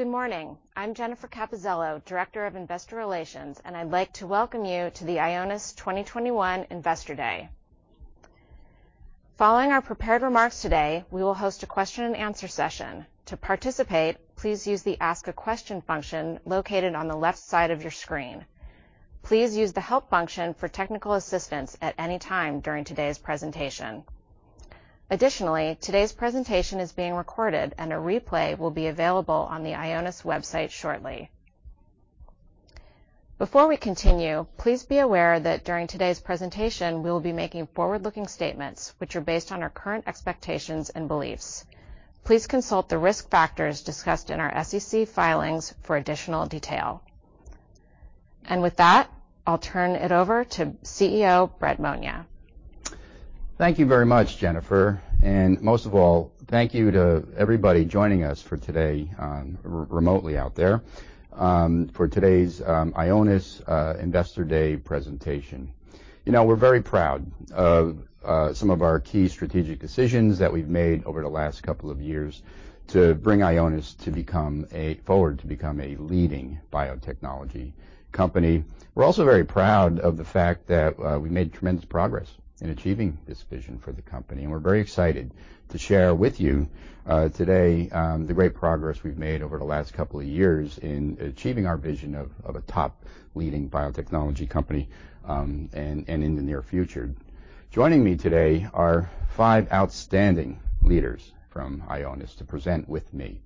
Good morning. I'm Jennifer Capuzelo, Director of Investor Relations, and I'd like to welcome you to the Ionis 2021 Investor Day. Following our prepared remarks today, we will host a question and answer session. To participate, please use the Ask a Question function located on the left side of your screen. Please use the Help function for technical assistance at any time during today's presentation. Additionally, today's presentation is being recorded, and a replay will be available on the Ionis website shortly. Before we continue, please be aware that during today's presentation, we will be making forward-looking statements, which are based on our current expectations and beliefs. Please consult the risk factors discussed in our SEC filings for additional detail. With that, I'll turn it over to CEO Brett Monia. Thank you very much, Jennifer. Most of all, thank you to everybody joining us for today, remotely out there, for today's Ionis Investor Day presentation. You know, we're very proud of some of our key strategic decisions that we've made over the last couple of years to bring Ionis to become a leading biotechnology company. We're also very proud of the fact that we made tremendous progress in achieving this vision for the company, and we're very excited to share with you today the great progress we've made over the last couple of years in achieving our vision of a top leading biotechnology company, and in the near future. Joining me today are five outstanding leaders from Ionis to present with me.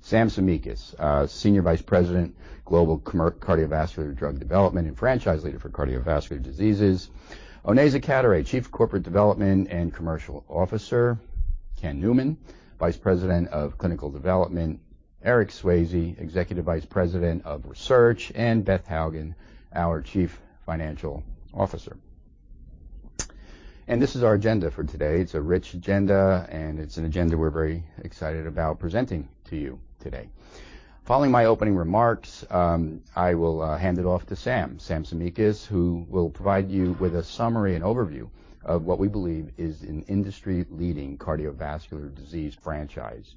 Sam Tsimikas, Senior Vice President Global Cardiovascular Drug Development and Franchise Leader for Cardiovascular Diseases. Onaiza Cadoret-Manier, Chief of Corporate Development and Commercial Officer. Ken Newman, Vice President of Clinical Development. Eric Swayze, Executive Vice President of Research, and Beth Hougen, our Chief Financial Officer. This is our agenda for today. It's a rich agenda, and it's an agenda we're very excited about presenting to you today. Following my opening remarks, I will hand it off to Sam. Sam Tsimikas, who will provide you with a summary and overview of what we believe is an industry-leading cardiovascular disease franchise.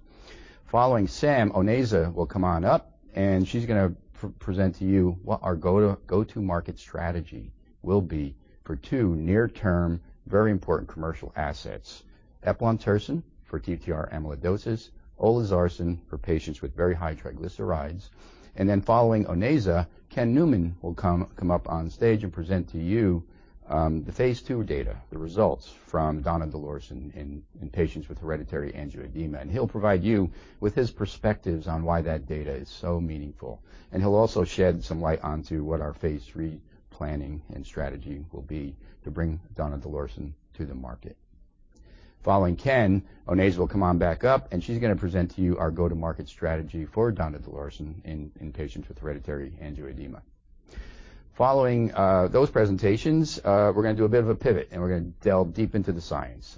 Following Sam, Onaiza will come on up and she's gonna present to you what our go-to-market strategy will be for two near-term very important commercial assets, eplontersen for TTR amyloidosis, olezarsen for patients with very high triglycerides. Then following Onaiza, Ken Newman will come up on stage and present to you the phase II data, the results from donidalorsen in patients with hereditary angioedema. He'll provide you with his perspectives on why that data is so meaningful. He'll also shed some light onto what our phase III planning and strategy will be to bring donidalorsen to the market. Following Ken, Onaiza will come on back up, and she's gonna present to you our go-to-market strategy for donidalorsen in patients with hereditary angioedema. Following those presentations, we're gonna do a bit of a pivot, and we're gonna delve deep into the science.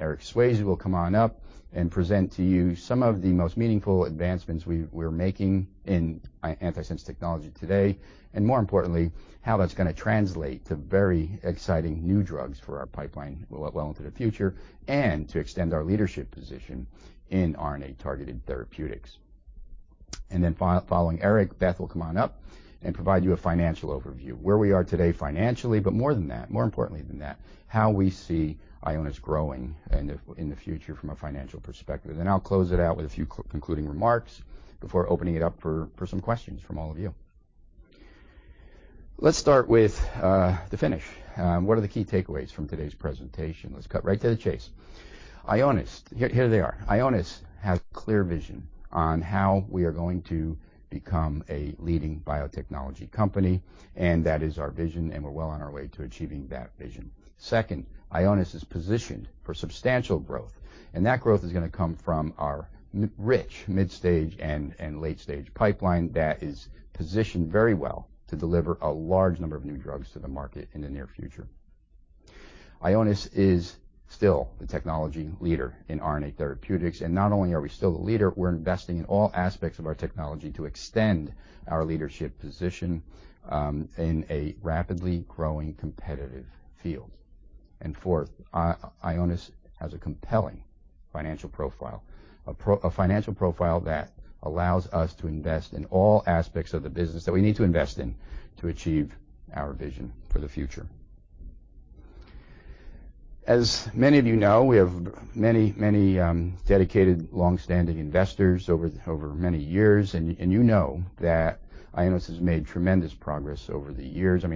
Eric Swayze will come on up and present to you some of the most meaningful advancements we're making in antisense technology today, and more importantly, how that's gonna translate to very exciting new drugs for our pipeline well into the future and to extend our leadership position in RNA-targeted therapeutics. Following Eric, Beth will come on up and provide you a financial overview where we are today financially, but more than that, more importantly than that, how we see Ionis growing in the future from a financial perspective. I'll close it out with a few concluding remarks before opening it up for some questions from all of you. Let's start with the finish. What are the key takeaways from today's presentation? Let's cut right to the chase. Ionis, here they are. Ionis has clear vision on how we are going to become a leading biotechnology company, and that is our vision, and we're well on our way to achieving that vision. Second, Ionis is positioned for substantial growth, and that growth is gonna come from our rich mid-stage and late-stage pipeline that is positioned very well to deliver a large number of new drugs to the market in the near future. Ionis is still the technology leader in RNA therapeutics, and not only are we still the leader, we're investing in all aspects of our technology to extend our leadership position in a rapidly growing competitive field. Fourth, Ionis has a compelling financial profile, a financial profile that allows us to invest in all aspects of the business that we need to invest in to achieve our vision for the future. As many of you know, we have many dedicated, long-standing investors over many years, and you know that Ionis has made tremendous progress over the years. I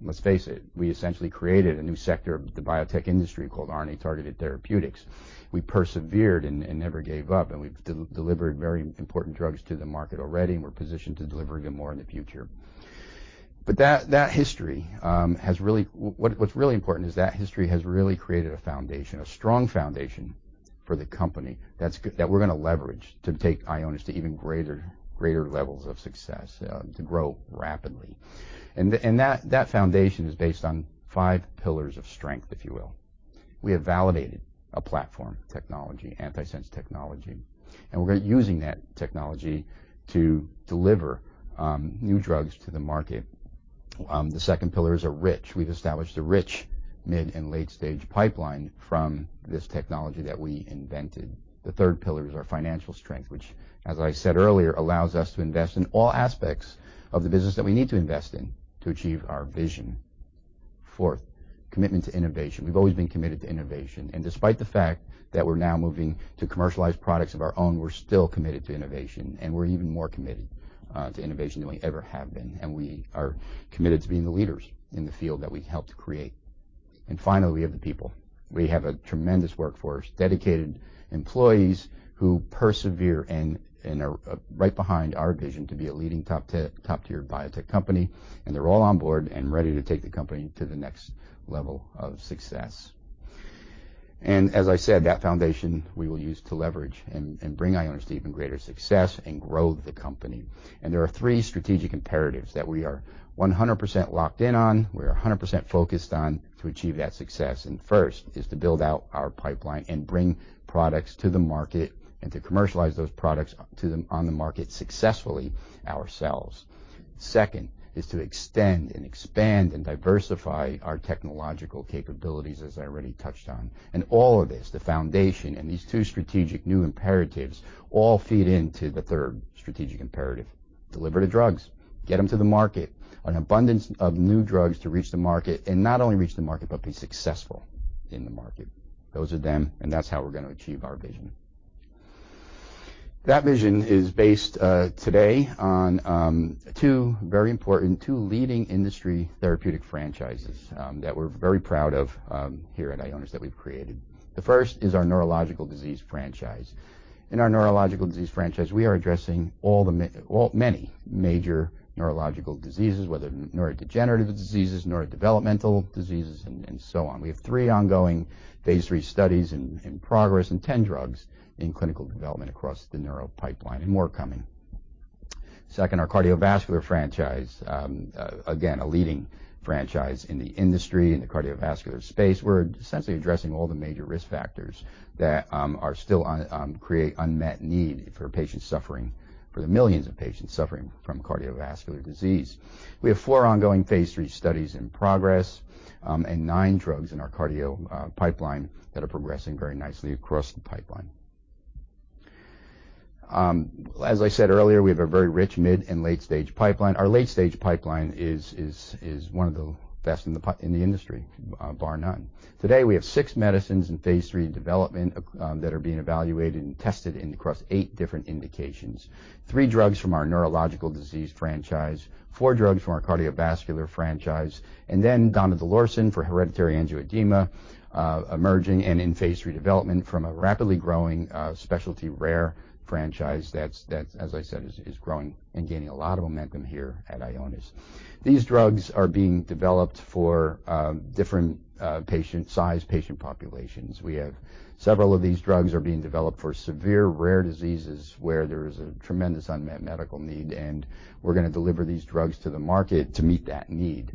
mean, let's face it, we essentially created a new sector of the biotech industry called RNA-targeted therapeutics. We persevered and never gave up, and we've delivered very important drugs to the market already, and we're positioned to deliver even more in the future. But that history has really created a foundation, a strong foundation for the company that we're gonna leverage to take Ionis to even greater levels of success, to grow rapidly. That foundation is based on five pillars of strength, if you will. We have validated a platform technology, antisense technology, and we're using that technology to deliver new drugs to the market. The second pillar is a rich mid and late stage pipeline from this technology that we invented. The third pillar is our financial strength, which, as I said earlier, allows us to invest in all aspects of the business that we need to invest in to achieve our vision. Fourth, commitment to innovation. We've always been committed to innovation. Despite the fact that we're now moving to commercialize products of our own, we're still committed to innovation, and we're even more committed to innovation than we ever have been. We are committed to being the leaders in the field that we helped create. Finally, we have the people. We have a tremendous workforce, dedicated employees who persevere and are right behind our vision to be a leading top tier biotech company. They're all on board and ready to take the company to the next level of success. As I said, that foundation we will use to leverage and bring Ionis to even greater success and grow the company. There are three strategic imperatives that we are 100% locked in on. We're 100% focused on to achieve that success. First is to build out our pipeline and bring products to the market and to commercialize those products on the market successfully ourselves. Second is to extend and expand and diversify our technological capabilities, as I already touched on. All of this, the foundation and these two strategic new imperatives all feed into the third strategic imperative, deliver the drugs, get them to the market, an abundance of new drugs to reach the market, and not only reach the market, but be successful in the market. Those are them, and that's how we're going to achieve our vision. That vision is based today on two very important two leading industry therapeutic franchises that we're very proud of here at Ionis that we've created. The first is our neurological disease franchise. In our neurological disease franchise, we are addressing all many major neurological diseases, whether neurodegenerative diseases, neurodevelopmental diseases, and so on. We have three ongoing phase III studies in progress and 10 drugs in clinical development across the neuro pipeline and more coming. Second, our cardiovascular franchise, again, a leading franchise in the industry, in the cardiovascular space. We're essentially addressing all the major risk factors that still create unmet need for the millions of patients suffering from cardiovascular disease. We have four ongoing phase III studies in progress and nine drugs in our cardio pipeline that are progressing very nicely across the pipeline. As I said earlier, we have a very rich mid- and late-stage pipeline. Our late-stage pipeline is one of the best in the industry, bar none. Today, we have six medicines in phase III development that are being evaluated and tested across eight different indications. Three drugs from our neurological disease franchise, four drugs from our cardiovascular franchise, and then donidalorsen for hereditary angioedema, emerging and in phase III development from a rapidly growing specialty rare franchise that's, as I said, is growing and gaining a lot of momentum here at Ionis. These drugs are being developed for different patient size patient populations. We have several of these drugs are being developed for severe rare diseases where there is a tremendous unmet medical need, and we're going to deliver these drugs to the market to meet that need.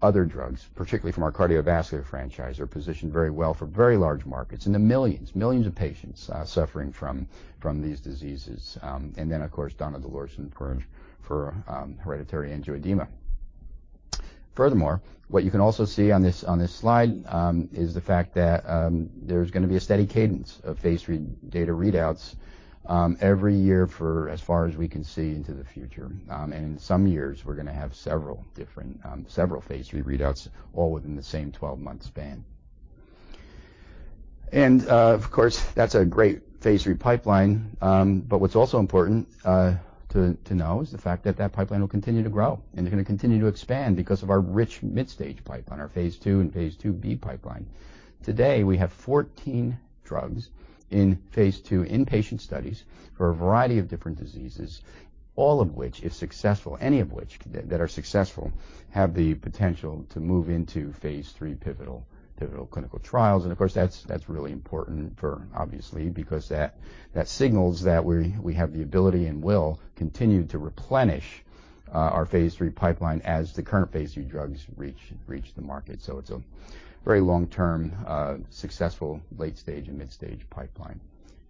Other drugs, particularly from our cardiovascular franchise, are positioned very well for very large markets in the millions of patients suffering from these diseases, and then, of course, donidalorsen for hereditary angioedema. Furthermore, what you can also see on this slide is the fact that there's gonna be a steady cadence of phase III data readouts every year for as far as we can see into the future. In some years, we're gonna have several different phase III readouts all within the same 12-month span. Of course, that's a great phase III pipeline, but what's also important to know is the fact that that pipeline will continue to grow, and they're gonna continue to expand because of our rich midstage pipeline, our phase II and phase IIb pipeline. Today, we have 14 drugs in phase II inpatient studies for a variety of different diseases, all of which, if successful, any of which that are successful, have the potential to move into phase III pivotal clinical trials. Of course, that's really important for obviously, because that signals that we have the ability and will continue to replenish our phase III pipeline as the current phase III drugs reach the market. It's a very long-term successful late stage and midstage pipeline.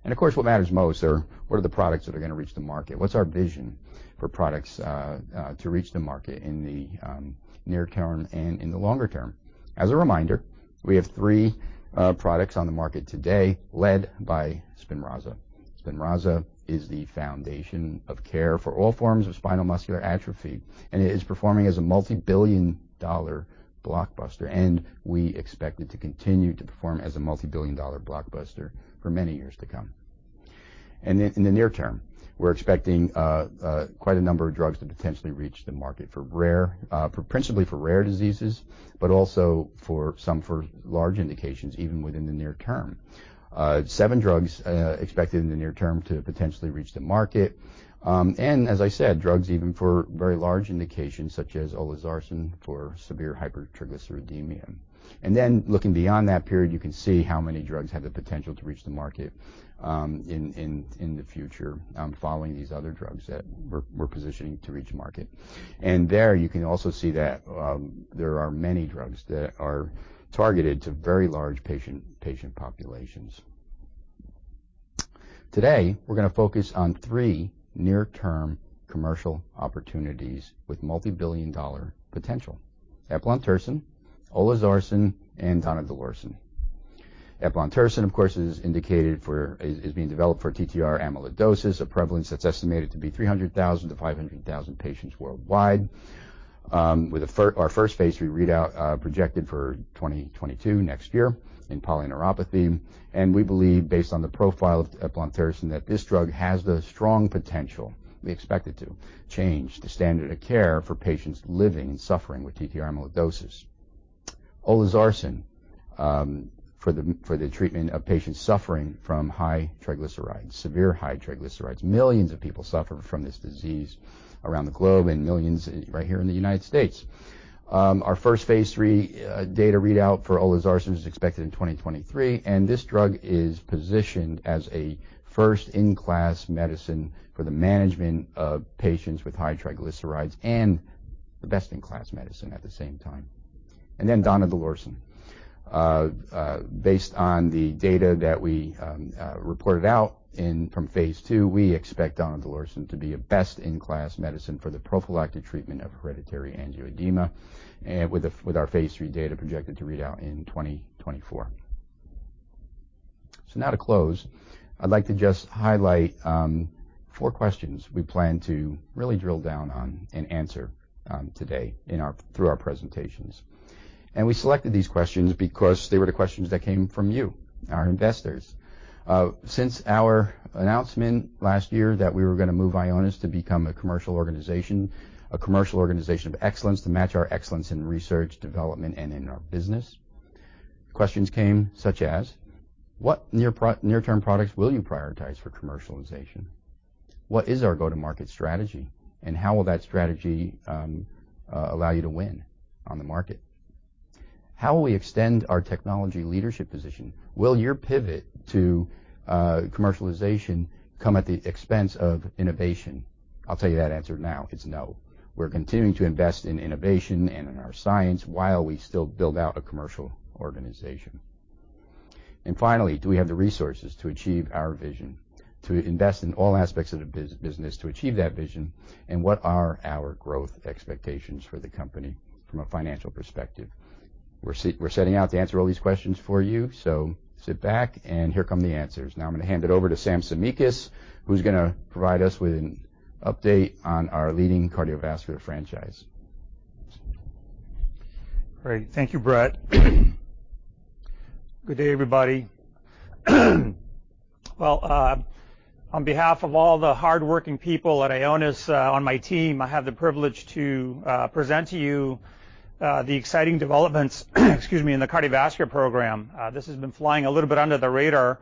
Of course, what matters most are what are the products that are gonna reach the market? What's our vision for products to reach the market in the near term and in the longer term? As a reminder, we have three products on the market today led by SPINRAZA. SPINRAZA is the foundation of care for all forms of spinal muscular atrophy, and it is performing as a multibillion dollar blockbuster, and we expect it to continue to perform as a multibillion dollar blockbuster for many years to come. In the near term, we're expecting quite a number of drugs to potentially reach the market for rare, principally for rare diseases, but also for some for large indications, even within the near term. Seven drugs expected in the near term to potentially reach the market. As I said, drugs even for very large indications such as olezarsen for severe hypertriglyceridemia. Then looking beyond that period, you can see how many drugs have the potential to reach the market, in the future, following these other drugs that we're positioning to reach market. There you can also see that, there are many drugs that are targeted to very large patient populations. Today, we're gonna focus on three near-term commercial opportunities with multi-billion dollar potential. Eplontersen, olezarsen, and donidalorsen. Eplontersen, of course, is indicated for...is being developed for TTR amyloidosis, a prevalence that's estimated to be 300,000-500,000 patients worldwide. Our first phase III readout projected for 2022 next year in polyneuropathy. We believe based on the profile of eplontersen that this drug has the strong potential, we expect it to change the standard of care for patients living and suffering with TTR amyloidosis. Olezarsen for the treatment of patients suffering from high triglycerides, severe high triglycerides. Millions of people suffer from this disease around the globe and millions right here in the United States. Our first phase III data readout for olezarsen is expected in 2023, and this drug is positioned as a first-in-class medicine for the management of patients with high triglycerides and the best-in-class medicine at the same time. Donidalorsen. Based on the data that we reported out from phase II, we expect donidalorsen to be a best-in-class medicine for the prophylactic treatment of hereditary angioedema, with our phase III data projected to read out in 2024. Now to close, I'd like to just highlight four questions we plan to really drill down on and answer today in our through our presentations. We selected these questions because they were the questions that came from you, our investors. Since our announcement last year that we were gonna move Ionis to become a commercial organization of excellence to match our excellence in research, development, and in our business, questions came such as, what near-term products will you prioritize for commercialization? What is our go-to-market strategy, and how will that strategy allow you to win on the market? How will we extend our technology leadership position? Will your pivot to commercialization come at the expense of innovation? I'll tell you that answer now. It's no. We're continuing to invest in innovation and in our science while we still build out a commercial organization. Finally, do we have the resources to achieve our vision, to invest in all aspects of the business to achieve that vision, and what are our growth expectations for the company from a financial perspective? We're setting out to answer all these questions for you, so sit back and here come the answers. Now I'm gonna hand it over to Sam Tsimikas, who's gonna provide us with an update on our leading cardiovascular franchise. Great. Thank you, Brett. Good day, everybody. Well, on behalf of all the hardworking people at Ionis, on my team, I have the privilege to present to you the exciting developments, excuse me, in the cardiovascular program. This has been flying a little bit under the radar,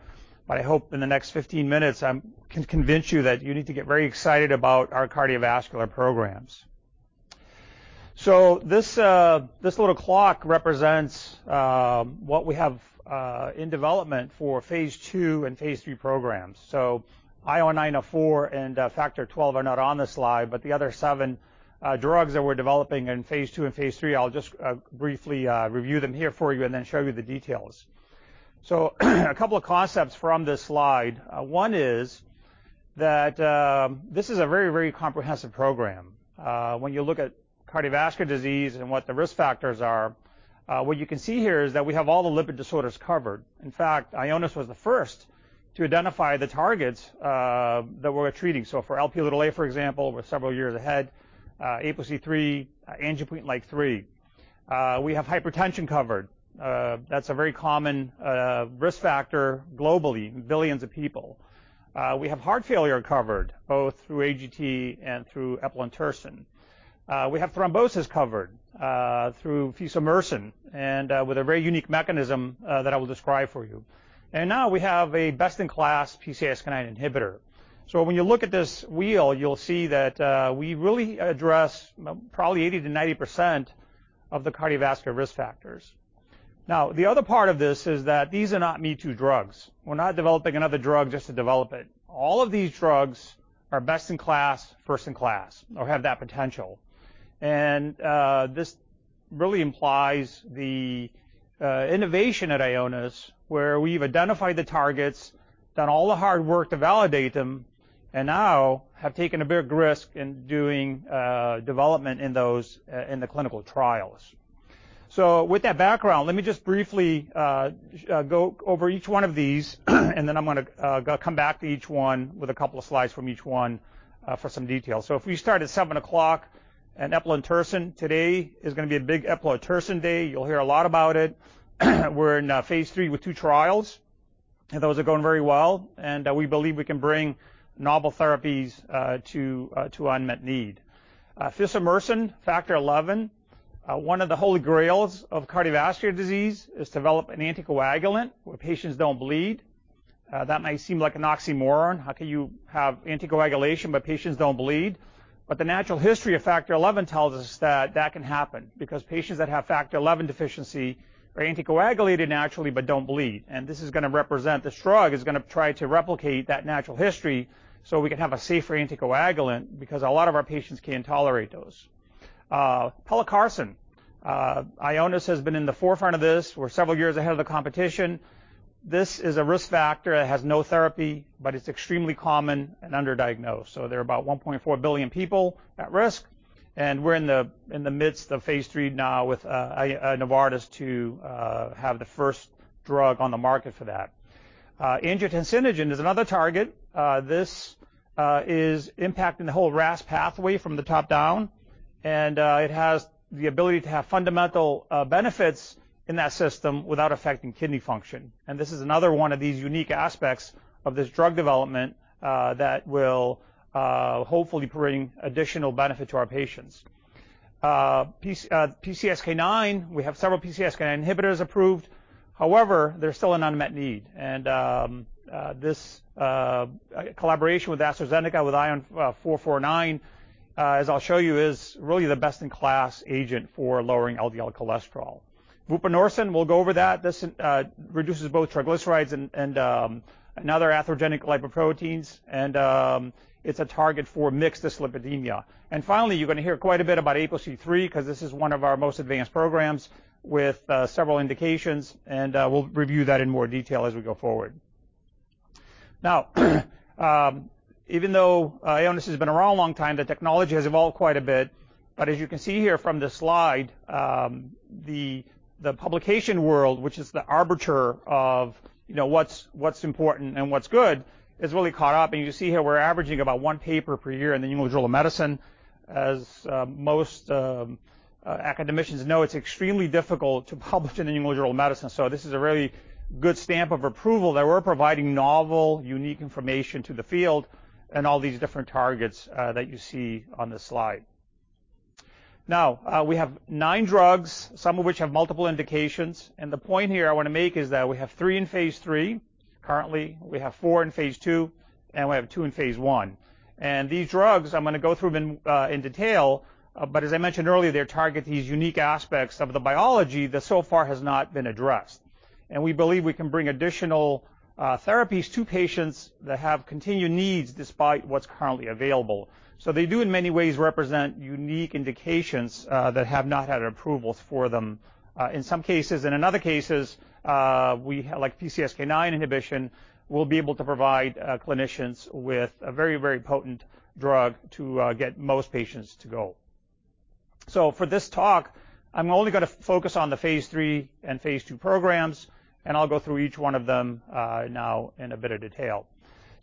but I hope in the next 15 minutes I can convince you that you need to get very excited about our cardiovascular programs. This little clock represents what we have in development for phase II and phase III programs. ION904 and factor XII are not on this slide, but the other seven drugs that we're developing in phase II and phase III, I'll just briefly review them here for you and then show you the details. A couple of concepts from this slide. One is that this is a very, very comprehensive program. When you look at cardiovascular disease and what the risk factors are, what you can see here is that we have all the lipid disorders covered. In fact, Ionis was the first to identify the targets that we're treating. So for Lp(a), for example, we're several years ahead, APOC3, angiopoietin-like 3. We have hypertension covered. That's a very common risk factor globally in billions of people. We have heart failure covered, both through AGT and through eplontersen. We have thrombosis covered through fesomersen and with a very unique mechanism that I will describe for you. Now we have a best-in-class PCSK9 inhibitor. When you look at this wheel, you'll see that we really address probably 80%-90% of the cardiovascular risk factors. Now, the other part of this is that these are not me too drugs. We're not developing another drug just to develop it. All of these drugs are best in class, first in class, or have that potential. And this really implies the innovation at Ionis, where we've identified the targets, done all the hard work to validate them, and now have taken a big risk in doing development in those in the clinical trials. With that background, let me just briefly go over each one of these, and then I'm gonna come back to each one with a couple of slides from each one for some details. If we start at seven o'clock and eplontersen, today is gonna be a big eplontersen day. You'll hear a lot about it. We're in phase III with two trials, and those are going very well, and we believe we can bring novel therapies to unmet need. Fesomersen, Factor XI. One of the holy grails of cardiovascular disease is to develop an anticoagulant where patients don't bleed. That might seem like an oxymoron. How can you have anticoagulation, but patients don't bleed? The natural history of Factor XI tells us that that can happen because patients that have Factor XI deficiency are anticoagulated naturally but don't bleed. This drug is gonna try to replicate that natural history, so we can have a safer anticoagulant because a lot of our patients can't tolerate those. Pelacarsen. Ionis has been in the forefront of this. We're several years ahead of the competition. This is a risk factor. It has no therapy, but it's extremely common and underdiagnosed. So there are about 1.4 billion people at risk, and we're in the midst of phase III now with Novartis to have the first drug on the market for that. Angiotensinogen is another target. This is impacting the whole RAS pathway from the top down, and it has the ability to have fundamental benefits in that system without affecting kidney function. This is another one of these unique aspects of this drug development that will hopefully bring additional benefit to our patients. PCSK9, we have several PCSK9 inhibitors approved. However, there's still an unmet need. This collaboration with AstraZeneca, with ION449, as I'll show you, is really the best-in-class agent for lowering LDL cholesterol. Vupanorsen, we'll go over that. This reduces both triglycerides and other atherogenic lipoproteins, and it's a target for mixed dyslipidemia. Finally, you're gonna hear quite a bit about APOC3 because this is one of our most advanced programs with several indications, and we'll review that in more detail as we go forward. Now even though Ionis has been around a long time, the technology has evolved quite a bit. As you can see here from this slide, the publication world, which is the arbiter of, you know, what's important and what's good, is really caught up. You see here we're averaging about one paper per year in the New England Journal of Medicine. As most academicians know, it's extremely difficult to publish in the New England Journal of Medicine. This is a really good stamp of approval that we're providing novel, unique information to the field and all these different targets that you see on this slide. Now, we have nine drugs, some of which have multiple indications. The point here I wanna make is that we have three in phase III. Currently, we have four in phase II, and we have two in phase I. These drugs, I'm gonna go through them in detail, but as I mentioned earlier, they target these unique aspects of the biology that so far has not been addressed. We believe we can bring additional therapies to patients that have continued needs despite what's currently available. They do in many ways represent unique indications that have not had approvals for them in some cases. In other cases, like PCSK9 inhibition, we'll be able to provide clinicians with a very, very potent drug to get most patients to goal. For this talk, I'm only gonna focus on the phase III and phase II programs, and I'll go through each one of them now in a bit of detail.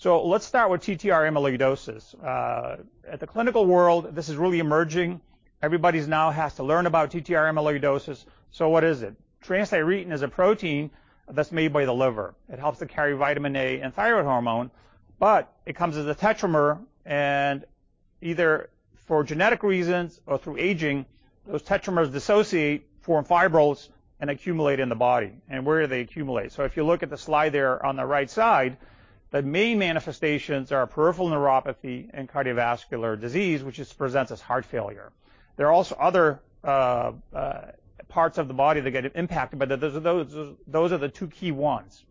Let's start with TTR amyloidosis. In the clinical world, this is really emerging. Everybody now has to learn about TTR amyloidosis. What is it? Transthyretin is a protein that's made by the liver. It helps to carry vitamin A and thyroid hormone, but it comes as a tetramer, and either for genetic reasons or through aging, those tetramers dissociate, form fibrils, and accumulate in the body. Where do they accumulate? If you look at the slide there on the right side, the main manifestations are peripheral neuropathy and cardiovascular disease, which presents as heart failure. There are also other parts of the body that get impacted, but those are the two key ones.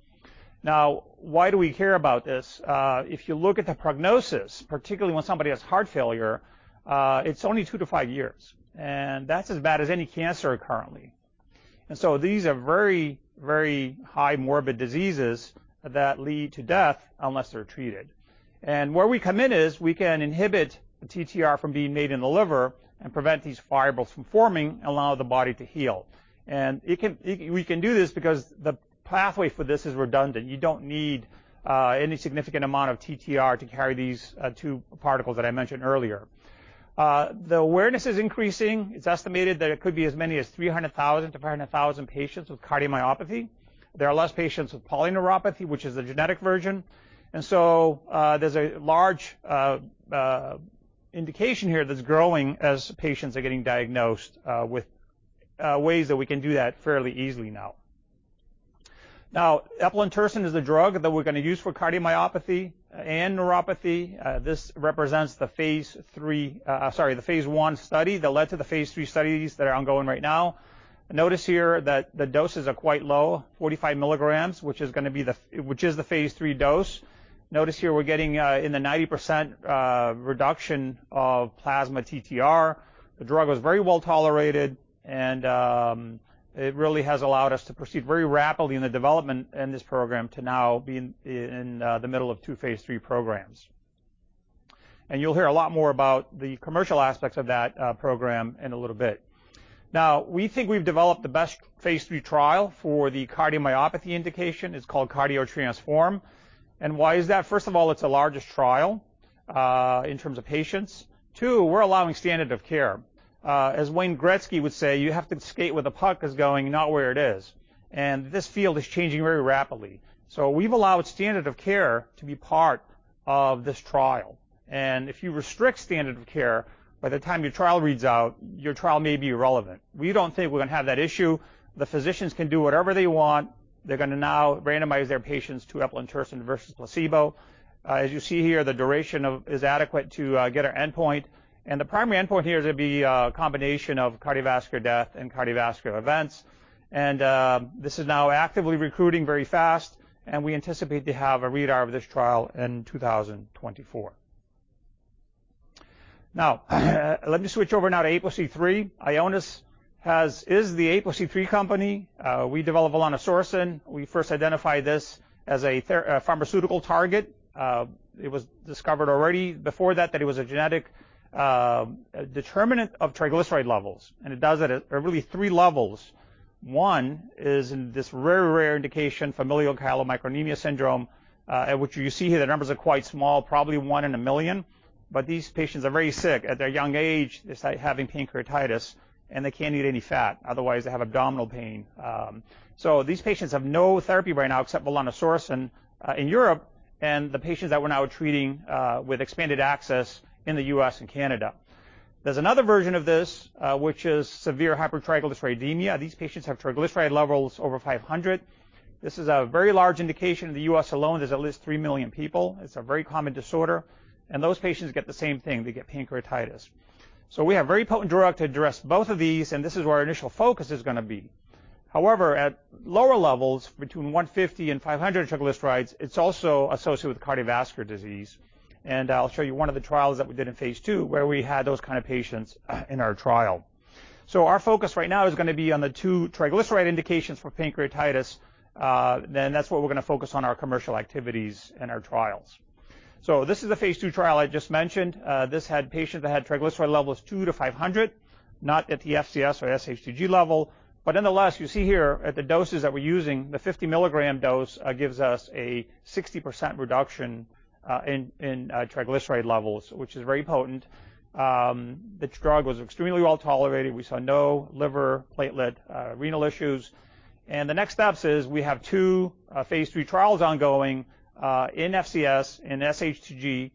Now, why do we care about this? If you look at the prognosis, particularly when somebody has heart failure, it's only two to five years, and that's as bad as any cancer currently. These are very, very high morbid diseases that lead to death unless they're treated. Where we come in is we can inhibit the TTR from being made in the liver and prevent these fibrils from forming and allow the body to heal. We can do this because the pathway for this is redundant. You don't need any significant amount of TTR to carry these two particles that I mentioned earlier. The awareness is increasing. It's estimated that it could be as many as 300,000-500,000 patients with cardiomyopathy. There are less patients with polyneuropathy, which is the genetic version. There's a large indication here that's growing as patients are getting diagnosed with ways that we can do that fairly easily now. Eplontersen is the drug that we're gonna use for cardiomyopathy and neuropathy. This represents the phase I study that led to the phase III studies that are ongoing right now. Notice here that the doses are quite low, 45 mg, which is the phase III dose. Notice here we're getting in the 90% reduction of plasma TTR. The drug was very well-tolerated, and it really has allowed us to proceed very rapidly in the development in this program to now be in the middle of two phase III programs. You'll hear a lot more about the commercial aspects of that program in a little bit. Now, we think we've developed the best phase III trial for the cardiomyopathy indication. It's called CARDIO-TTRansform. Why is that? First of all, it's the largest trial in terms of patients. Two, we're allowing standard of care. As Wayne Gretzky would say, "You have to skate where the puck is going, not where it is." This field is changing very rapidly. We've allowed standard of care to be part of this trial. If you restrict standard of care, by the time your trial reads out, your trial may be irrelevant. We don't think we're gonna have that issue. The physicians can do whatever they want. They're gonna now randomize their patients to eplontersen versus placebo. As you see here, the duration is adequate to get our endpoint. The primary endpoint here is gonna be a combination of cardiovascular death and cardiovascular events. This is now actively recruiting very fast, and we anticipate to have a read of this trial in 2024. Now, let me switch over now to APOC3. Ionis is the APOC3 company. We developed volanesorsen. We first identified this as a pharmaceutical target. It was discovered already before that that it was a genetic determinant of triglyceride levels, and it does it at really three levels. One is in this very rare indication, familial chylomicronemia syndrome, at which you see here the numbers are quite small, probably one in a million, but these patients are very sick. At their young age, they start having pancreatitis, and they can't eat any fat, otherwise they have abdominal pain. These patients have no therapy right now except volanesorsen in Europe, and the patients that we're now treating with expanded access in the U.S. and Canada. There's another version of this, which is severe hypertriglyceridemia. These patients have triglyceride levels over 500. This is a very large indication. In the U.S. alone, there's at least 3 million people. It's a very common disorder, and those patients get the same thing. They get pancreatitis. We have a very potent drug to address both of these, and this is where our initial focus is gonna be. However, at lower levels, between 150 and 500 triglycerides, it's also associated with cardiovascular disease, and I'll show you one of the trials that we did in phase II, where we had those kind of patients in our trial. Our focus right now is gonna be on the two triglyceride indications for pancreatitis. That's what we're gonna focus on our commercial activities and our trials. This is the phase II trial I just mentioned. This had patients that had triglyceride levels 2-500, not at the FCS or SHTG level. Nonetheless, you see here at the doses that we're using, the 50 mg dose gives us a 60% reduction in triglyceride levels, which is very potent. The drug was extremely well-tolerated. We saw no liver, platelet, renal issues. The next steps is we have two phase III trials ongoing in FCS, in SHTG,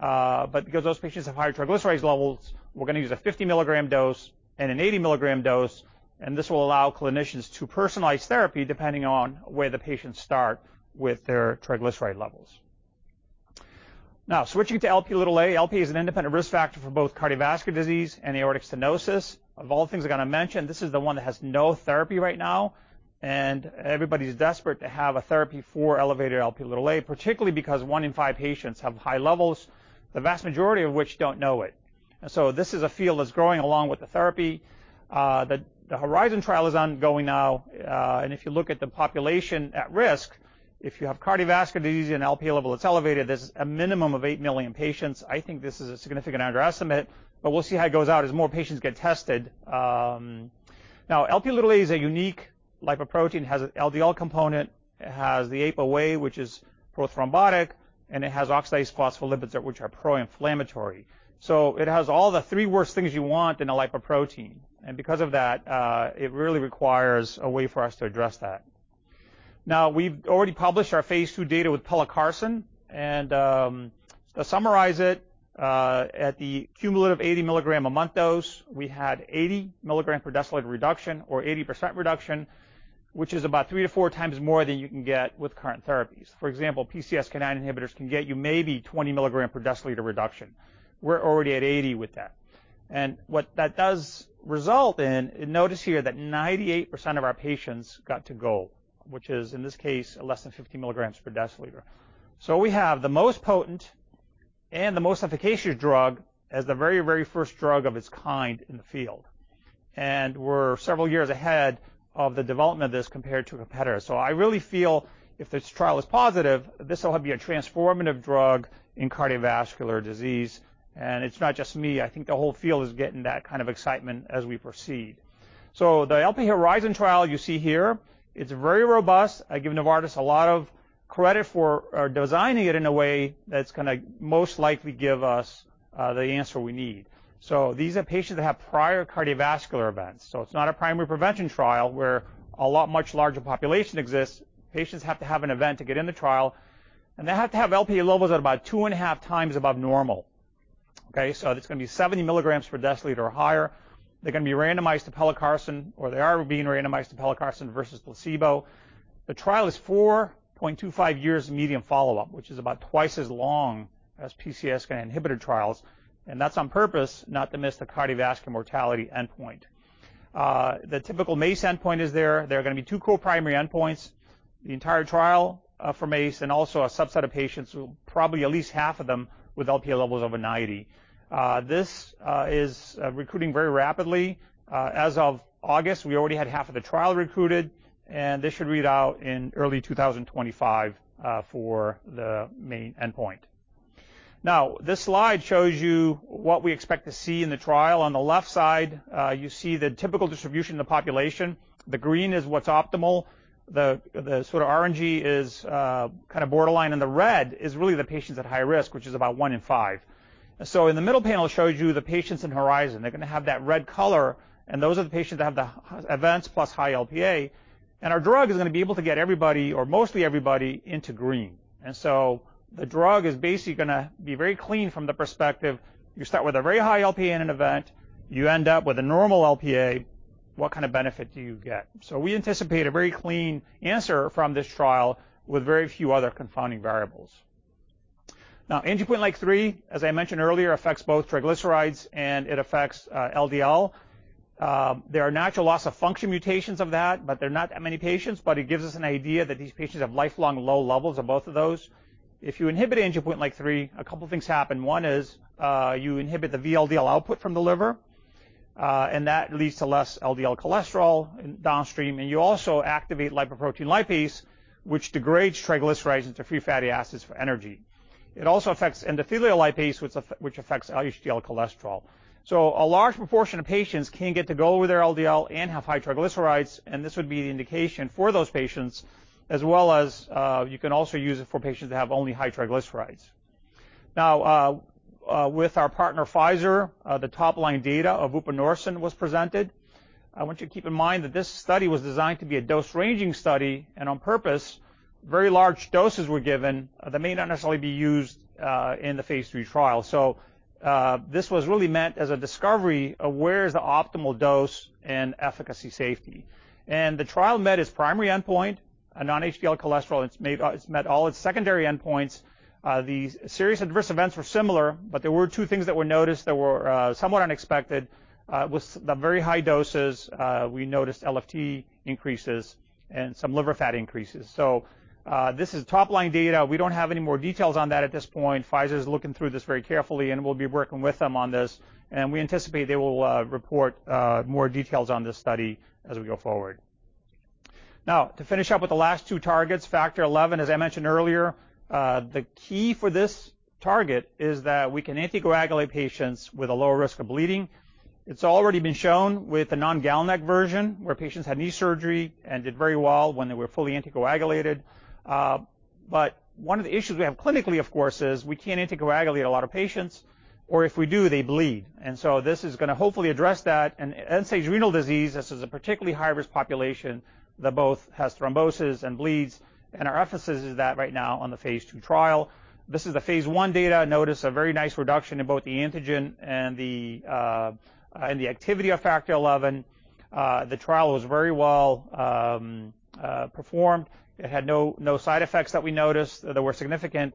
but because those patients have higher triglycerides levels, we're gonna use a 50 mg dose and an 80 mg dose, and this will allow clinicians to personalize therapy depending on where the patients start with their triglyceride levels. Now, switching to Lp(a), Lp(a) is an independent risk factor for both cardiovascular disease and aortic stenosis. Of all things I'm gonna mention, this is the one that has no therapy right now, and everybody's desperate to have a therapy for elevated Lp(a), particularly because one in five patients have high levels, the vast majority of which don't know it. This is a field that's growing along with the therapy. The HORIZON trial is ongoing now. If you look at the population at risk, if you have cardiovascular disease and Lp(a) level that's elevated, there's a minimum of 8 million patients. I think this is a significant underestimate, but we'll see how it goes out as more patients get tested. Now Lp(a) is a unique lipoprotein. It has a LDL component, it has the apo(a) which is prothrombotic, and it has oxidized phospholipids which are pro-inflammatory. It has all the three worst things you want in a lipoprotein. Because of that, it really requires a way for us to address that. Now, we've already published our phase II data with pelacarsen, and to summarize it, at the cumulative 80 mg a month dose, we had 80 mg/dL reduction or 80% reduction, which is about three to four times more than you can get with current therapies. For example, PCSK9 inhibitors can get you maybe 20 mg/dL reduction. We're already at eighty with that. And what that does result in, and notice here that 98% of our patients got to goal, which is, in this case, less than 50 mg/dL. So we have the most potent and the most efficacious drug as the very, very first drug of its kind in the field. We're several years ahead of the development of this compared to a competitor. I really feel if this trial is positive, this will be a transformative drug in cardiovascular disease. It's not just me, I think the whole field is getting that kind of excitement as we proceed. The Lp(a) HORIZON trial you see here, it's very robust. I give Novartis a lot of credit for designing it in a way that's gonna most likely give us the answer we need. These are patients that have prior cardiovascular events. It's not a primary prevention trial where a lot much larger population exists. Patients have to have an event to get in the trial, and they have to have Lp(a) levels at about two and a half times above normal. Okay? It's gonna be 70 mg/dl or higher. They're gonna be randomized to pelacarsen, or they are being randomized to pelacarsen versus placebo. The trial is 4.25 years median follow-up, which is about twice as long as PCSK9 inhibitor trials, and that's on purpose not to miss the cardiovascular mortality endpoint. The typical MACE endpoint is there. There are gonna be two co-primary endpoints, the entire trial, for MACE, and also a subset of patients who probably at least half of them with Lp(a) levels over 90. This is recruiting very rapidly. As of August, we already had half of the trial recruited, and this should read out in early 2025, for the main endpoint. Now, this slide shows you what we expect to see in the trial. On the left side, you see the typical distribution of the population. The green is what's optimal. The sort of orangey is kind of borderline, and the red is really the patients at high risk, which is about one in five. In the middle panel, it shows you the patients in HORIZON. They're gonna have that red color, and those are the patients that have the high-risk events plus high Lp(a), and our drug is gonna be able to get everybody or mostly everybody into green. The drug is basically gonna be very clean from the perspective, you start with a very high Lp(a) with an event, you end up with a normal Lp(a), what kind of benefit do you get? We anticipate a very clean answer from this trial with very few other confounding variables. Now, angiopoietin-like 3, as I mentioned earlier, affects both triglycerides and it affects LDL. There are natural loss of function mutations of that, but they're not that many patients, but it gives us an idea that these patients have lifelong low levels of both of those. If you inhibit angiopoietin-like 3, a couple of things happen. One is you inhibit the VLDL output from the liver, and that leads to less LDL cholesterol downstream, and you also activate lipoprotein lipase, which degrades triglycerides into free fatty acids for energy. It also affects endothelial lipase, which affects LDL cholesterol. So a large proportion of patients can get the goal with their LDL and have high triglycerides, and this would be the indication for those patients as well as you can also use it for patients that have only high triglycerides. Now, with our partner Pfizer, the top-line data of vupanorsen was presented. I want you to keep in mind that this study was designed to be a dose-ranging study, and on purpose, very large doses were given that may not necessarily be used in the phase III trial. This was really meant as a discovery of where is the optimal dose and efficacy safety. The trial met its primary endpoint, a non-HDL cholesterol. It's met all its secondary endpoints. The serious adverse events were similar, but there were two things that were noticed that were somewhat unexpected. With the very high doses, we noticed LFT increases and some liver fat increases. This is top-line data. We don't have any more details on that at this point. Pfizer is looking through this very carefully, and we'll be working with them on this, and we anticipate they will report more details on this study as we go forward. Now, to finish up with the last two targets, Factor XI, as I mentioned earlier, the key for this target is that we can anticoagulate patients with a lower risk of bleeding. It's already been shown with a non-GalNAc version where patients had knee surgery and did very well when they were fully anticoagulated. But one of the issues we have clinically, of course, is we can't anticoagulate a lot of patients, or if we do, they bleed. This is gonna hopefully address that. In end-stage renal disease, this is a particularly high-risk population that both has thrombosis and bleeds. Our emphasis is that right now on the phase II trial. This is the phase I data. Notice a very nice reduction in both the antigen and the activity of Factor XI. The trial was very well performed. It had no side effects that we noticed that were significant.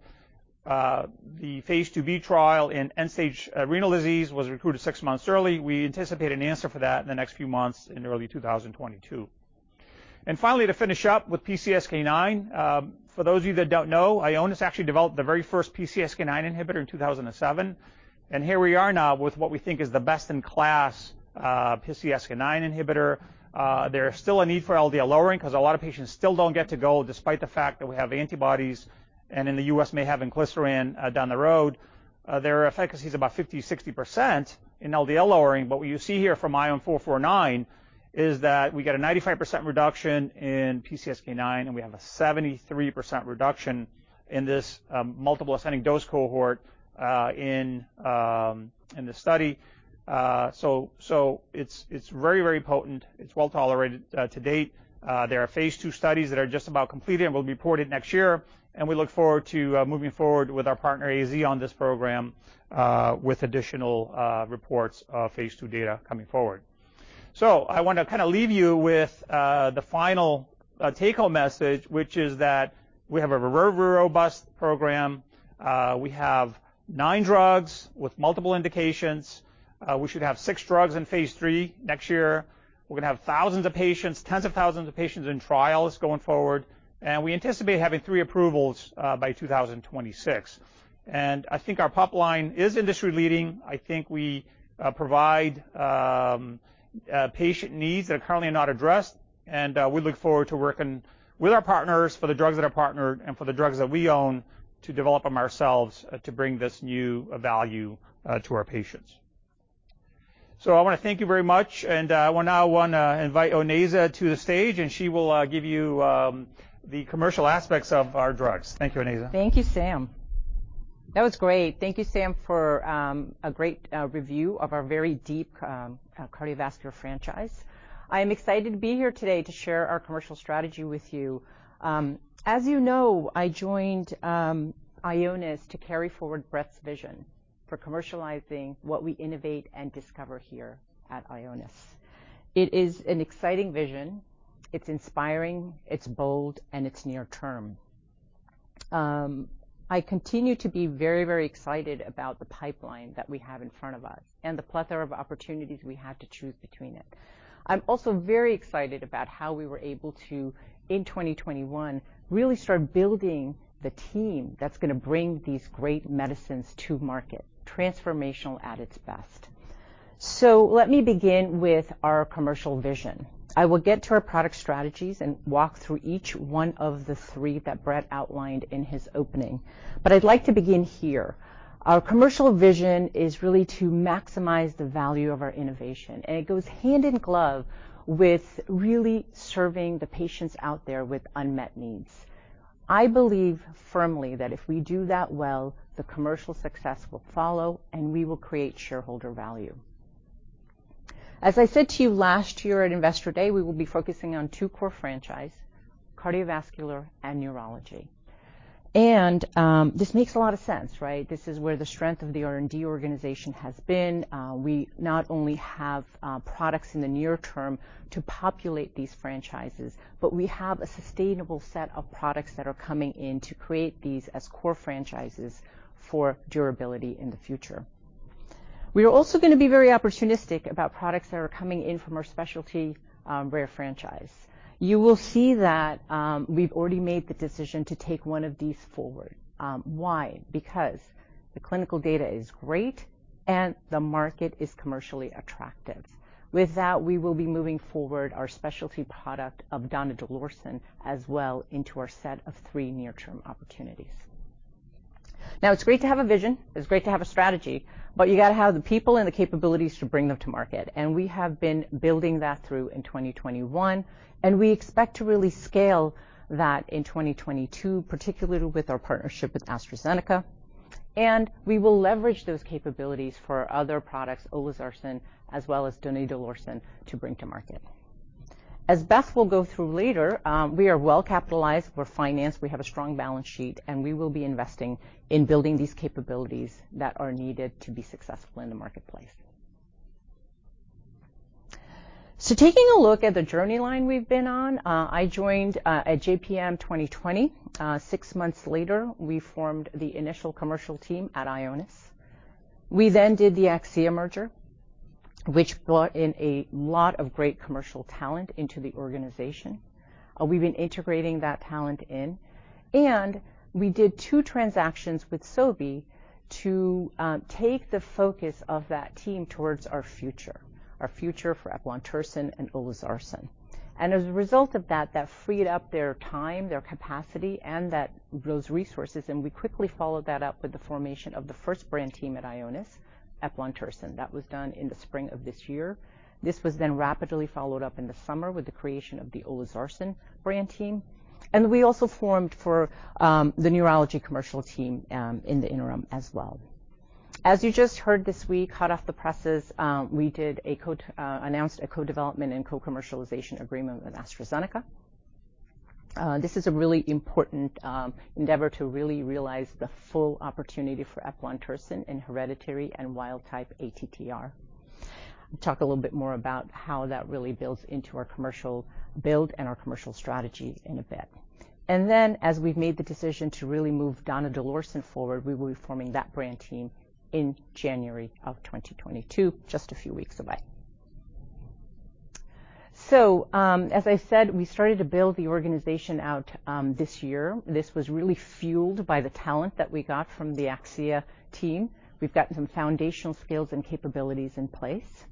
The phase II-B trial in end-stage renal disease was recruited six months early. We anticipate an answer for that in the next few months in early 2022. Finally, to finish up with PCSK9, for those of you that don't know, Ionis actually developed the very first PCSK9 inhibitor in 2007. Here we are now with what we think is the best-in-class PCSK9 inhibitor. There is still a need for LDL lowering 'cause a lot of patients still don't get to goal despite the fact that we have antibodies and in the U.S. may have inclisiran down the road. Their efficacy is about 50%-60% in LDL lowering. What you see here from ION449 is that we get a 95% reduction in PCSK9, and we have a 73% reduction in this multiple ascending dose cohort in the study. It's very potent. It's well-tolerated to date. There are phase II studies that are just about completed and will be reported next year. We look forward to moving forward with our partner AZ on this program with additional reports of phase II data coming forward. I want to kind of leave you with the final take-home message, which is that we have a very robust program. We have 9 drugs with multiple indications. We should have six drugs in phase III next year. We're gonna have thousands of patients, tens of thousands of patients in trials going forward, and we anticipate having three approvals by 2026. I think our pipeline is industry-leading. I think we provide patient needs that are currently not addressed, and we look forward to working with our partners for the drugs that are partnered and for the drugs that we own to develop them ourselves to bring this new value to our patients. I wanna thank you very much, and I now wanna invite Onaiza to the stage, and she will give you the commercial aspects of our drugs. Thank you, Onaiza. Thank you, Sam. That was great. Thank you, Sam, for a great review of our very deep cardiovascular franchise. I am excited to be here today to share our commercial strategy with you. As you know, I joined Ionis to carry forward Brett's vision for commercializing what we innovate and discover here at Ionis. It is an exciting vision. It's inspiring, it's bold, and it's near-term. I continue to be very, very excited about the pipeline that we have in front of us and the plethora of opportunities we have to choose between it. I'm also very excited about how we were able to, in 2021, really start building the team that's gonna bring these great medicines to market, transformational at its best. Let me begin with our commercial vision. I will get to our product strategies and walk through each one of the three that Brett outlined in his opening. But I'd like to begin here. Our commercial vision is really to maximize the value of our innovation, and it goes hand in glove with really serving the patients out there with unmet needs. I believe firmly that if we do that well, the commercial success will follow, and we will create shareholder value. As I said to you last year at Investor Day, we will be focusing on two core franchise, Cardiovascular and Neurology. This makes a lot of sense, right? This is where the strength of the R&D organization has been. We not only have products in the near term to populate these franchises, but we have a sustainable set of products that are coming in to create these as core franchises for durability in the future. We are also going to be very opportunistic about products that are coming in from our specialty rare franchise. You will see that we've already made the decision to take one of these forward. Why? Because the clinical data is great, and the market is commercially attractive. With that, we will be moving forward our specialty product of donidalorsen as well into our set of three near-term opportunities. Now, it's great to have a vision, it's great to have a strategy, but you got to have the people and the capabilities to bring them to market. We have been building that through in 2021, and we expect to rgeally scale that in 2022, particularly with our partnership with AstraZeneca. We will leverage those capabilities for our other products, olezarsen, as well as donidalorsen to bring to market. As Beth will go through later, we are well capitalized. We're financed, we have a strong balan ce sheet, and we will be investing in building these capabilities that are needed to be successful in the marketplace. Taking a look at the journey line we've been on, I joined at JPM 2020. Six months later, we formed the initial commercial team at Ionis. We then did the Akcea merger, which brought in a lot of great commercial talent into the organization. We've been integrating that talent in. We did two transactions with Sobi to take the focus of that team towards our future for eplontersen and olezarsen. As a result of that freed up their time, their capacity, and those resources, and we quickly followed that up with the formation of the first brand team at Ionis, eplontersen. That was done in the spring of this year. This was then rapidly followed up in the summer with the creation of the olezarsen brand team. We also formed for the neurology commercial team in the interim as well. As you just heard this week, hot off the presses, we announced a co-development and co-commercialization agreement with AstraZeneca. This is a really important endeavor to really realize the full opportunity for eplontersen in hereditary and wild-type ATTR. Talk a little bit more about how that really builds into our commercial build and our commercial strategy in a bit. As we've made the decision to really move donidalorsen forward, we will be forming that brand team in January 2022, just a few weeks away. As I said, we started to build the organization out this year. This was really fueled by the talent that we got from the Akcea team. We've got some foundational skills and capabilities in place.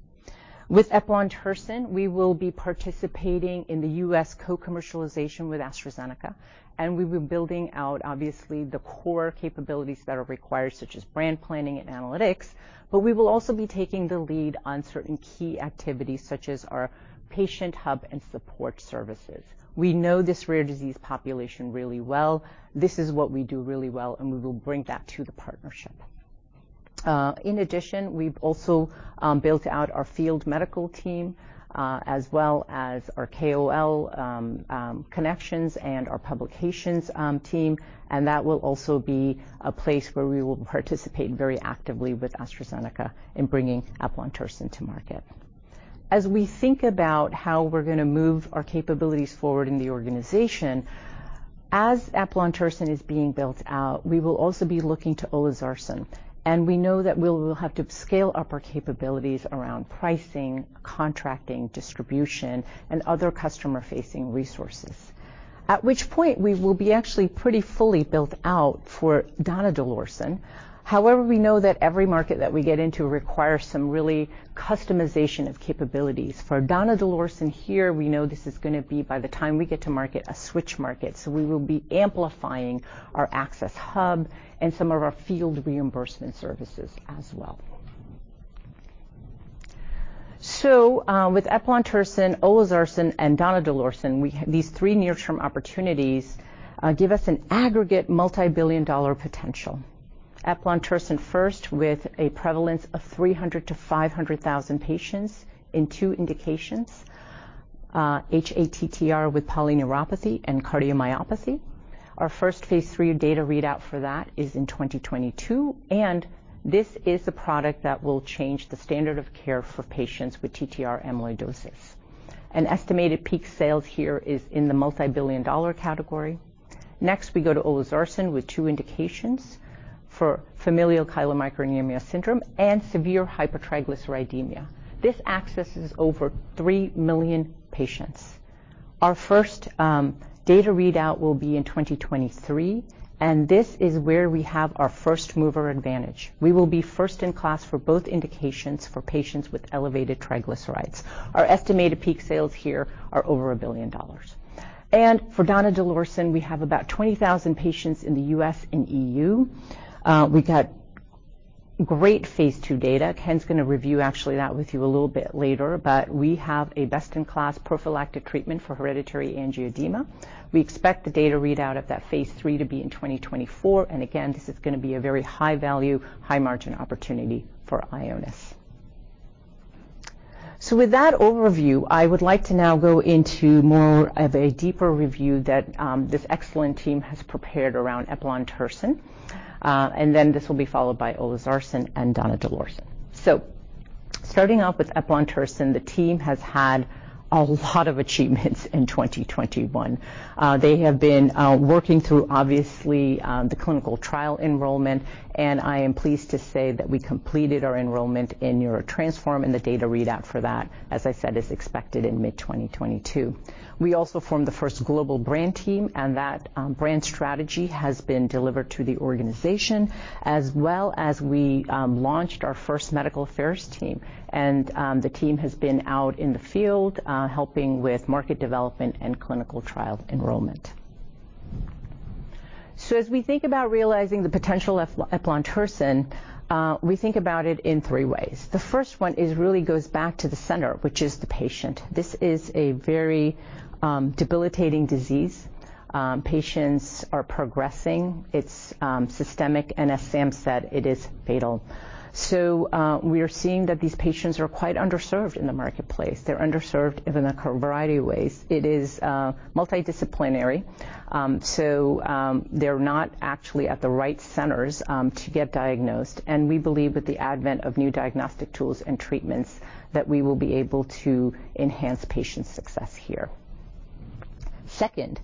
With eplontersen, we will be participating in the U.S. co-commercialization with AstraZeneca, and we'll be building out obviously the core capabilities that are required, such as brand planning and analytics. We will also be taking the lead on certain key activities, such as our patient hub and support services. We know this rare disease population really well. This is what we do really well, and we will bring that to the partnership. In addition, we've also built out our field medical team, as well as our KOL connections and our publications team, and that will also be a place where we will participate very actively with AstraZeneca in bringing eplontersen to market. As we think about how we're gonna move our capabilities forward in the organization, as eplontersen is being built out, we will also be looking to olezarsen, and we know that we will have to scale up our capabilities around pricing, contracting, distribution, and other customer-facing resources. At which point, we will be actually pretty fully built out for donidalorsen. However, we know that every market that we get into requires some real customization of capabilities. For donidalorsen here, we know this is gonna be, by the time we get to market, a switch market. We will be amplifying our access hub and some of our field reimbursement services as well. With eplontersen, olezarsen, and donidalorsen, we have these three near-term opportunities give us an aggregate multibillion-dollar potential. Eplontersen first with a prevalence of 300-500,000 patients in two indications, hATTR with polyneuropathy and cardiomyopathy. Our first phase III data readout for that is in 2022, and this is the product that will change the standard of care for patients with TTR amyloidosis. An estimated peak sales here is in the multibillion-dollar category. Next, we go to olezarsen with two indications for familial chylomicronemia syndrome and severe hypertriglyceridemia. This accesses over 3 million patients. Our first data readout will be in 2023, and this is where we have our first-mover advantage. We will be first in class for both indications for patients with elevated triglycerides. Our estimated peak sales here are over $1 billion. For donidalorsen, we have about 20,000 patients in the U.S. and EU. We got great phase II data. Ken's gonna review actually that with you a little bit later, but we have a best-in-class prophylactic treatment for hereditary angioedema. We expect the data readout of that phase III to be in 2024. Again, this is gonna be a very high-value, high-margin opportunity for Ionis. With that overview, I would like to now go into more of a deeper review that this excellent team has prepared around eplontersen. And then this will be followed by olezarsen and donidalorsen. Starting off with eplontersen, the team has had a lot of achievements in 2021. They have been working through obviously the clinical trial enrollment, and I am pleased to say that we completed our enrollment in NEURO-TTRansform, and the data readout for that, as I said, is expected in mid-2022. We also formed the first global brand team, and that brand strategy has been delivered to the organization as well as we launched our first medical affairs team. The team has been out in the field helping with market development and clinical trial enrollment. As we think about realizing the potential of eplontersen, we think about it in three ways. The first one really goes back to the center, which is the patient. This is a very debilitating disease. Patients are progressing. It's systemic, and as Sam said, it is fatal. We are seeing that these patients are quite underserved in the marketplace. They're underserved in a variety of ways. It is multidisciplinary. They're not actually at the right centers to get diagnosed. We believe with the advent of new diagnostic tools and treatments that we will be able to enhance patient success here. Second,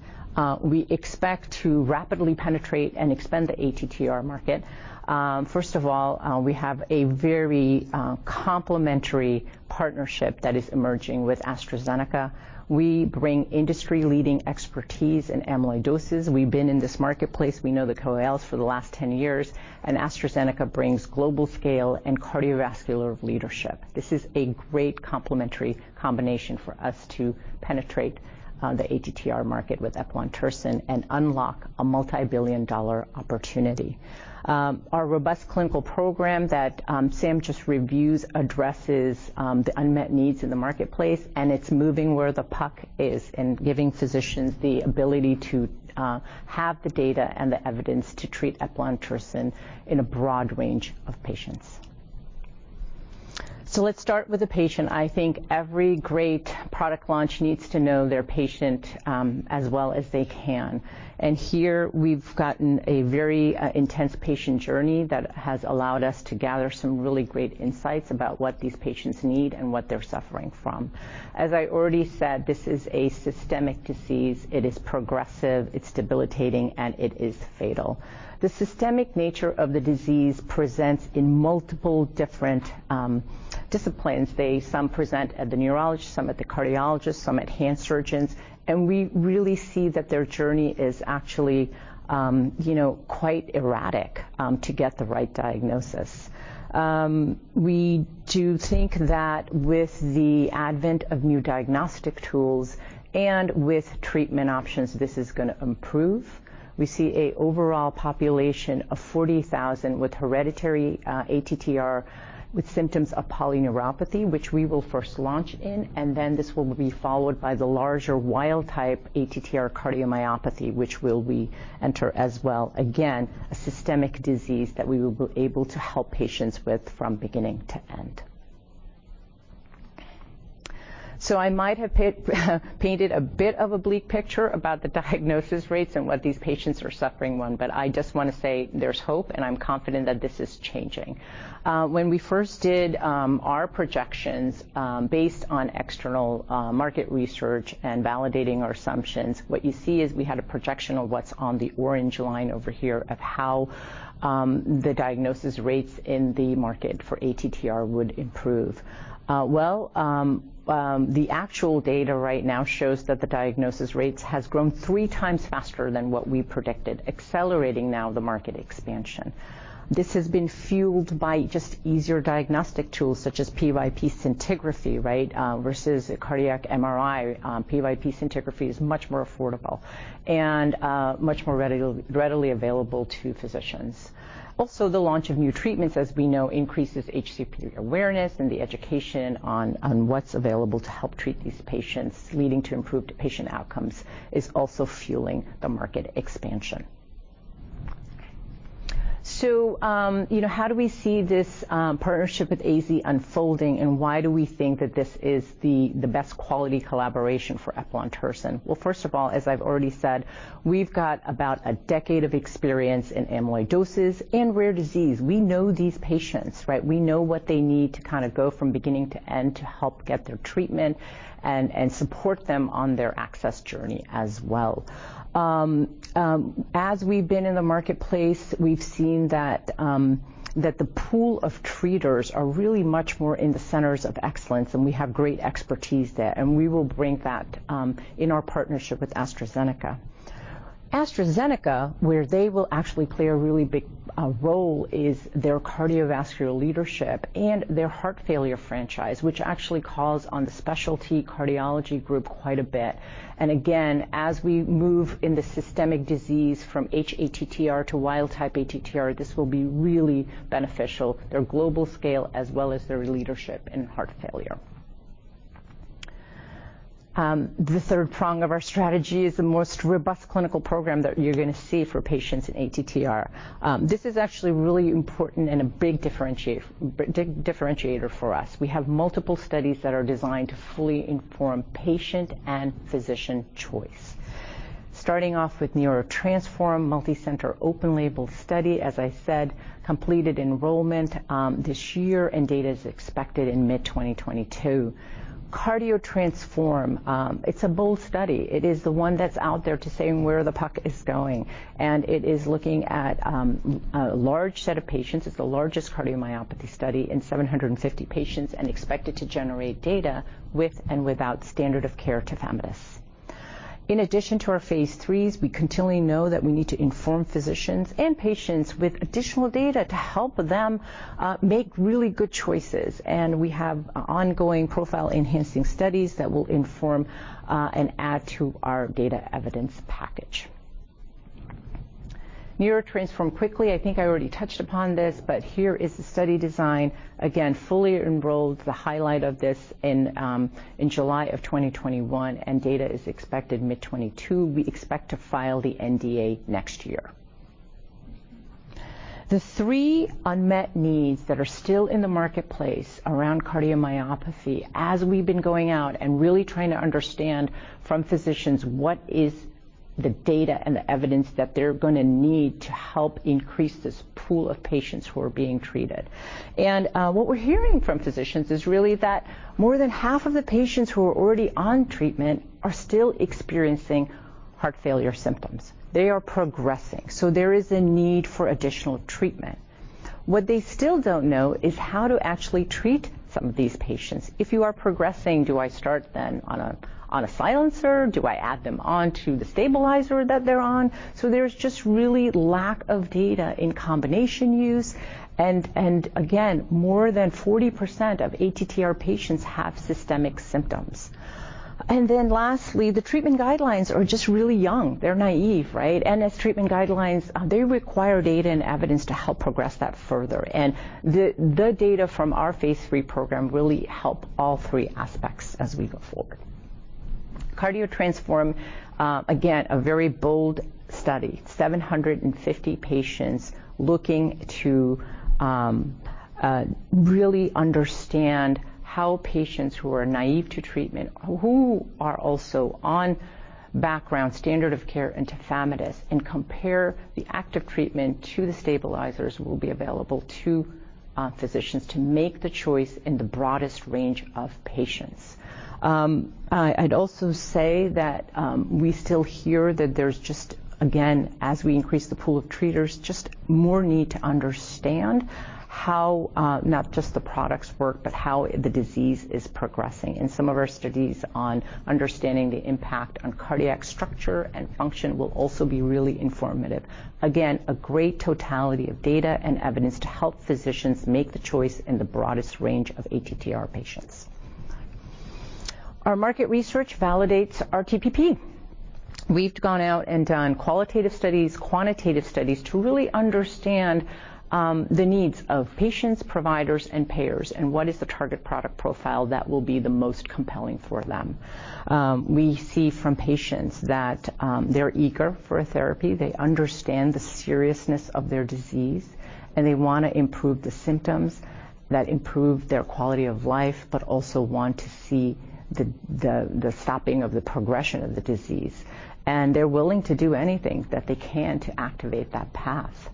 we expect to rapidly penetrate and expand the ATTR market. First of all, we have a very complementary partnership that is emerging with AstraZeneca. We bring industry-leading expertise in amyloidosis. We've been in this marketplace. We know the KOLs for the last 10 years, and AstraZeneca brings global scale and cardiovascular leadership. This is a great complementary combination for us to penetrate the ATTR market with eplontersen and unlock a multibillion-dollar opportunity. Our robust clinical program that Sam just reviewed addresses the unmet needs in the marketplace, and it's moving where the puck is and giving physicians the ability to have the data and the evidence to treat eplontersen in a broad range of patients. Let's start with the patient. I think every great product launch needs to know their patient as well as they can. Here we've gotten a very intense patient journey that has allowed us to gather some really great insights about what these patients need and what they're suffering from. As I already said, this is a systemic disease. It is progressive, it's debilitating, and it is fatal. The systemic nature of the disease presents in multiple different disciplines. Some present at the neurologist, some at the cardiologist, some at hand surgeons. We really see that their journey is actually, you know, quite erratic, to get the right diagnosis. We do think that with the advent of new diagnostic tools and with treatment options, this is gonna improve. We see an overall population of 40,000 with hereditary ATTR, with symptoms of polyneuropathy, which we will first launch in, and then this will be followed by the larger wild-type ATTR cardiomyopathy, which we will enter as well. Again, a systemic disease that we will be able to help patients with from beginning to end. I might have painted a bit of a bleak picture about the diagnosis rates and what these patients are suffering from. I just wanna say there's hope, and I'm confident that this is changing. When we first did our projections based on external market research and validating our assumptions, what you see is we had a projection of what's on the orange line over here of how the diagnosis rates in the market for ATTR would improve. The actual data right now shows that the diagnosis rates has grown three times faster than what we predicted, accelerating now the market expansion. This has been fueled by just easier diagnostic tools such as PYP scintigraphy, right versus a cardiac MRI. PYP scintigraphy is much more affordable and much more readily available to physicians. Also, the launch of new treatments, as we know, increases HCP awareness and the education on what's available to help treat these patients, leading to improved patient outcomes, is also fueling the market expansion. You know, how do we see this partnership with AZ unfolding, and why do we think that this is the best quality collaboration for eplontersen? Well, first of all, as I've already said, we've got about a decade of experience in amyloidosis and rare disease. We know these patients, right? We know what they need to kinda go from beginning to end to help get their treatment and support them on their access journey as well. As we've been in the marketplace, we've seen that the pool of treaters are really much more in the centers of excellence, and we have great expertise there, and we will bring that in our partnership with AstraZeneca. AstraZeneca, where they will actually play a really big role, is their cardiovascular leadership and their heart failure franchise, which actually calls on the specialty cardiology group quite a bit. Again, as we move in the systemic disease from hATTR to wild-type ATTR, this will be really beneficial, their global scale as well as their leadership in heart failure. The third prong of our strategy is the most robust clinical program that you're gonna see for patients in ATTR. This is actually really important and a big differentiator for us. We have multiple studies that are designed to fully inform patient and physician choice. Starting off with NEURO-TTRansform multicenter open-label study, as I said, completed enrollment this year, and data is expected in mid-2022. CARDIO-TTRansform, it's a bold study. It is the one that's out there to say where the puck is going, and it is looking at a large set of patients. It's the largest cardiomyopathy study in 750 patients and expected to generate data with and without standard of care tafamidis. In addition to our phase IIIs, we continually know that we need to inform physicians and patients with additional data to help them make really good choices, and we have ongoing profile-enhancing studies that will inform and add to our data evidence package. NEURO-TTRansform, quickly, I think I already touched upon this, but here is the study design. Again, fully enrolled. The highlight of this in July 2021, and data is expected mid-2022. We expect to file the NDA next year. The three unmet needs that are still in the marketplace around cardiomyopathy as we've been going out and really trying to understand from physicians what is the data and the evidence that they're gonna need to help increase this pool of patients who are being treated. What we're hearing from physicians is really that more than half of the patients who are already on treatment are still experiencing heart failure symptoms. They are progressing, so there is a need for additional treatment. What they still don't know is how to actually treat some of these patients. If you are progressing, do I start then on a silencer? Do I add them on to the stabilizer that they're on? There's just really lack of data in combination use and again, more than 40% of ATTR patients have systemic symptoms. The treatment guidelines are just really young. They're naive, right? As treatment guidelines, they require data and evidence to help progress that further. The data from our phase III program really help all three aspects as we go forward. CARDIO-TTRansform, again, a very bold study. 750 patients looking to really understand how patients who are naive to treatment, who are also on background standard of care and tafamidis, and compare the active treatment to the stabilizers, will be available to physicians to make the choice in the broadest range of patients. I'd also say that we still hear that there's just, again, as we increase the pool of treaters, just more need to understand how not just the products work, but how the disease is progressing. Some of our studies on understanding the impact on cardiac structure and function will also be really informative. Again, a great totality of data and evidence to help physicians make the choice in the broadest range of ATTR patients. Our market research validates our TPP. We've gone out and done qualitative studies, quantitative studies, to really understand the needs of patients, providers, and payers and what is the target product profile that will be the most compelling for them. We see from patients that they're eager for a therapy, they understand the seriousness of their disease, and they wanna improve the symptoms that improve their quality of life, but also want to see the stopping of the progression of the disease. They're willing to do anything that they can to activate that path.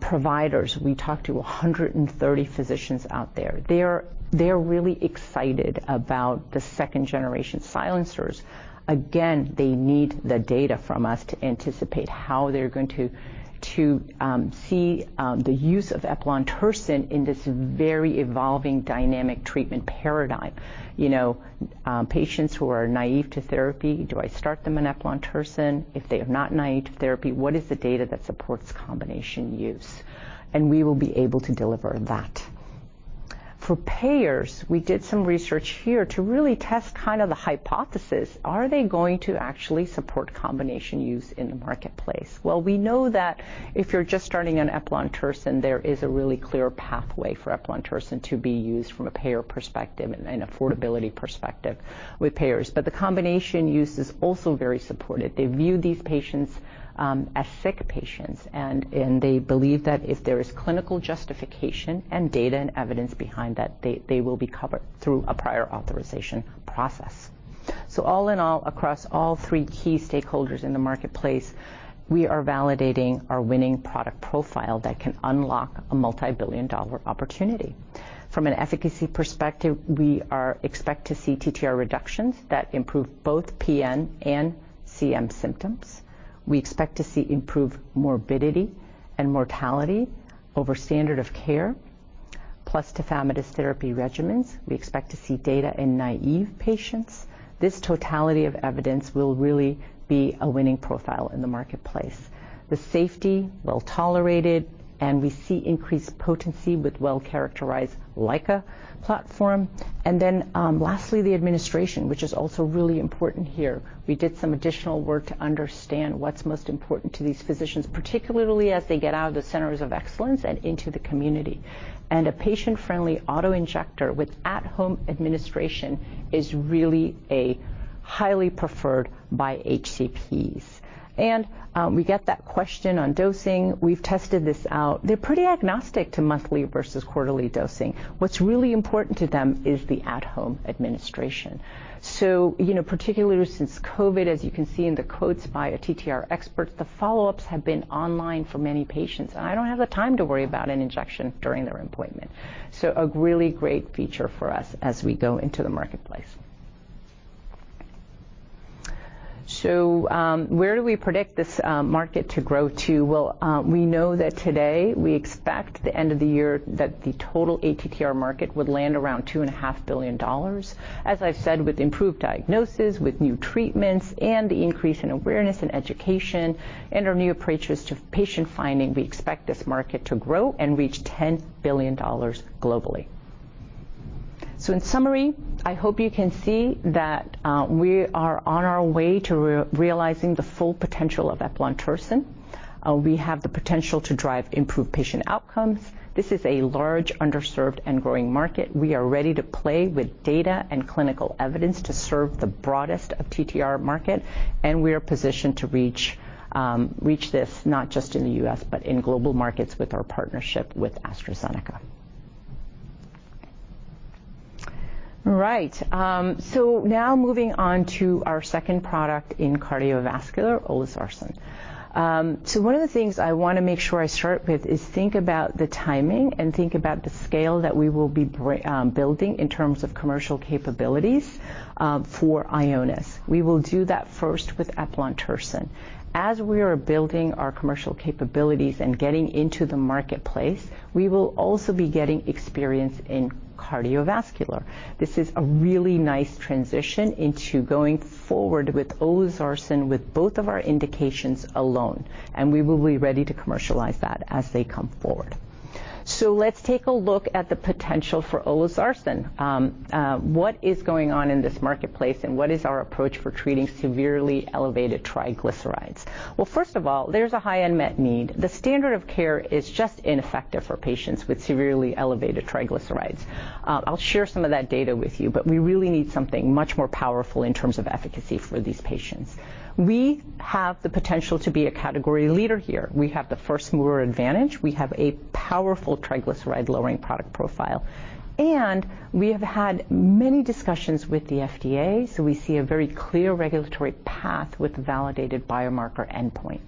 Providers, we talked to 130 physicians out there. They're really excited about the second-generation silencers. Again, they need the data from us to anticipate how they're going to see the use of eplontersen in this very evolving dynamic treatment paradigm. You know, patients who are naive to therapy, do I start them on eplontersen? If they are not naive to therapy, what is the data that supports combination use? We will be able to deliver that. For payers, we did some research here to really test kind of the hypothesis, are they going to actually support combination use in the marketplace? Well, we know that if you're just starting on eplontersen, there is a really clear pathway for eplontersen to be used from a payer perspective and an affordability perspective with payers. The combination use is also very supported. They view these patients as sick patients and they believe that if there is clinical justification and data and evidence behind that, they will be covered through a prior authorization process. All in all, across all three key stakeholders in the marketplace, we are validating our winning product profile that can unlock a multibillion-dollar opportunity. From an efficacy perspective, we expect to see TTR reductions that improve both PN and CM symptoms. We expect to see improved morbidity and mortality over standard of care, plus tafamidis therapy regimens. We expect to see data in naive patients. This totality of evidence will really be a winning profile in the marketplace. The safety, well-tolerated, and we see increased potency with well-characterized LICA platform. Then, lastly, the administration, which is also really important here. We did some additional work to understand what's most important to these physicians, particularly as they get out of the centers of excellence and into the community. A patient-friendly auto-injector with at-home administration is really a highly preferred by HCPs. We get that question on dosing. We've tested this out. They're pretty agnostic to monthly versus quarterly dosing. What's really important to them is the at-home administration. Particularly since COVID, as you can see in the quotes by a TTR expert, the follow-ups have been online for many patients. I don't have the time to worry about an injection during their appointment. A really great feature for us as we go into the marketplace. Where do we predict this market to grow to? Well, we know that today we expect the end of the year that the total ATTR market would land around $2.5 billion. As I've said, with improved diagnosis, with new treatments, and the increase in awareness and education and our new approaches to patient finding, we expect this market to grow and reach $10 billion globally. In summary, I hope you can see that, we are on our way to realizing the full potential of eplontersen. We have the potential to drive improved patient outcomes. This is a large, underserved and growing market. We are ready to play with data and clinical evidence to serve the broadest ATTR market, and we are positioned to reach this not just in the U.S., but in global markets with our partnership with AstraZeneca. All right, now moving on to our second product in cardiovascular, olezarsen. One of the things I wanna make sure I start with is think about the timing and think about the scale that we will be building in terms of commercial capabilities, for Ionis. We will do that first with eplontersen. As we are building our commercial capabilities and getting into the marketplace, we will also be getting experience in cardiovascular. This is a really nice transition into going forward with olezarsen with both of our indications alone, and we will be ready to commercialize that as they come forward. Let's take a look at the potential for olezarsen. What is going on in this marketplace and what is our approach for treating severely elevated triglycerides? Well, first of all, there's a high unmet need. The standard of care is just ineffective for patients with severely elevated triglycerides. I'll share some of that data with you, but we really need something much more powerful in terms of efficacy for these patients. We have the potential to be a category leader here. We have the first-mover advantage. We have a powerful triglyceride-lowering product profile, and we have had many discussions with the FDA, so we see a very clear regulatory path with a validated biomarker endpoint.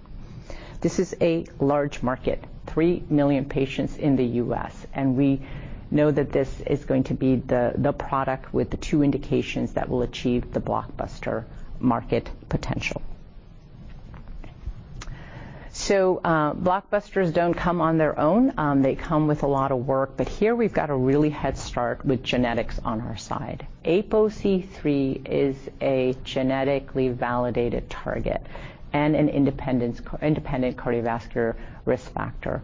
This is a large market, 3 million patients in the U.S., and we know that this is going to be the product with the two indications that will achieve the blockbuster market potential. Blockbusters don't come on their own. They come with a lot of work. Here we've got a really head start with genetics on our side. APOC3 is a genetically validated target and an independent cardiovascular risk factor.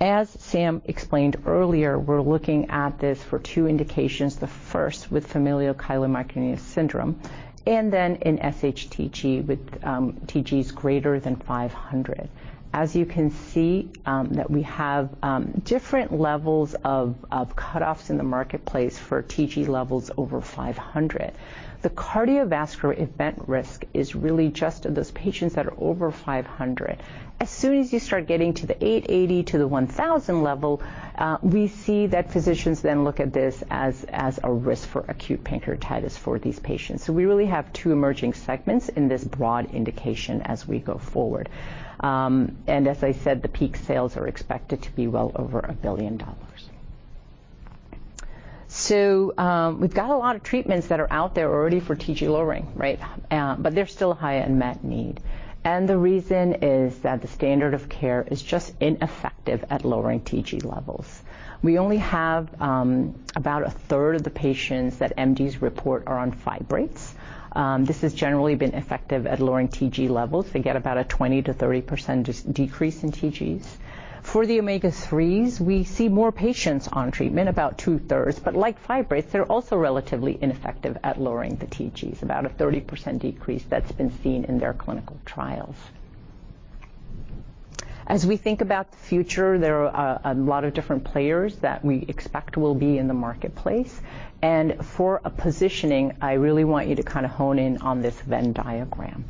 As Sam explained earlier, we're looking at this for two indications. The first with familial chylomicronemia syndrome and then in SHTG with TGs greater than 500. As you can see that we have different levels of cutoffs in the marketplace for TG levels over 500. The cardiovascular event risk is really just those patients that are over 500. As soon as you start getting to the 880 to the 1,000 level, we see that physicians then look at this as a risk for acute pancreatitis for these patients. We really have two emerging segments in this broad indication as we go forward. As I said, the peak sales are expected to be well over $1 billion. We've got a lot of treatments that are out there already for TG lowering, right? There's still a high unmet need. The reason is that the standard of care is just ineffective at lowering TG levels. We only have about a third of the patients that MDs report are on fibrates. This has generally been effective at lowering TG levels. They get about a 20%-30% decrease in TGs. For the omega-3s, we see more patients on treatment, about two-thirds. Like fibrates, they're also relatively ineffective at lowering the TGs. About a 30% decrease that's been seen in their clinical trials. As we think about the future, there are a lot of different players that we expect will be in the marketplace. For a positioning, I really want you to kind of hone in on this Venn diagram.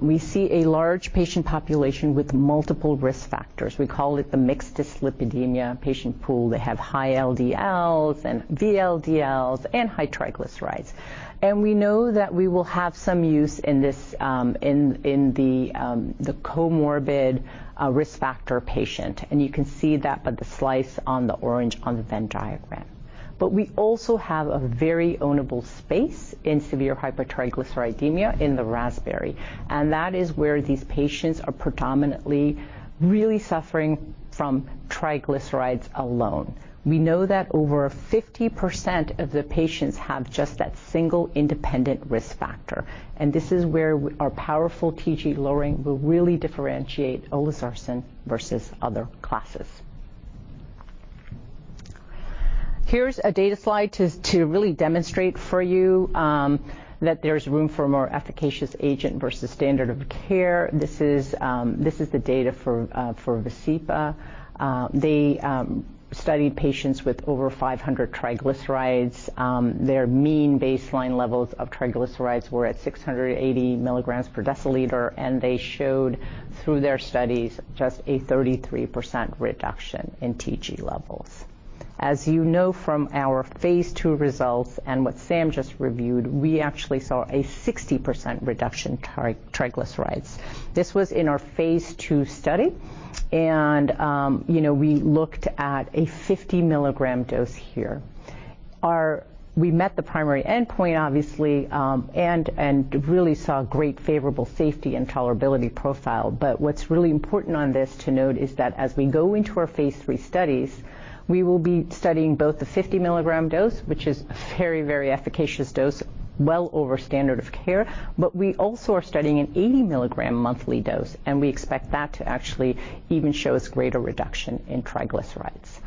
We see a large patient population with multiple risk factors. We call it the mixed dyslipidemia patient pool. They have high LDLs and VLDLs and high triglycerides. We know that we will have some use in the comorbid risk factor patient. You can see that by the slice on the orange on the Venn diagram. We also have a very ownable space in severe hypertriglyceridemia in the raspberry, and that is where these patients are predominantly really suffering from triglycerides alone. We know that over 50% of the patients have just that single independent risk factor, and this is where our powerful TG lowering will really differentiate olezarsen versus other classes. Here's a data slide to really demonstrate for you that there's room for a more efficacious agent versus standard of care. This is the data for VASCEPA. They studied patients with over 500 triglycerides. Their mean baseline levels of triglycerides were at 680 mg/dl, and they showed through their studies just a 33% reduction in TG levels. As you know from our phase II results and what Sam just reviewed, we actually saw a 60% reduction triglycerides. This was in our phase II study and, you know, we looked at a 50 mg dose here. Our... We met the primary endpoint, obviously, and really saw great favorable safety and tolerability profile. What's really important on this to note is that as we go into our phase III studies, we will be studying both the 50 mg dose, which is a very, very efficacious dose, well over standard of care, but we also are studying an 80 mg monthly dose, and we expect that to actually even show us greater reduction in triglycerides.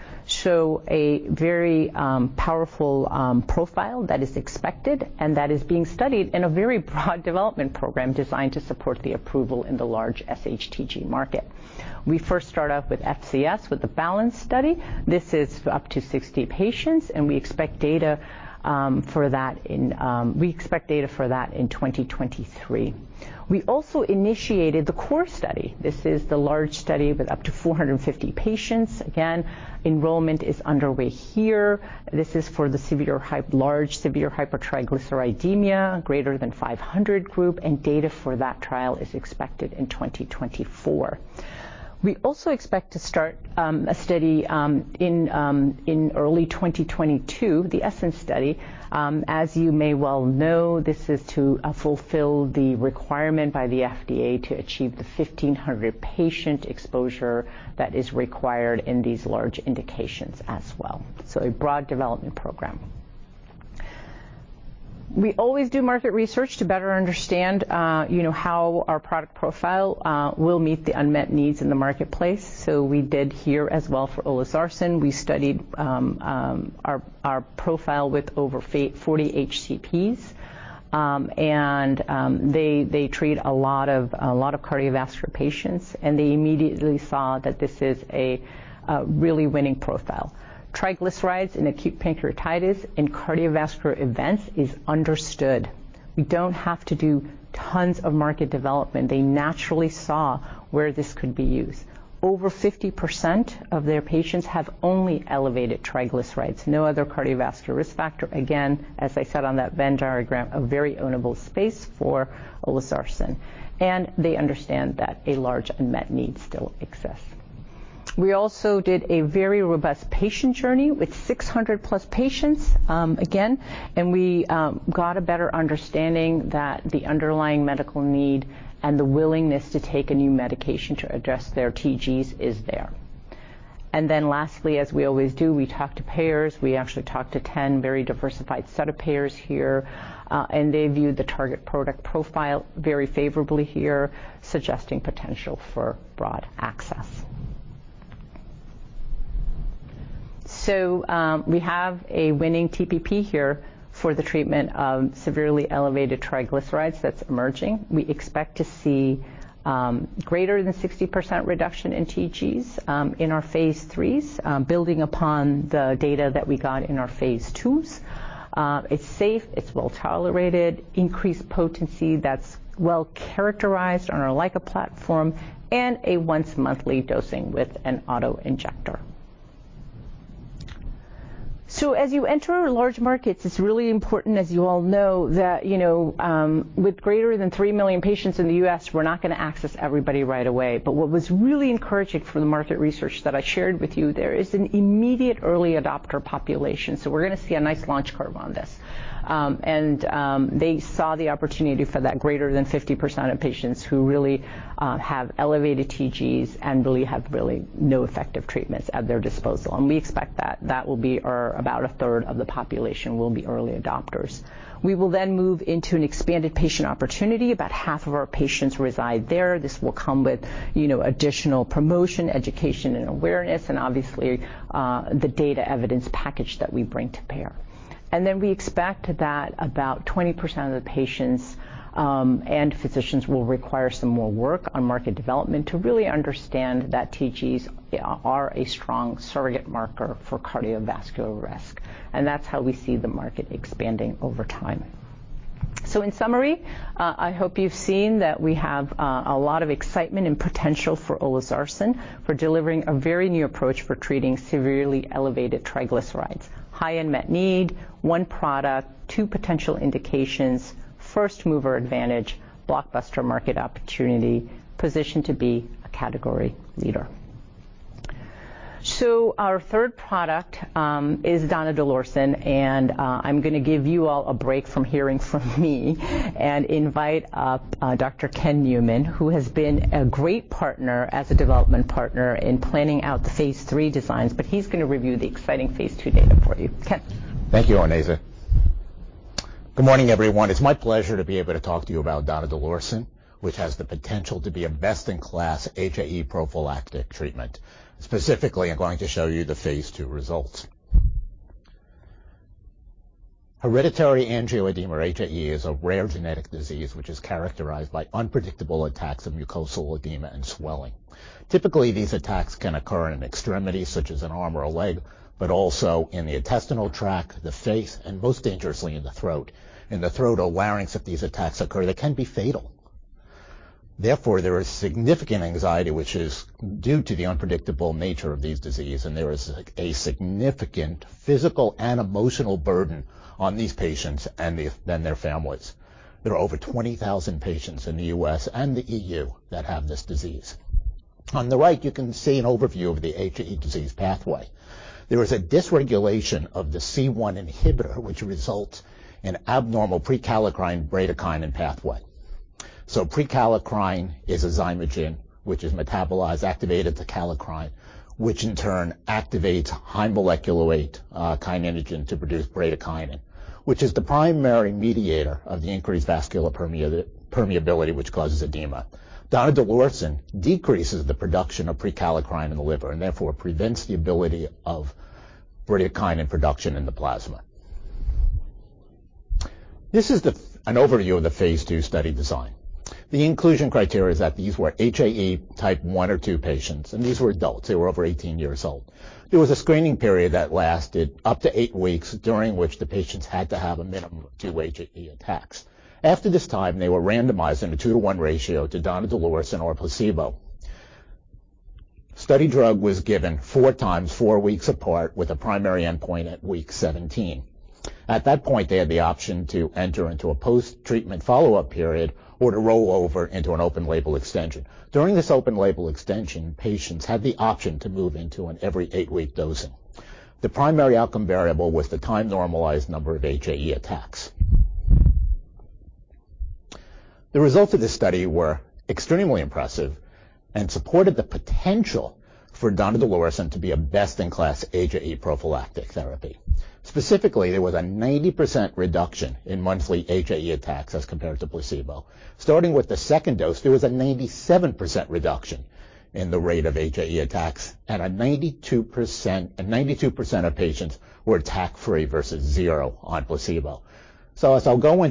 A very powerful profile that is expected and that is being studied in a very broad development program designed to support the approval in the large SHTG market. We first start off with FCS with the BALANCE study. This is up to 60 patients, and we expect data for that in 2023. We also initiated the CORE study. This is the large study with up to 450 patients. Again, enrollment is underway here. This is for the large severe hypertriglyceridemia, greater than 500 group, and data for that trial is expected in 2024. We also expect to start a study in early 2022, the ESSENCE study. As you may well know, this is to fulfill the requirement by the FDA to achieve the 1,500 patient exposure that is required in these large indications as well, so a broad development program. We always do market research to better understand, you know, how our product profile will meet the unmet needs in the marketplace. We did here as well for olezarsen. We studied our profile with over 40 HCPs. They treat a lot of cardiovascular patients, and they immediately saw that this is a really winning profile. Triglycerides in acute pancreatitis and cardiovascular events is understood. We don't have to do tons of market development. They naturally saw where this could be used. Over 50% of their patients have only elevated triglycerides, no other cardiovascular risk factor. Again, as I said on that Venn diagram, a very ownable space for olezarsen, and they understand that a large unmet need still exists. We also did a very robust patient journey with 600+ patients. We got a better understanding that the underlying medical need and the willingness to take a new medication to address their TGs is there. Then lastly, as we always do, we talk to payers. We actually talk to 10 very diversified set of payers here. They viewed the target product profile very favorably here, suggesting potential for broad access. We have a winning TPP here for the treatment of severely elevated triglycerides that's emerging. We expect to see greater than 60% reduction in TGs in our phase IIIs, building upon the data that we got in our phase IIs. It's safe, it's well-tolerated, increased potency that's well-characterized on our LICA platform, and a once monthly dosing with an auto-injector. As you enter large markets, it's really important, as you all know, that, you know, with greater than 3 million patients in the U.S., we're not gonna access everybody right away. What was really encouraging from the market research that I shared with you there is an immediate early adopter population. We're gonna see a nice launch curve on this. They saw the opportunity for that greater than 50% of patients who really have elevated TGs and really have no effective treatments at their disposal. We expect that about a third of the population will be early adopters. We will then move into an expanded patient opportunity. About half of our patients reside there. This will come with, you know, additional promotion, education, and awareness and obviously, the data evidence package that we bring to payer. We expect that about 20% of the patients and physicians will require some more work on market development to really understand that TGs are a strong surrogate marker for cardiovascular risk. That's how we see the market expanding over time. In summary, I hope you've seen that we have a lot of excitement and potential for olezarsen for delivering a very new approach for treating severely elevated triglycerides. High unmet need, one product, two potential indications, first-mover advantage, blockbuster market opportunity, positioned to be a category leader. Our third product is donidalorsen, and I'm gonna give you all a break from hearing from me and invite up Dr. Ken Newman, who has been a great partner as a development partner in planning out the phase III designs. He's gonna review the exciting phase II data for you. Ken. Thank you, Onaiza. Good morning, everyone. It's my pleasure to be able to talk to you about donidalorsen, which has the potential to be a best-in-class HAE prophylactic treatment. Specifically, I'm going to show you the phase II results. Hereditary angioedema, or HAE, is a rare genetic disease which is characterized by unpredictable attacks of mucosal edema and swelling. Typically, these attacks can occur in extremities such as an arm or a leg, but also in the intestinal tract, the face, and most dangerously in the throat. In the throat, various of these attacks occur that can be fatal. Therefore, there is significant anxiety which is due to the unpredictable nature of this disease, and there is a significant physical and emotional burden on these patients and their families. There are over 20,000 patients in the U.S. and the EU that have this disease. On the right, you can see an overview of the HAE disease pathway. There is a dysregulation of the C1 inhibitor, which results in abnormal prekallikrein-bradykinin pathway. Prekallikrein is a zymogen which is metabolized, activated to kallikrein, which in turn activates high molecular weight kininogen to produce bradykinin, which is the primary mediator of the increased vascular permeability which causes edema. Donidalorsen decreases the production of prekallikrein in the liver and therefore prevents the ability of bradykinin production in the plasma. This is an overview of the phase II study design. The inclusion criteria is that these were HAE type one or two patients, and these were adults. They were over 18 years old. There was a screening period that lasted up to eight weeks, during which the patients had to have a minimum of two HAE attacks. After this time, they were randomized in a 2:1 ratio to donidalorsen or placebo. Study drug was given four times, four weeks apart with a primary endpoint at week 17. At that point, they had the option to enter into a post-treatment follow-up period or to roll over into an open-label extension. During this open-label extension, patients had the option to move into an every eight-week dosing. The primary outcome variable was the time normalized number of HAE attacks. The results of this study were extremely impressive and supported the potential for donidalorsen to be a best-in-class HAE prophylactic therapy. Specifically, there was a 90% reduction in monthly HAE attacks as compared to placebo. Starting with the second dose, there was a 97% reduction in the rate of HAE attacks and 92% of patients were attack-free versus zero on placebo. As I'll go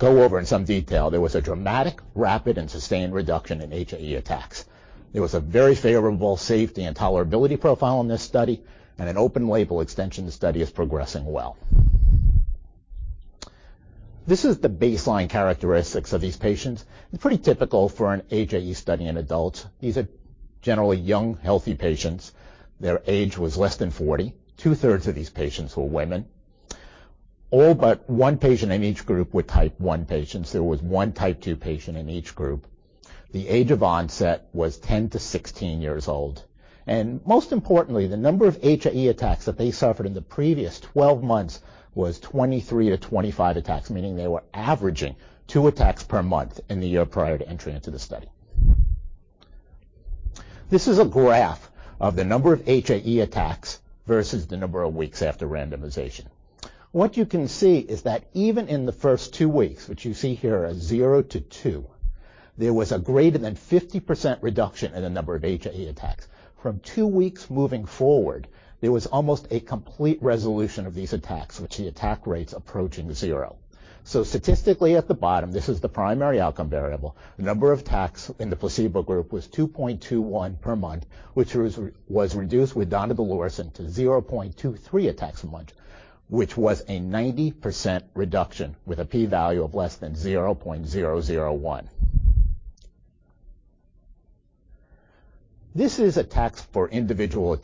over in some detail, there was a dramatic, rapid, and sustained reduction in HAE attacks. There was a very favorable safety and tolerability profile in this study, and an open label extension study is progressing well. This is the baseline characteristics of these patients, and pretty typical for an HAE study in adults. These are generally young, healthy patients. Their age was less than 40. Two-thirds of these patients were women. All but one patient in each group were type one patients. There was one type two patient in each group. The age of onset was 10-16 years old. Most importantly, the number of HAE attacks that they suffered in the previous 12 months was 23-25 attacks, meaning they were averaging two attacks per month in the year prior to entering into the study. This is a graph of the number of HAE attacks versus the number of weeks after randomization. What you can see is that even in the first two weeks, which you see here as zero to two, there was a greater than 50% reduction in the number of HAE attacks. From two weeks moving forward, there was almost a complete resolution of these attacks, with the attack rates approaching zero. Statistically at the bottom, this is the primary outcome variable. The number of attacks in the placebo group was 2.21 per month, which was reduced with donidalorsen to 0.23 attacks a month, which was a 90% reduction with a P value of less than 0.001. This is attacks for individual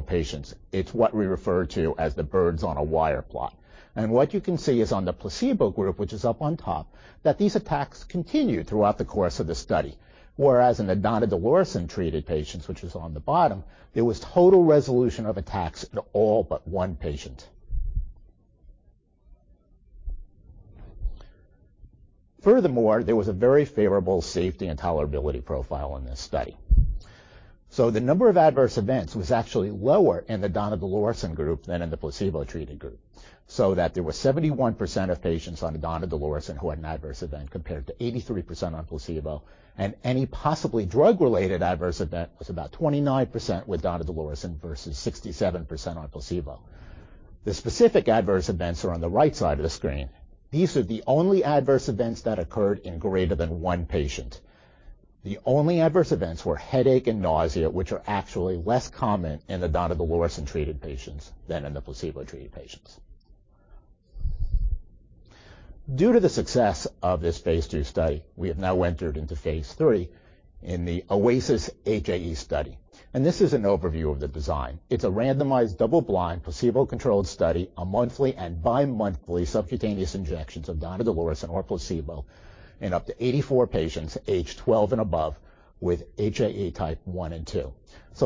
patients. It's what we refer to as the birds on a wire plot. What you can see is on the placebo group, which is up on top, that these attacks continued throughout the course of the study. Whereas in the donidalorsen-treated patients, which is on the bottom, there was total resolution of attacks in all but one patient. Furthermore, there was a very favorable safety and tolerability profile in this study. The number of adverse events was actually lower in the donidalorsen group than in the placebo-treated group. That there was 71% of patients on donidalorsen who had an adverse event, compared to 83% on placebo. Any possibly drug-related adverse event was about 29% with donidalorsen versus 67% on placebo. The specific adverse events are on the right side of the screen. These are the only adverse events that occurred in greater than one patient. The only adverse events were headache and nausea, which are actually less common in the donidalorsen-treated patients than in the placebo-treated patients. Due to the success of this phase II study, we have now entered into phase III in the OASIS-HAE study, and this is an overview of the design. It's a randomized, double-blind, placebo-controlled study on monthly and bimonthly subcutaneous injections of donidalorsen or placebo in up to 84 patients aged 12 and above with HAE Type 1 and 2.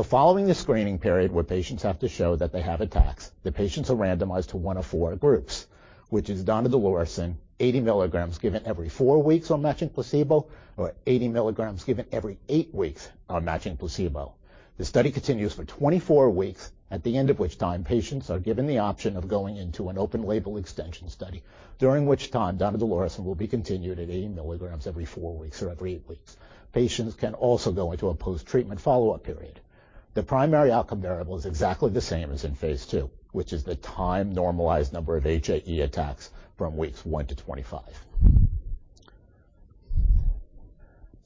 Following the screening period where patients have to show that they have attacks, the patients are randomized to one of four groups, which is donidalorsen 80 mg given every four weeks or matching placebo or 80 mg given every eight weeks or matching placebo. The study continues for 24 weeks, at the end of which time patients are given the option of going into an open label extension study, during which time donidalorsen will be continued at 80 mg every four weeks or every eight weeks. Patients can also go into a post-treatment follow-up period. The primary outcome variable is exactly the same as in phase II, which is the time-normalized number of HAE attacks from weeks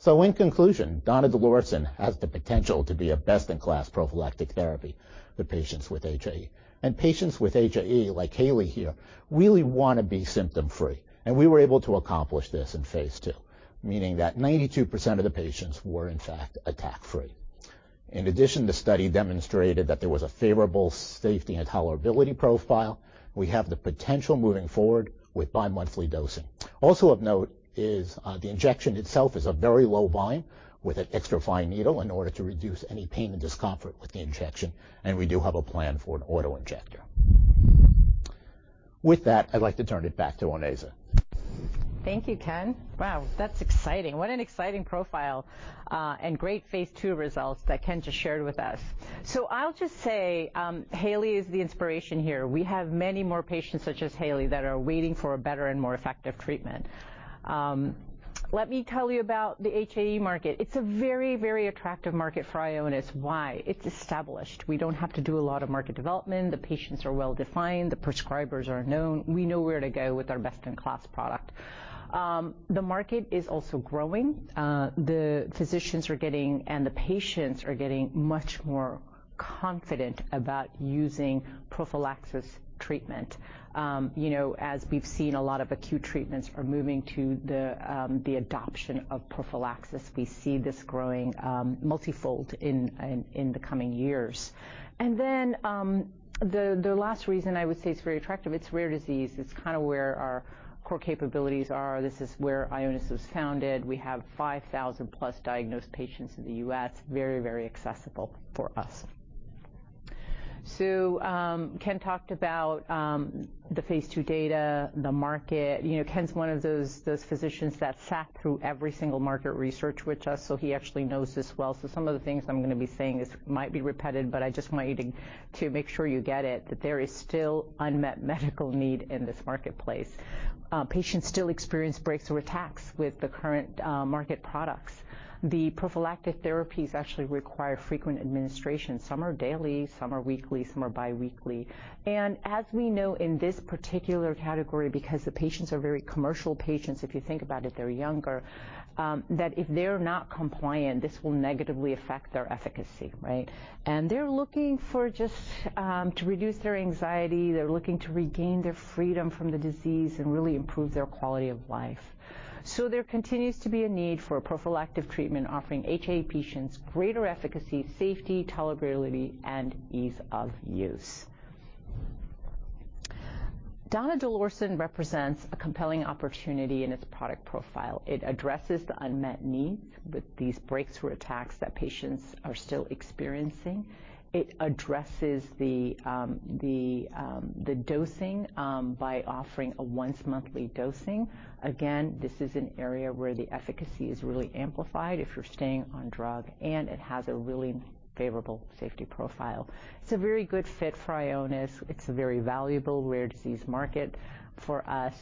1-25. In conclusion, donidalorsen has the potential to be a best-in-class prophylactic therapy for patients with HAE. Patients with HAE, like Haley here, really wanna be symptom-free, and we were able to accomplish this in phase II, meaning that 92% of the patients were in fact attack-free. In addition, the study demonstrated that there was a favorable safety and tolerability profile. We have the potential moving forward with bi-monthly dosing. Also of note is the injection itself is a very low volume with an extra fine needle in order to reduce any pain and discomfort with the injection, and we do have a plan for an auto-injector. With that, I'd like to turn it back to Onaiza. Thank you, Ken. Wow, that's exciting. What an exciting profile and great phase II results that Ken just shared with us. I'll just say, Haley is the inspiration here. We have many more patients such as Haley that are waiting for a better and more effective treatment. Let me tell you about the HAE market. It's a very, very attractive market for Ionis. Why? It's established. We don't have to do a lot of market development. The patients are well-defined. The prescribers are known. We know where to go with our best-in-class product. The market is also growing. The physicians are getting, and the patients are getting much more confident about using prophylaxis treatment. You know, as we've seen a lot of acute treatments are moving to the adoption of prophylaxis. We see this growing multifold in the coming years. The last reason I would say it's very attractive, it's rare disease. It's kind of where our core capabilities are. This is where Ionis was founded. We have 5,000+ diagnosed patients in the U.S. Very, very accessible for us. Ken talked about the phase II data, the market. You know, Ken's one of those physicians that sat through every single market research with us, so he actually knows this well. Some of the things I'm gonna be saying is, might be repetitive, but I just want you to make sure you get it, that there is still unmet medical need in this marketplace. Patients still experience breakthrough attacks with the current market products. The prophylactic therapies actually require frequent administration. Some are daily, some are weekly, some are bi-weekly. As we know in this particular category, because the patients are very commercial patients, if you think about it, they're younger, that if they're not compliant, this will negatively affect their efficacy, right? They're looking for just, to reduce their anxiety. They're looking to regain their freedom from the disease and really improve their quality of life. There continues to be a need for a prophylactic treatment offering HAE patients greater efficacy, safety, tolerability, and ease of use. Donidalorsen represents a compelling opportunity in its product profile. It addresses the unmet need with these breakthrough attacks that patients are still experiencing. It addresses the dosing by offering a once-monthly dosing. Again, this is an area where the efficacy is really amplified if you're staying on drug, and it has a really favorable safety profile. It's a very good fit for Ionis. It's a very valuable rare disease market for us,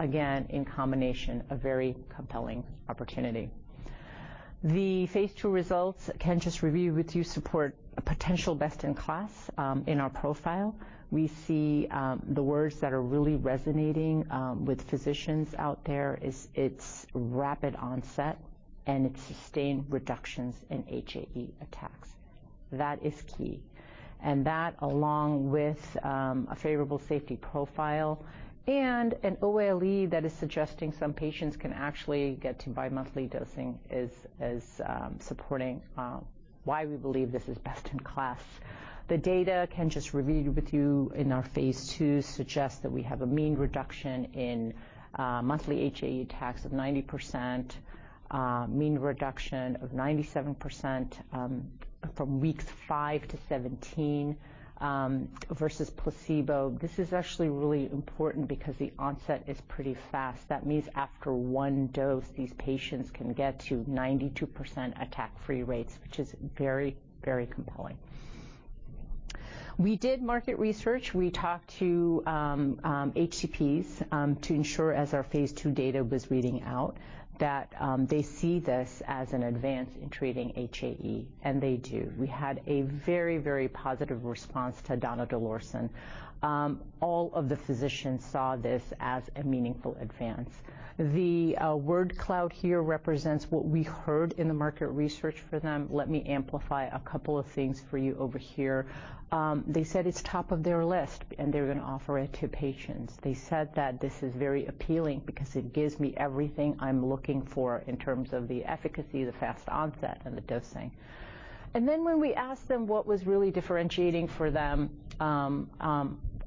again, in combination, a very compelling opportunity. The phase II results Ken just reviewed with you support a potential best-in-class in our profile. We see the words that are really resonating with physicians out there is its rapid onset and its sustained reductions in HAE attacks. That is key. That, along with a favorable safety profile and an OLE that is suggesting some patients can actually get to bi-monthly dosing is supporting why we believe this is best in class. The data Ken just reviewed with you in our phase II suggests that we have a mean reduction in monthly HAE attacks of 90%, mean reduction of 97% from weeks 5-17 versus placebo. This is actually really important because the onset is pretty fast. That means after one dose, these patients can get to 92% attack-free rates, which is very, very compelling. We did market research. We talked to HCPs to ensure as our phase II data was reading out that they see this as an advance in treating HAE, and they do. We had a very, very positive response to donidalorsen. All of the physicians saw this as a meaningful advance. The word cloud here represents what we heard in the market research for them. Let me amplify a couple of things for you over here. They said it's top of their list, and they're gonna offer it to patients. They said that this is very appealing because it gives me everything I'm looking for in terms of the efficacy, the fast onset, and the dosing. Then when we asked them what was really differentiating for them,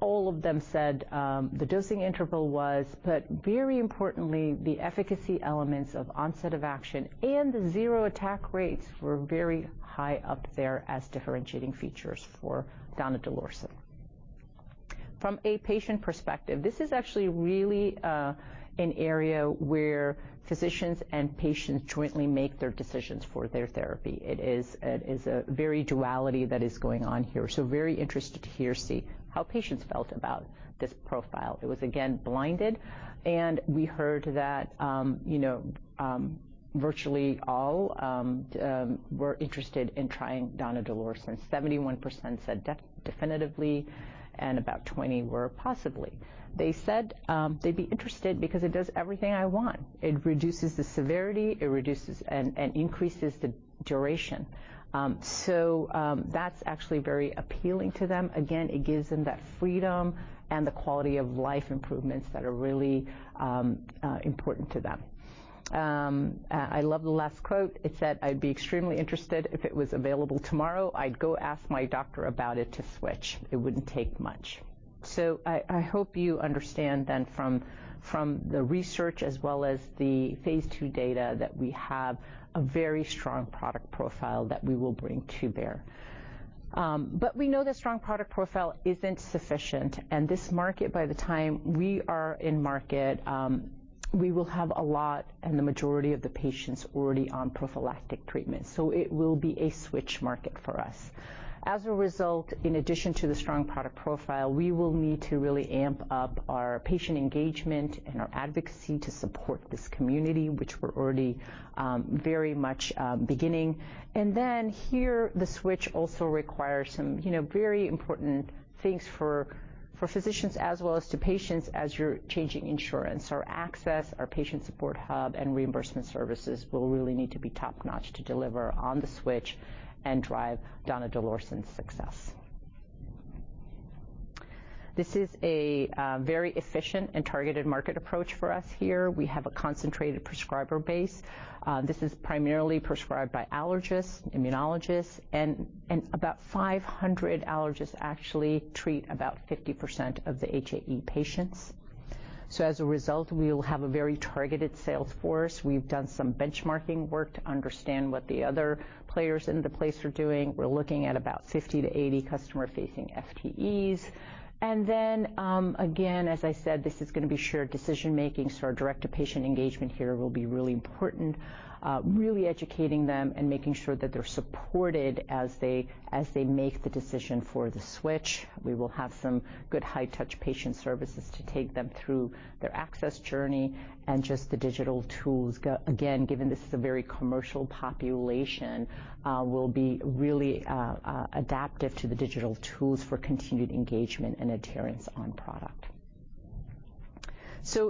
all of them said the dosing interval was, but very importantly, the efficacy elements of onset of action and the zero attack rates were very high up there as differentiating features for donidalorsen. From a patient perspective, this is actually really an area where physicians and patients jointly make their decisions for their therapy. It is a very duality that is going on here. Very interested to hear, see how patients felt about this profile. It was again blinded, and we heard that, you know, virtually all were interested in trying donidalorsen. 71% said definitively, and about 20 were possibly. They said they'd be interested because it does everything I want. It reduces the severity, it reduces and increases the duration. That's actually very appealing to them. Again, it gives them that freedom and the quality of life improvements that are really important to them. I love the last quote. It said, "I'd be extremely interested if it was available tomorrow. I'd go ask my doctor about it to switch. It wouldn't take much." I hope you understand then from the research as well as the phase II data that we have a very strong product profile that we will bring to bear. We know that strong product profile isn't sufficient. This market, by the time we are in market, we will have a lot and the majority of the patients already on prophylactic treatment. It will be a switch market for us. As a result, in addition to the strong product profile, we will need to really amp up our patient engagement and our advocacy to support this community, which we're already very much beginning. Here, the switch also requires some you know very important things for physicians as well as to patients as you're changing insurance. Our access, our patient support hub, and reimbursement services will really need to be top-notch to deliver on the switch and drive donidalorsen's success. This is a very efficient and targeted market approach for us here. We have a concentrated prescriber base. This is primarily prescribed by allergists, immunologists, and about 500 allergists actually treat about 50% of the HAE patients. As a result, we'll have a very targeted sales force. We've done some benchmarking work to understand what the other players in the place are doing. We're looking at about 50-80 customer-facing FTEs. Then, again, as I said, this is gonna be shared decision-making, so our direct-to-patient engagement here will be really important, really educating them and making sure that they're supported as they make the decision for the switch. We will have some good high-touch patient services to take them through their access journey and the digital tools. Again, given this is a very commercial population, we'll be really adaptive to the digital tools for continued engagement and adherence on product.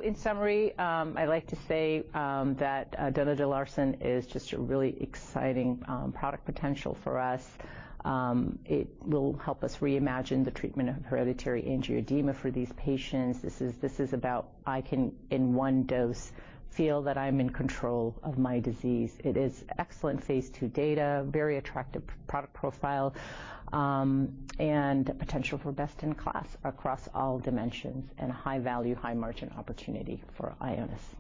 In summary, I'd like to say that donidalorsen is just a really exciting product potential for us. It will help us reimagine the treatment of hereditary angioedema for these patients. This is about, in one dose, I can feel that I'm in control of my disease. It is excellent phase II data, very attractive product profile, and potential for best in class across all dimensions and a high-value, high-margin opportunity for Ionis.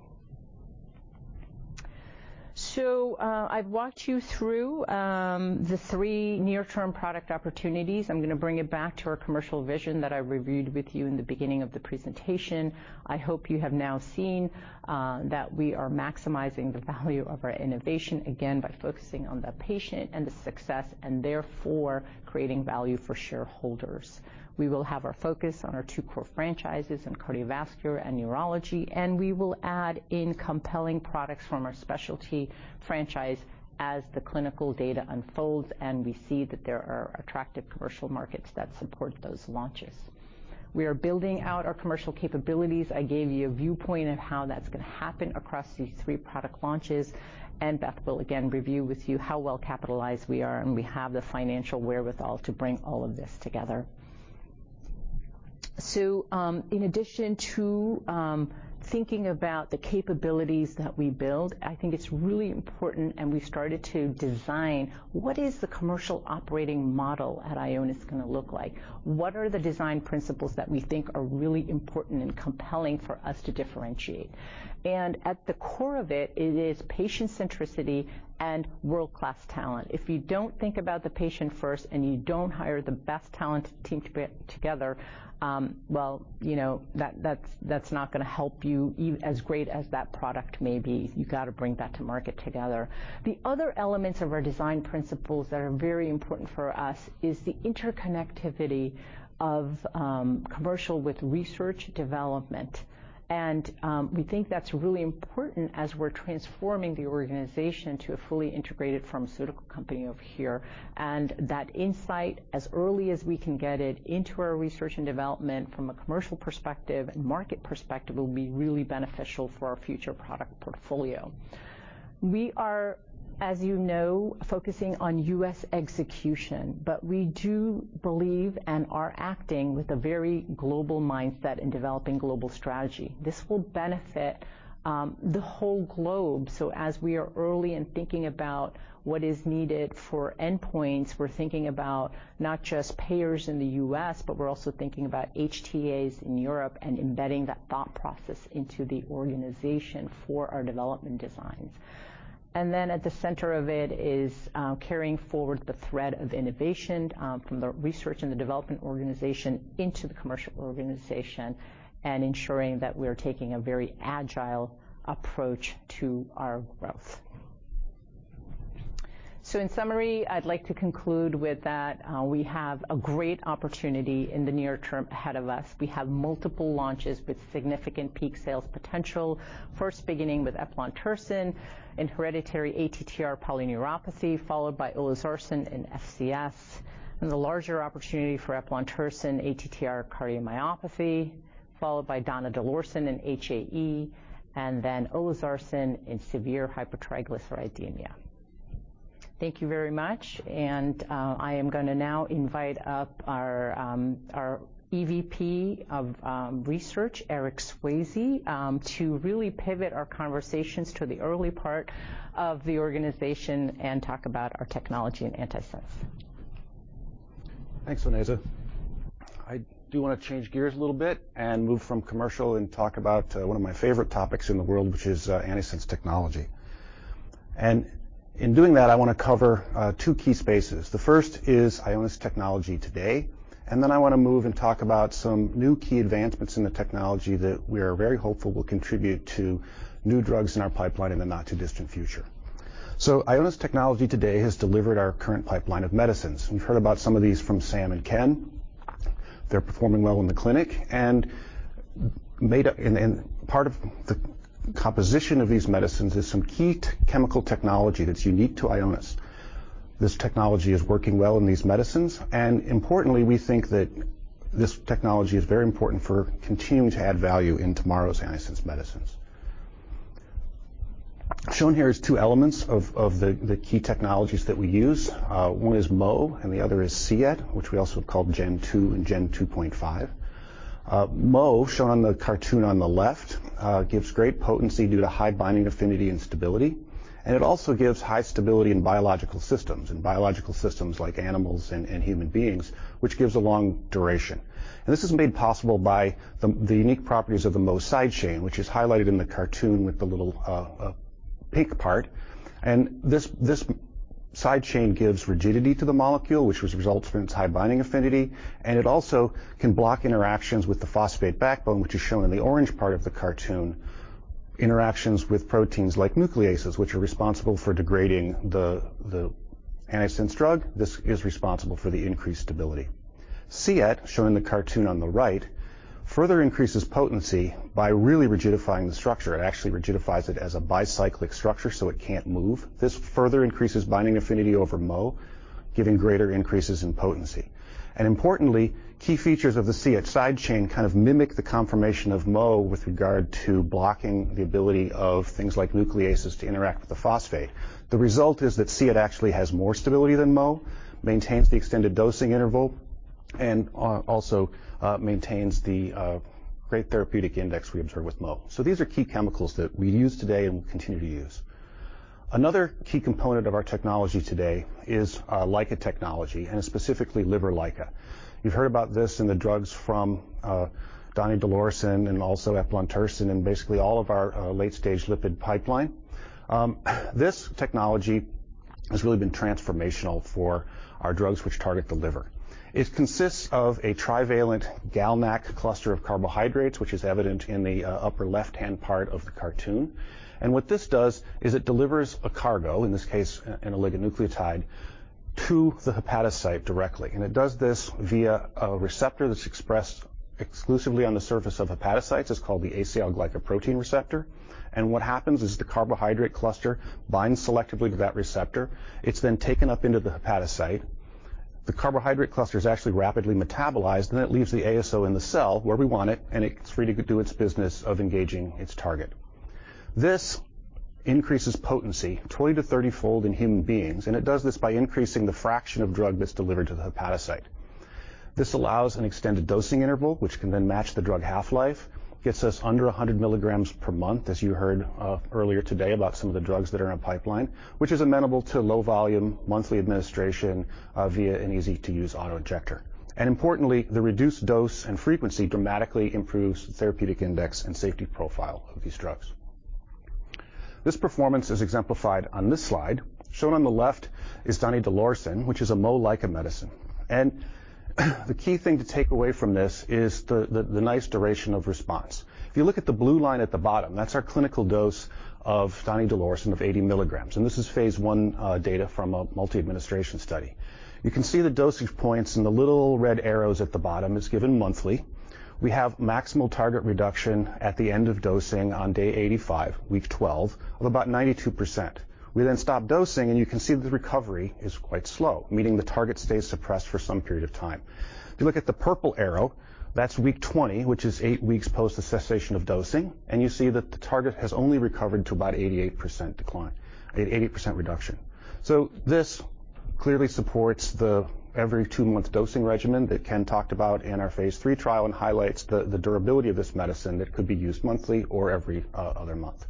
I've walked you through the three near-term product opportunities. I'm gonna bring it back to our commercial vision that I reviewed with you in the beginning of the presentation. I hope you have now seen that we are maximizing the value of our innovation again by focusing on the patient and the success and therefore creating value for shareholders. We will have our focus on our two core franchises in cardiovascular and neurology, and we will add in compelling products from our specialty franchise as the clinical data unfolds, and we see that there are attractive commercial markets that support those launches. We are building out our commercial capabilities. I gave you a viewpoint of how that's gonna happen across these three product launches, and Beth will again review with you how well-capitalized we are, and we have the financial wherewithal to bring all of this together. In addition to thinking about the capabilities that we build, I think it's really important and we started to design what is the commercial operating model at Ionis gonna look like? What are the design principles that we think are really important and compelling for us to differentiate? At the core of it is patient centricity and world-class talent. If you don't think about the patient first and you don't hire the best talent team to build together, well, you know, that's not gonna help you even as great as that product may be. You gotta bring that to market together. The other elements of our design principles that are very important for us is the interconnectivity of commercial with research development. We think that's really important as we're transforming the organization to a fully integrated pharmaceutical company over here. That insight, as early as we can get it into our research and development from a commercial perspective and market perspective, will be really beneficial for our future product portfolio. We are, as you know, focusing on U.S. execution, but we do believe and are acting with a very global mindset in developing global strategy. This will benefit the whole globe. As we are early and thinking about what is needed for endpoints, we're thinking about not just payers in the U.S., but we're also thinking about HTAs in Europe and embedding that thought process into the organization for our development designs. At the center of it is carrying forward the thread of innovation from the research and the development organization into the commercial organization and ensuring that we're taking a very agile approach to our growth. In summary, I'd like to conclude with that, we have a great opportunity in the near term ahead of us. We have multiple launches with significant peak sales potential, first beginning with eplontersen in hereditary ATTR polyneuropathy, followed by olezarsen in FCS, and the larger opportunity for eplontersen ATTR cardiomyopathy, followed by donidalorsen in HAE, and then olezarsen in severe hypertriglyceridemia. Thank you very much, and I am gonna now invite up our EVP of Research, Eric Swayze, to really pivot our conversations to the early part of the organization and talk about our technology and antisense. Thanks, Onaiza. I do wanna change gears a little bit and move from commercial and talk about one of my favorite topics in the world, which is antisense technology. In doing that, I wanna cover two key spaces. The first is Ionis technology today, and then I wanna move and talk about some new key advancements in the technology that we are very hopeful will contribute to new drugs in our pipeline in the not-too-distant future. Ionis technology today has delivered our current pipeline of medicines. We've heard about some of these from Sam and Ken. They're performing well in the clinic and part of the composition of these medicines is some key chemical technology that's unique to Ionis. This technology is working well in these medicines, and importantly, we think that this technology is very important for continuing to add value in tomorrow's antisense medicines. Shown here is two elements of the key technologies that we use. One is MOE, and the other is cEt, which we also call Gen 2 and Gen 2.5. MOE, shown on the cartoon on the left, gives great potency due to high binding affinity and stability, and it also gives high stability in biological systems like animals and human beings, which gives a long duration. This is made possible by the unique properties of the MOE side chain, which is highlighted in the cartoon with the little pink part. This side chain gives rigidity to the molecule, which was result from its high binding affinity, and it also can block interactions with the phosphate backbone, which is shown in the orange part of the cartoon, interactions with proteins like nucleases, which are responsible for degrading the antisense drug. This is responsible for the increased stability. cEt, shown in the cartoon on the right, further increases potency by really rigidifying the structure. It actually rigidifies it as a bicyclic structure, so it can't move. This further increases binding affinity over MOE, giving greater increases in potency. Importantly, key features of the cEt side chain kind of mimic the conformation of MOE with regard to blocking the ability of things like nucleases to interact with the phosphate. The result is that cEt actually has more stability than MOE, maintains the extended dosing interval, and also maintains the great therapeutic index we observe with MOE. These are key chemicals that we use today and continue to use. Another key component of our technology today is LICA technology, and specifically liver LICA. You've heard about this in the drugs from donidalorsen and also eplontersen, and basically all of our late stage lipid pipeline. This technology has really been transformational for our drugs which target the liver. It consists of a trivalent GalNAc cluster of carbohydrates, which is evident in the upper left-hand part of the cartoon. What this does is it delivers a cargo, in this case an oligonucleotide, to the hepatocyte directly, and it does this via a receptor that's expressed exclusively on the surface of hepatocytes. It's called the asialoglycoprotein receptor. What happens is the carbohydrate cluster binds selectively to that receptor. It's then taken up into the hepatocyte. The carbohydrate cluster is actually rapidly metabolized, and that leaves the ASO in the cell where we want it, and it's free to go do its business of engaging its target. This increases potency 20-30 fold in human beings, and it does this by increasing the fraction of drug that's delivered to the hepatocyte. This allows an extended dosing interval, which can then match the drug half-life, gets us under 100 mg per month, as you heard, earlier today about some of the drugs that are in our pipeline, which is amenable to low volume monthly administration via an easy-to-use auto-injector. Importantly, the reduced dose and frequency dramatically improves therapeutic index and safety profile of these drugs. This performance is exemplified on this slide. Shown on the left is donidalorsen, which is a MOE LICA medicine. The key thing to take away from this is the nice duration of response. If you look at the blue line at the bottom, that's our clinical dose of donidalorsen of 80 mg, and this is phase I data from a multi-administration study. You can see the dosage points in the little red arrows at the bottom. It's given monthly. We have maximal target reduction at the end of dosing on day 85, week 12 of about 92%. We then stop dosing, and you can see the recovery is quite slow, meaning the target stays suppressed for some period of time. If you look at the purple arrow, that's week 20, which is eight weeks post the cessation of dosing, and you see that the target has only recovered to about 88% decline, 80% reduction. This clearly supports the every two-month dosing regimen that Ken talked about in our phase III trial and highlights the durability of this medicine that could be used monthly or every other month.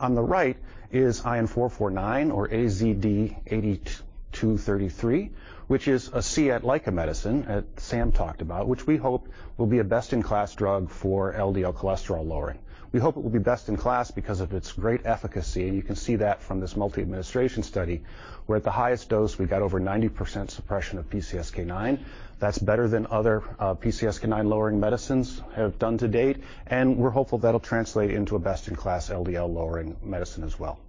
On the right is ION449 or AZD8233, which is a GalNAc LICA medicine that Sam talked about, which we hope will be a best-in-class drug for LDL cholesterol lowering. We hope it will be best in class because of its great efficacy, and you can see that from this multi-administration study, where at the highest dose, we got over 90% suppression of PCSK9. That's better than other PCSK9-lowering medicines have done to date, and we're hopeful that'll translate into a best-in-class LDL-lowering medicine as well.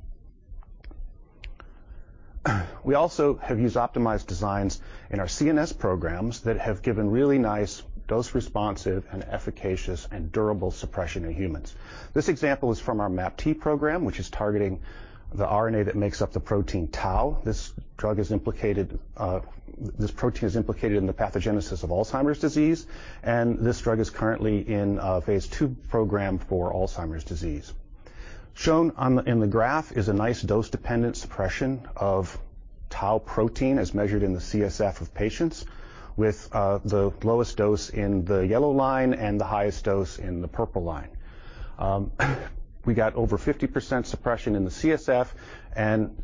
We also have used optimized designs in our CNS programs that have given really nice dose-responsive and efficacious and durable suppression in humans. This example is from our MAPT program, which is targeting the RNA that makes up the protein tau. This protein is implicated in the pathogenesis of Alzheimer's disease, and this drug is currently in a phase II program for Alzheimer's disease. In the graph is a nice dose-dependent suppression of tau protein as measured in the CSF of patients with the lowest dose in the yellow line and the highest dose in the purple line. We got over 50% suppression in the CSF, and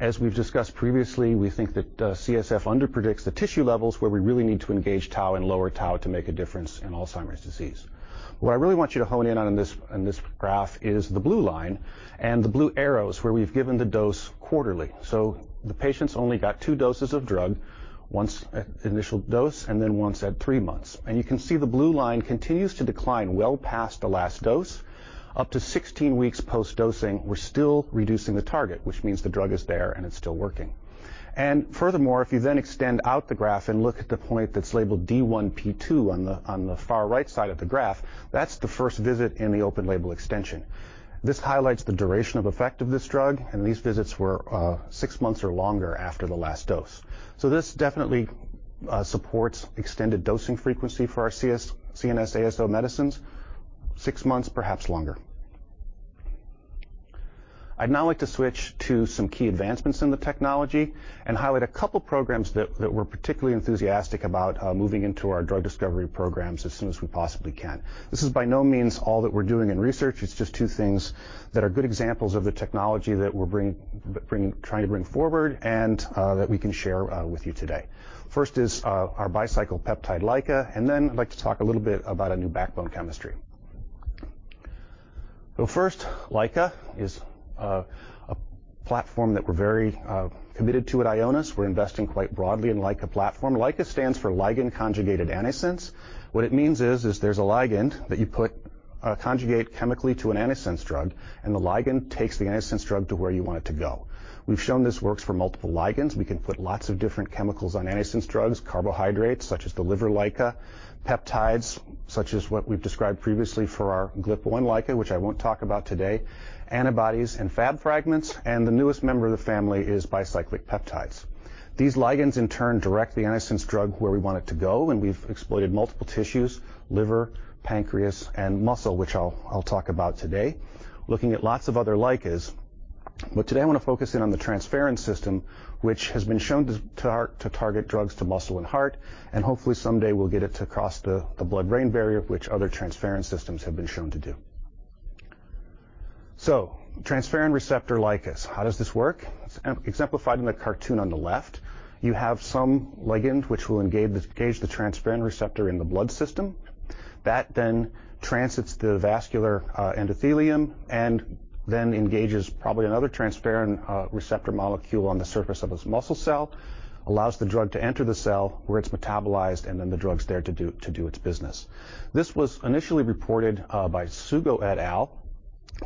as we've discussed previously, we think that CSF underpredicts the tissue levels where we really need to engage tau and lower tau to make a difference in Alzheimer's disease. What I really want you to hone in on in this graph is the blue line and the blue arrows where we've given the dose quarterly. The patients only got two doses of drug, once at initial dose and then once at three months. You can see the blue line continues to decline well past the last dose. Up to 16 weeks post-dosing, we're still reducing the target, which means the drug is there, and it's still working. Furthermore, if you then extend out the graph and look at the point that's labeled D one P two on the far right side of the graph, that's the first visit in the open label extension. This highlights the duration of effect of this drug, and these visits were six months or longer after the last dose. This definitely supports extended dosing frequency for our CNS ASO medicines, six months, perhaps longer. I'd now like to switch to some key advancements in the technology and highlight a couple programs that we're particularly enthusiastic about moving into our drug discovery programs as soon as we possibly can. This is by no means all that we're doing in research. It's just two things that are good examples of the technology that we're trying to bring forward and that we can share with you today. First is our bicyclic peptide LICA, and then I'd like to talk a little bit about a new backbone chemistry. First, LICA is a platform that we're very committed to at Ionis. We're investing quite broadly in LICA platform. LICA stands for Ligand Conjugated Antisense. What it means is there's a ligand that you conjugate chemically to an antisense drug, and the ligand takes the antisense drug to where you want it to go. We've shown this works for multiple ligands. We can put lots of different chemicals on antisense drugs, carbohydrates such as the liver LICA, peptides such as what we've described previously for our GLP-1 LICA, which I won't talk about today, antibodies and Fab fragments, and the newest member of the family is bicyclic peptides. These ligands in turn direct the antisense drug where we want it to go, and we've exploited multiple tissues, liver, pancreas, and muscle, which I'll talk about today, looking at lots of other LICAs. Today I want to focus in on the transferrin system, which has been shown to target drugs to muscle and heart, and hopefully someday we'll get it to cross the blood-brain barrier, which other transferrin systems have been shown to do. Transferrin receptor LICAs. How does this work? Exemplified in the cartoon on the left, you have some ligand which will engage the transferrin receptor in the blood system. That then transits the vascular endothelium and then engages probably another transferrin receptor molecule on the surface of its muscle cell, allows the drug to enter the cell where it's metabolized, and then the drug's there to do its business. This was initially reported by Sugo et al.,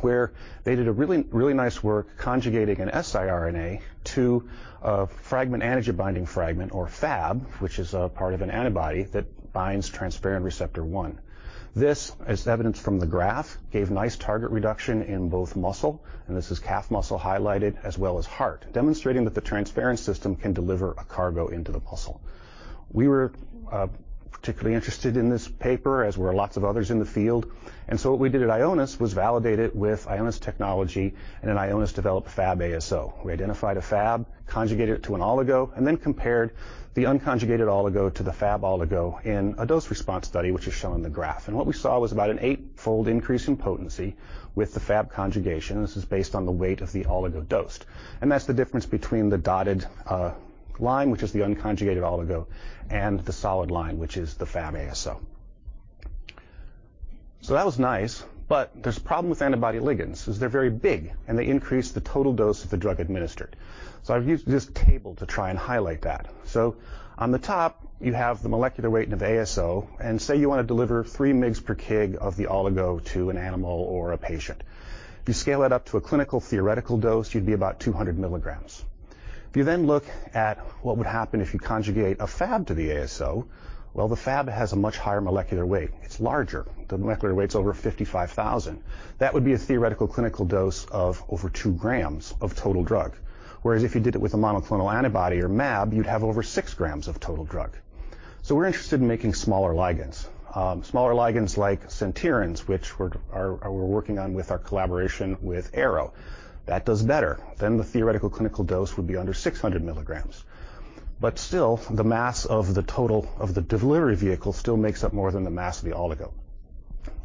where they did a really nice work conjugating an siRNA to a fragment antigen-binding fragment or Fab, which is a part of an antibody that binds transferrin receptor 1. This, as evidenced from the graph, gave nice target reduction in both muscle, and this is calf muscle highlighted, as well as heart, demonstrating that the transferrin system can deliver a cargo into the muscle. We were particularly interested in this paper, as were lots of others in the field. What we did at Ionis was validate it with Ionis technology and an Ionis-developed Fab ASO. We identified a Fab, conjugated it to an oligo, and then compared the unconjugated oligo to the Fab oligo in a dose-response study, which is shown in the graph. What we saw was about an eight-fold increase in potency with the Fab conjugation. This is based on the weight of the oligo dosed. That's the difference between the dotted line, which is the unconjugated oligo, and the solid line, which is the Fab ASO. That was nice, but there's a problem with antibody ligands, is they're very big, and they increase the total dose of the drug administered. I've used this table to try and highlight that. On the top, you have the molecular weight of ASO, and say you want to deliver 3 mg per kg of the oligo to an animal or a patient. If you scale it up to a clinical theoretical dose, you'd be about 200 mg. If you then look at what would happen if you conjugate a Fab to the ASO, well, the Fab has a much higher molecular weight. It's larger. The molecular weight is over 55,000. That would be a theoretical clinical dose of over 2 g of total drug. Whereas if you did it with a monoclonal antibody or mAb, you'd have over 6 g of total drug. We're interested in making smaller ligands. Smaller ligands like Centyrins, which we're working on with our collaboration with Arrow. That does better. The theoretical clinical dose would be under 600 mg. Still, the mass of the total of the delivery vehicle still makes up more than the mass of the oligo.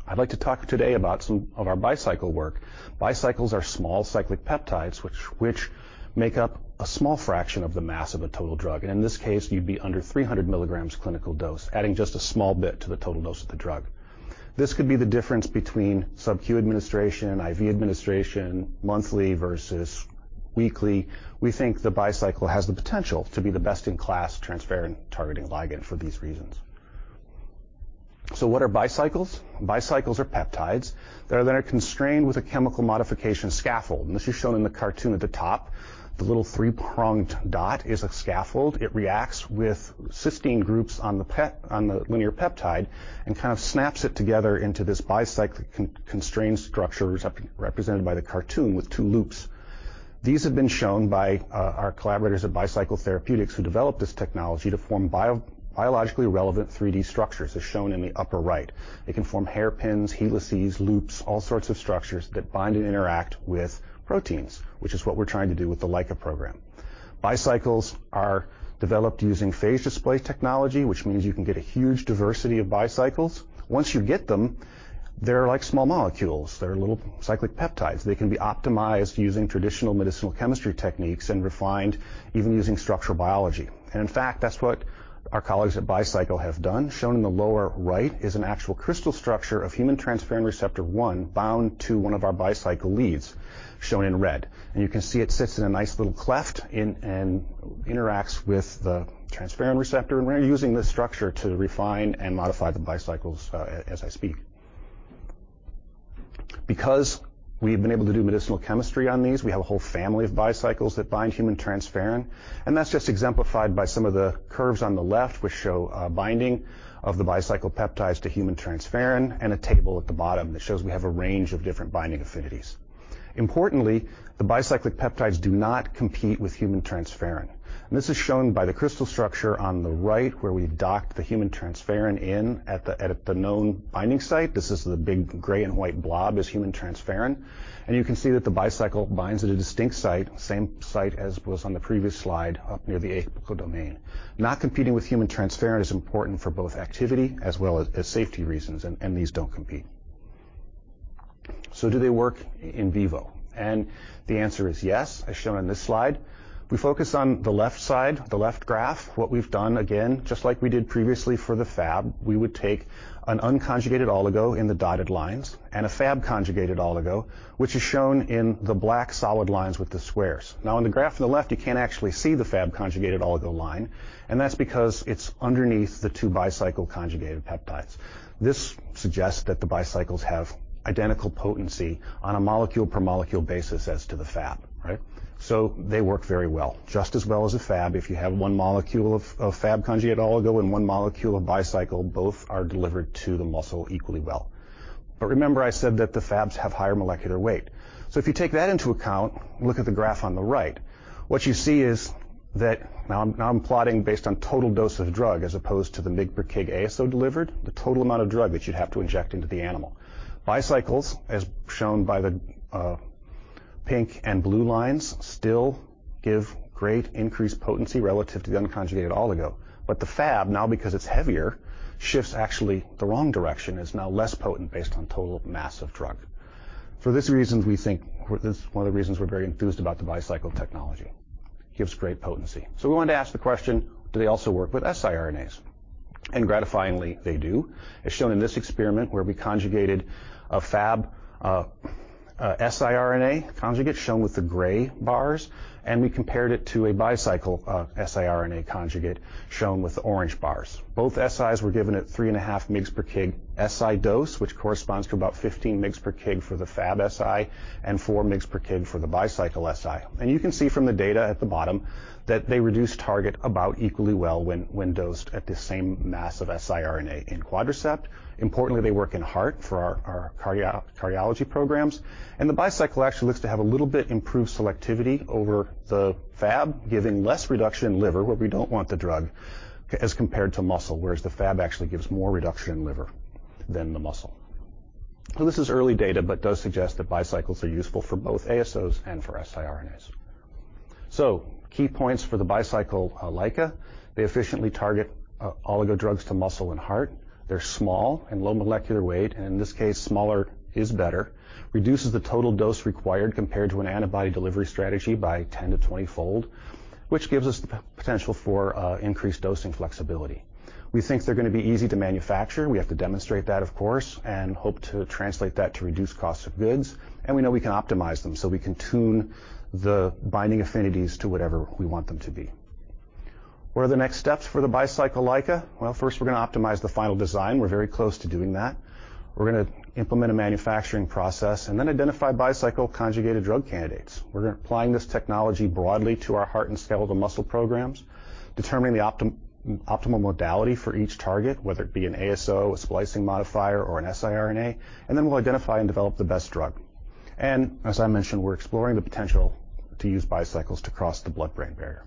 I'd like to talk today about some of our Bicycle work. Bicycles are small cyclic peptides, which make up a small fraction of the mass of a total drug. In this case, you'd be under 300 mg clinical dose, adding just a small bit to the total dose of the drug. This could be the difference between sub-Q administration, IV administration, monthly versus weekly. We think the Bicycle has the potential to be the best-in-class transferrin targeting ligand for these reasons. What are Bicycles? Bicycles are peptides that are then constrained with a chemical modification scaffold. This is shown in the cartoon at the top. The little three-pronged dot is a scaffold. It reacts with cysteine groups on the linear peptide and kind of snaps it together into this bicyclic constrained structure represented by the cartoon with two loops. These have been shown by our collaborators at Bicycle Therapeutics who developed this technology to form biologically relevant 3D structures as shown in the upper right. It can form hairpins, helices, loops, all sorts of structures that bind and interact with proteins, which is what we're trying to do with the LICA program. Bicycles are developed using phage display technology, which means you can get a huge diversity of bicycles. Once you get them, they're like small molecules. They're little cyclic peptides. They can be optimized using traditional medicinal chemistry techniques and refined even using structural biology. In fact, that's what our colleagues at Bicycle have done. Shown in the lower right is an actual crystal structure of human transferrin receptor 1 bound to one of our Bicycle leads, shown in red. You can see it sits in a nice little cleft and interacts with the transferrin receptor. We're using this structure to refine and modify the Bicycles, as I speak. Because we've been able to do medicinal chemistry on these, we have a whole family of Bicycles that bind human transferrin, and that's just exemplified by some of the curves on the left which show binding of the Bicycle peptides to human transferrin and a table at the bottom that shows we have a range of different binding affinities. Importantly, the bicyclic peptides do not compete with human transferrin. This is shown by the crystal structure on the right where we docked the human transferrin in at the known binding site. This is the big gray and white blob is human transferrin. You can see that the bicycle binds at a distinct site, same site as was on the previous slide up near the apical domain. Not competing with human transferrin is important for both activity as well as safety reasons, and these don't compete. Do they work in vivo? The answer is yes, as shown in this slide. We focus on the left side, the left graph. What we've done, again, just like we did previously for the Fab, we would take an unconjugated oligo in the dotted lines and a Fab conjugated oligo, which is shown in the black solid lines with the squares. In the graph on the left, you can't actually see the Fab conjugated oligo line, and that's because it's underneath the two bicyclic conjugated peptides. This suggests that the bicyles have identical potency on a molecule per molecule basis as to the Fab, right? They work very well, just as well as a Fab. If you have one molecule of Fab conjugate oligo and one molecule of bicyclic, both are delivered to the muscle equally well. Remember I said that the Fabs have higher molecular weight. If you take that into account, look at the graph on the right. What you see is that now I'm plotting based on total dose of drug as opposed to the mg/kg ASO delivered, the total amount of drug that you'd have to inject into the animal. Bicycles, as shown by the pink and blue lines, still give great increased potency relative to the unconjugated oligo. The Fab, now because it's heavier, shifts actually the wrong direction. It's now less potent based on total mass of drug. For these reasons, we think. This is one of the reasons we're very enthused about the bicycle technology. Gives great potency. We wanted to ask the question, do they also work with siRNAs? Gratifyingly, they do. As shown in this experiment where we conjugated a Fab, a siRNA conjugate shown with the gray bars, and we compared it to a bicycle siRNA conjugate shown with orange bars. Both SIs were given at 3.5 mg/kg SI dose, which corresponds to about 15 mg/kg for the Fab SI and 4 mg/kg for the bicycle SI. You can see from the data at the bottom that they reduce target about equally well when dosed at the same mass of siRNA in quadriceps. Importantly, they work in heart for our cardiology programs. The Bicycle actually looks to have a little bit improved selectivity over the Fab, giving less reduction in liver, where we don't want the drug, as compared to muscle, whereas the Fab actually gives more reduction in liver than the muscle. This is early data, but does suggest that Bicycles are useful for both ASOs and for siRNAs. Key points for the Bicycle LICA. They efficiently target oligo drugs to muscle and heart. They're small and low molecular weight, and in this case, smaller is better. Reduces the total dose required compared to an antibody delivery strategy by 10-20 fold, which gives us the potential for increased dosing flexibility. We think they're gonna be easy to manufacture. We have to demonstrate that, of course, and hope to translate that to reduce costs of goods, and we know we can optimize them, so we can tune the binding affinities to whatever we want them to be. What are the next steps for the Bicycle-like? Well, first we're gonna optimize the final design. We're very close to doing that. We're gonna implement a manufacturing process and then identify Bicycle-conjugated drug candidates. We're gonna apply this technology broadly to our heart and skeletal muscle programs, determining the optimal modality for each target, whether it be an ASO, a splicing modifier, or an siRNA. We'll identify and develop the best drug. As I mentioned, we're exploring the potential to use Bicycles to cross the blood-brain barrier.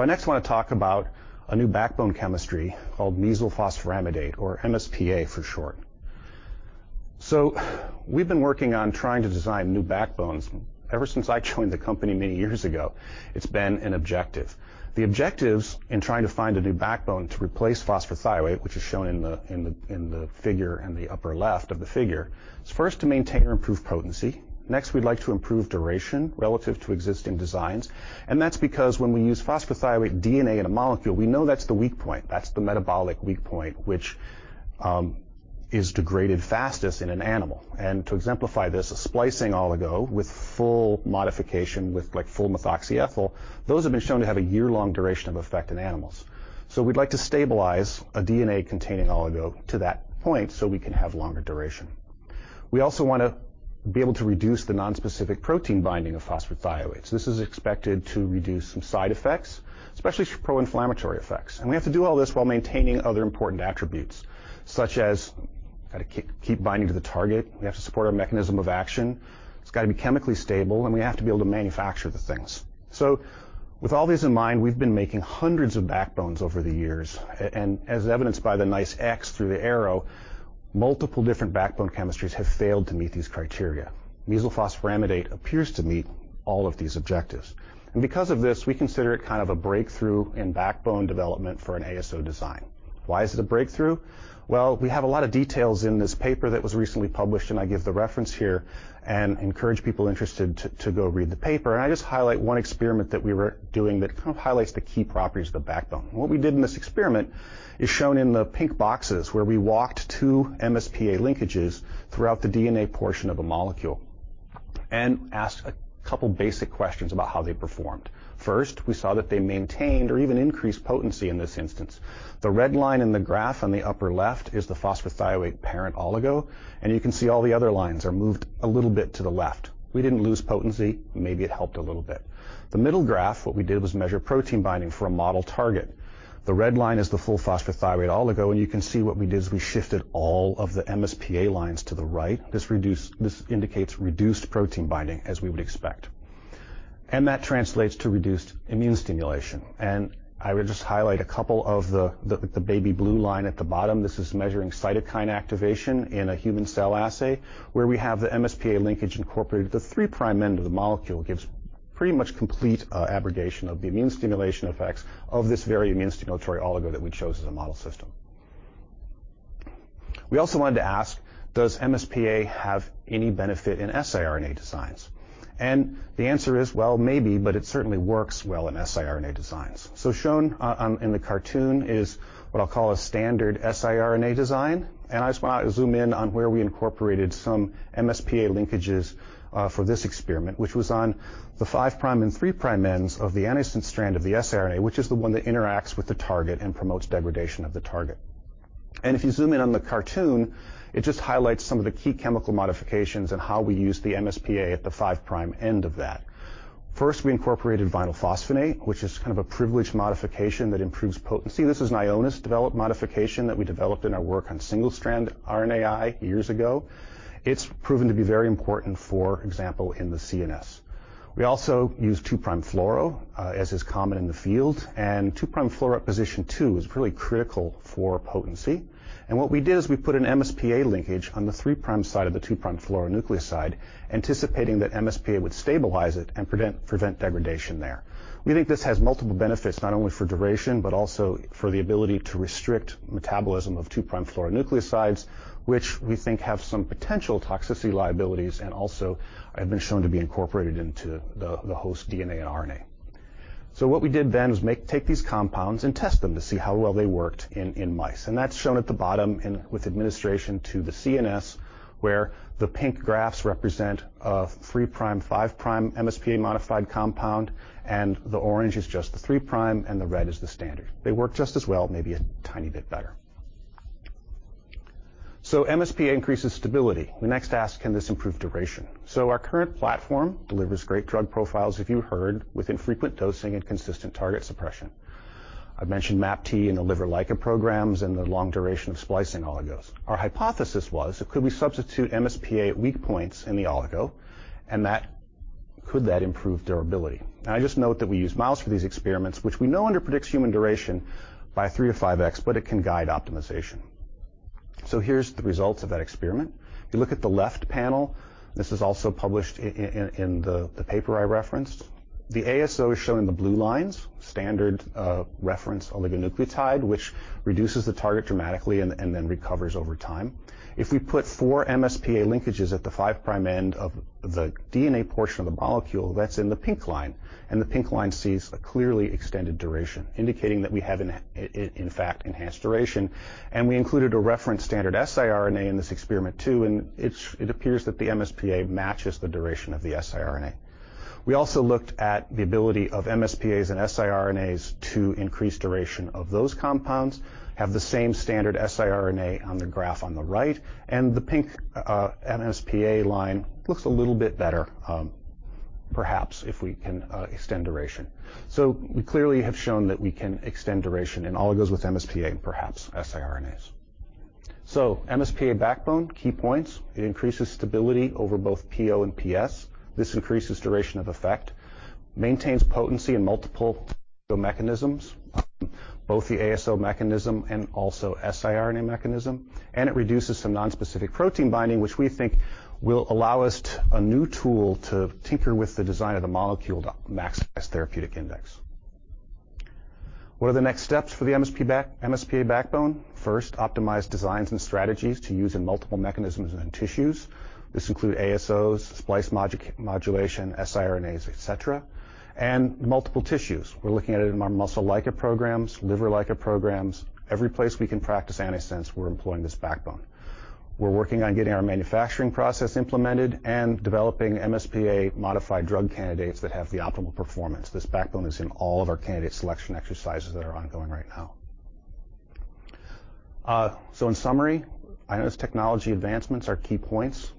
I next wanna talk about a new backbone chemistry called mesylphosphoramidate, or MSPA for short. We've been working on trying to design new backbones. Ever since I joined the company many years ago, it's been an objective. The objectives in trying to find a new backbone to replace phosphorothioate, which is shown in the figure in the upper left of the figure, is first to maintain or improve potency. Next, we'd like to improve duration relative to existing designs, and that's because when we use phosphorothioate DNA in a molecule, we know that's the weak point, that's the metabolic weak point, which is degraded fastest in an animal. To exemplify this, a splicing oligo with full modification with like full methoxyethyl, those have been shown to have a year-long duration of effect in animals. We'd like to stabilize a DNA-containing oligo to that point so we can have longer duration. We also wanna be able to reduce the nonspecific protein binding of phosphorothioates. This is expected to reduce some side effects, especially pro-inflammatory effects. We have to do all this while maintaining other important attributes, such as gotta keep binding to the target, we have to support our mechanism of action. It's gotta be chemically stable, and we have to be able to manufacture the things. With all these in mind, we've been making hundreds of backbones over the years. And as evidenced by the nice X through the arrow, multiple different backbone chemistries have failed to meet these criteria. Mesylphosphoramidate appears to meet all of these objectives, and because of this, we consider it kind of a breakthrough in backbone development for an ASO design. Why is it a breakthrough? Well, we have a lot of details in this paper that was recently published, and I give the reference here and encourage people interested to go read the paper, and I just highlight one experiment that we were doing that kind of highlights the key properties of the backbone. What we did in this experiment is shown in the pink boxes where we walked two MSPA linkages throughout the DNA portion of a molecule and asked a couple basic questions about how they performed. First, we saw that they maintained or even increased potency in this instance. The red line in the graph on the upper left is the phosphorothioate parent oligo, and you can see all the other lines are moved a little bit to the left. We didn't lose potency. Maybe it helped a little bit. The middle graph, what we did was measure protein binding for a model target. The red line is the full phosphorothioate oligo, and you can see what we did is we shifted all of the MSPA lines to the right. This indicates reduced protein binding as we would expect. That translates to reduced immune stimulation. I would just highlight a couple of the baby blue line at the bottom. This is measuring cytokine activation in a human cell assay where we have the MSPA linkage incorporated. The 3' end of the molecule gives pretty much complete abrogation of the immune stimulation effects of this very immune stimulatory oligo that we chose as a model system. We also wanted to ask, Does MsPA have any benefit in siRNA designs? The answer is, well, maybe, but it certainly works well in siRNA designs. Shown in the cartoon is what I'll call a standard siRNA design, and I just wanna zoom in on where we incorporated some MsPA linkages for this experiment, which was on the 5' and 3' ends of the antisense strand of the siRNA, which is the one that interacts with the target and promotes degradation of the target. If you zoom in on the cartoon, it just highlights some of the key chemical modifications and how we use the MsPA at the 5' end of that. First, we incorporated vinyl phosphonate, which is kind of a privileged modification that improves potency. This is an Ionis-developed modification that we developed in our work on single-strand RNAi years ago. It's proven to be very important, for example, in the CNS. We also use 2'-fluoro, as is common in the field, and 2'-fluoro at position two is really critical for potency. What we did is we put an MsPA linkage on the 3' side of the 2'-fluoro nucleoside, anticipating that MsPA would stabilize it and prevent degradation there. We think this has multiple benefits, not only for duration, but also for the ability to restrict metabolism of 2'-fluoro nucleosides, which we think have some potential toxicity liabilities and also have been shown to be incorporated into the host DNA and RNA. What we did then was make Take these compounds and test them to see how well they worked in mice, and that's shown at the bottom in with administration to the CNS, where the pink graphs represent a 3'/5' MSPA-modified compound, and the orange is just the 3' and the red is the standard. They work just as well, maybe a tiny bit better. MSPA increases stability. We next ask, can this improve duration? Our current platform delivers great drug profiles, if you heard, with infrequent dosing and consistent target suppression. I've mentioned MAPT in the liver-like programs and the long duration of splicing oligos. Our hypothesis was, could we substitute MSPA at weak points in the oligo, and could that improve durability? I just note that we use mouse for these experiments, which we know underpredicts human duration by 3x-5x, but it can guide optimization. Here's the results of that experiment. If you look at the left panel, this is also published in the paper I referenced. The ASO is shown in the blue lines, standard reference oligonucleotide, which reduces the target dramatically and then recovers over time. If we put four MsPA linkages at the 5' end of the DNA portion of the molecule that's in the pink line, and the pink line sees a clearly extended duration, indicating that we have in fact enhanced duration. We included a reference standard siRNA in this experiment too, and it appears that the MsPA matches the duration of the siRNA. We also looked at the ability of MsPAs and siRNAs to increase duration of those compounds we have [plotted with] the same standard siRNA on the graph on the right, and the pink MsPA line looks a little bit better. Perhaps we can extend duration. We clearly have shown that we can extend duration, and it also goes with MsPA and perhaps siRNAs. MsPA backbone, key points. It increases stability over both PO and PS. This increases duration of effect, maintains potency in multiple mechanisms, both the ASO mechanism and siRNA mechanism, and it reduces some nonspecific protein binding, which we think will allow us a new tool to tinker with the design of the molecule to maximize therapeutic index. What are the next steps for the MsPA backbone? First, optimize designs and strategies to use in multiple mechanisms and in tissues. This includes ASOs, splice modulation, siRNAs, et cetera, and multiple tissues. We're looking at it in our muscle LICA programs, liver LICA programs. Every place we can practice antisense, we're employing this backbone. We're working on getting our manufacturing process implemented and developing MSPA-modified drug candidates that have the optimal performance. This backbone is in all of our candidate selection exercises that are ongoing right now. In summary, Ionis technology advancements are key points.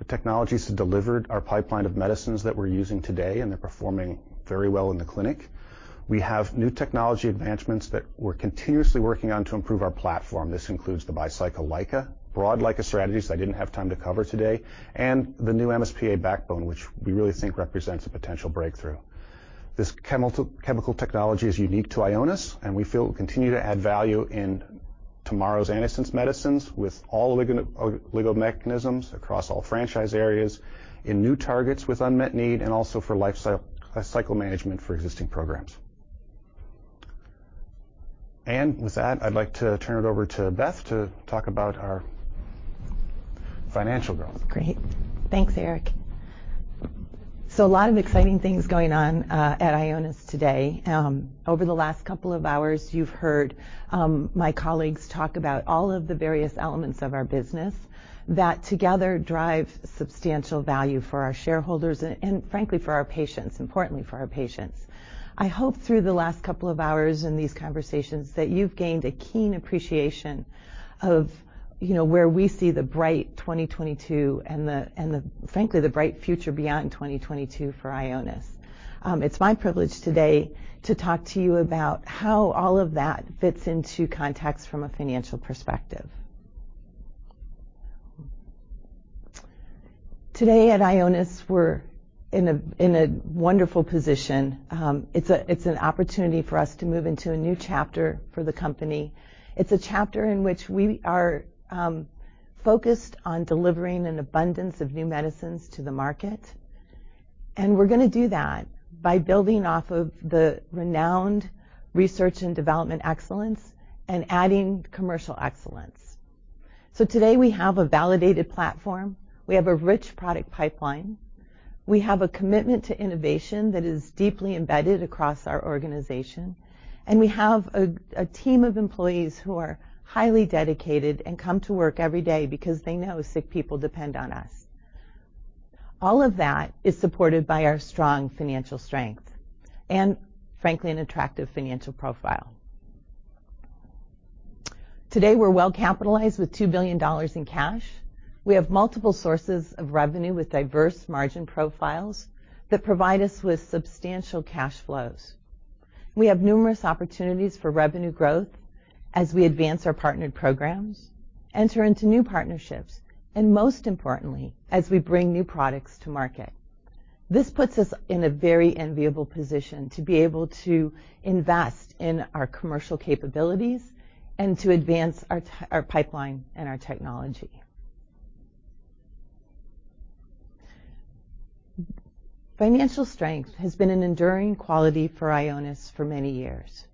The technologies have delivered our pipeline of medicines that we're using today, and they're performing very well in the clinic. We have new technology advancements that we're continuously working on to improve our platform. This includes the Bicycle LICA, broad LICA strategies I didn't have time to cover today, and the new MSPA backbone, which we really think represents a potential breakthrough. This chemical technology is unique to Ionis, and we feel will continue to add value in tomorrow's antisense medicines with all ligand mechanisms across all franchise areas in new targets with unmet need and also for lifecycle management for existing programs. With that, I'd like to turn it over to Beth to talk about our financial growth. Great. Thanks, Eric. A lot of exciting things going on at Ionis today. Over the last couple of hours, you've heard my colleagues talk about all of the various elements of our business that together drive substantial value for our shareholders and, frankly, for our patients, importantly for our patients. I hope through the last couple of hours in these conversations that you've gained a keen appreciation of, you know, where we see the bright 2022 and the, frankly, the bright future beyond 2022 for Ionis. It's my privilege today to talk to you about how all of that fits into context from a financial perspective. Today at Ionis, we're in a wonderful position. It's an opportunity for us to move into a new chapter for the company. It's a chapter in which we are focused on delivering an abundance of new medicines to the market, and we're gonna do that by building off of the renowned research and development excellence and adding commercial excellence. Today we have a validated platform. We have a rich product pipeline. We have a commitment to innovation that is deeply embedded across our organization, and we have a team of employees who are highly dedicated and come to work every day because they know sick people depend on us. All of that is supported by our strong financial strength and, frankly, an attractive financial profile. Today, we're well-capitalized with $2 billion in cash. We have multiple sources of revenue with diverse margin profiles that provide us with substantial cash flows. We have numerous opportunities for revenue growth as we advance our partnered programs, enter into new partnerships, and most importantly, as we bring new products to market. This puts us in a very enviable position to be able to invest in our commercial capabilities and to advance our pipeline and our technology. Financial strength has been an enduring quality for Ionis for many years,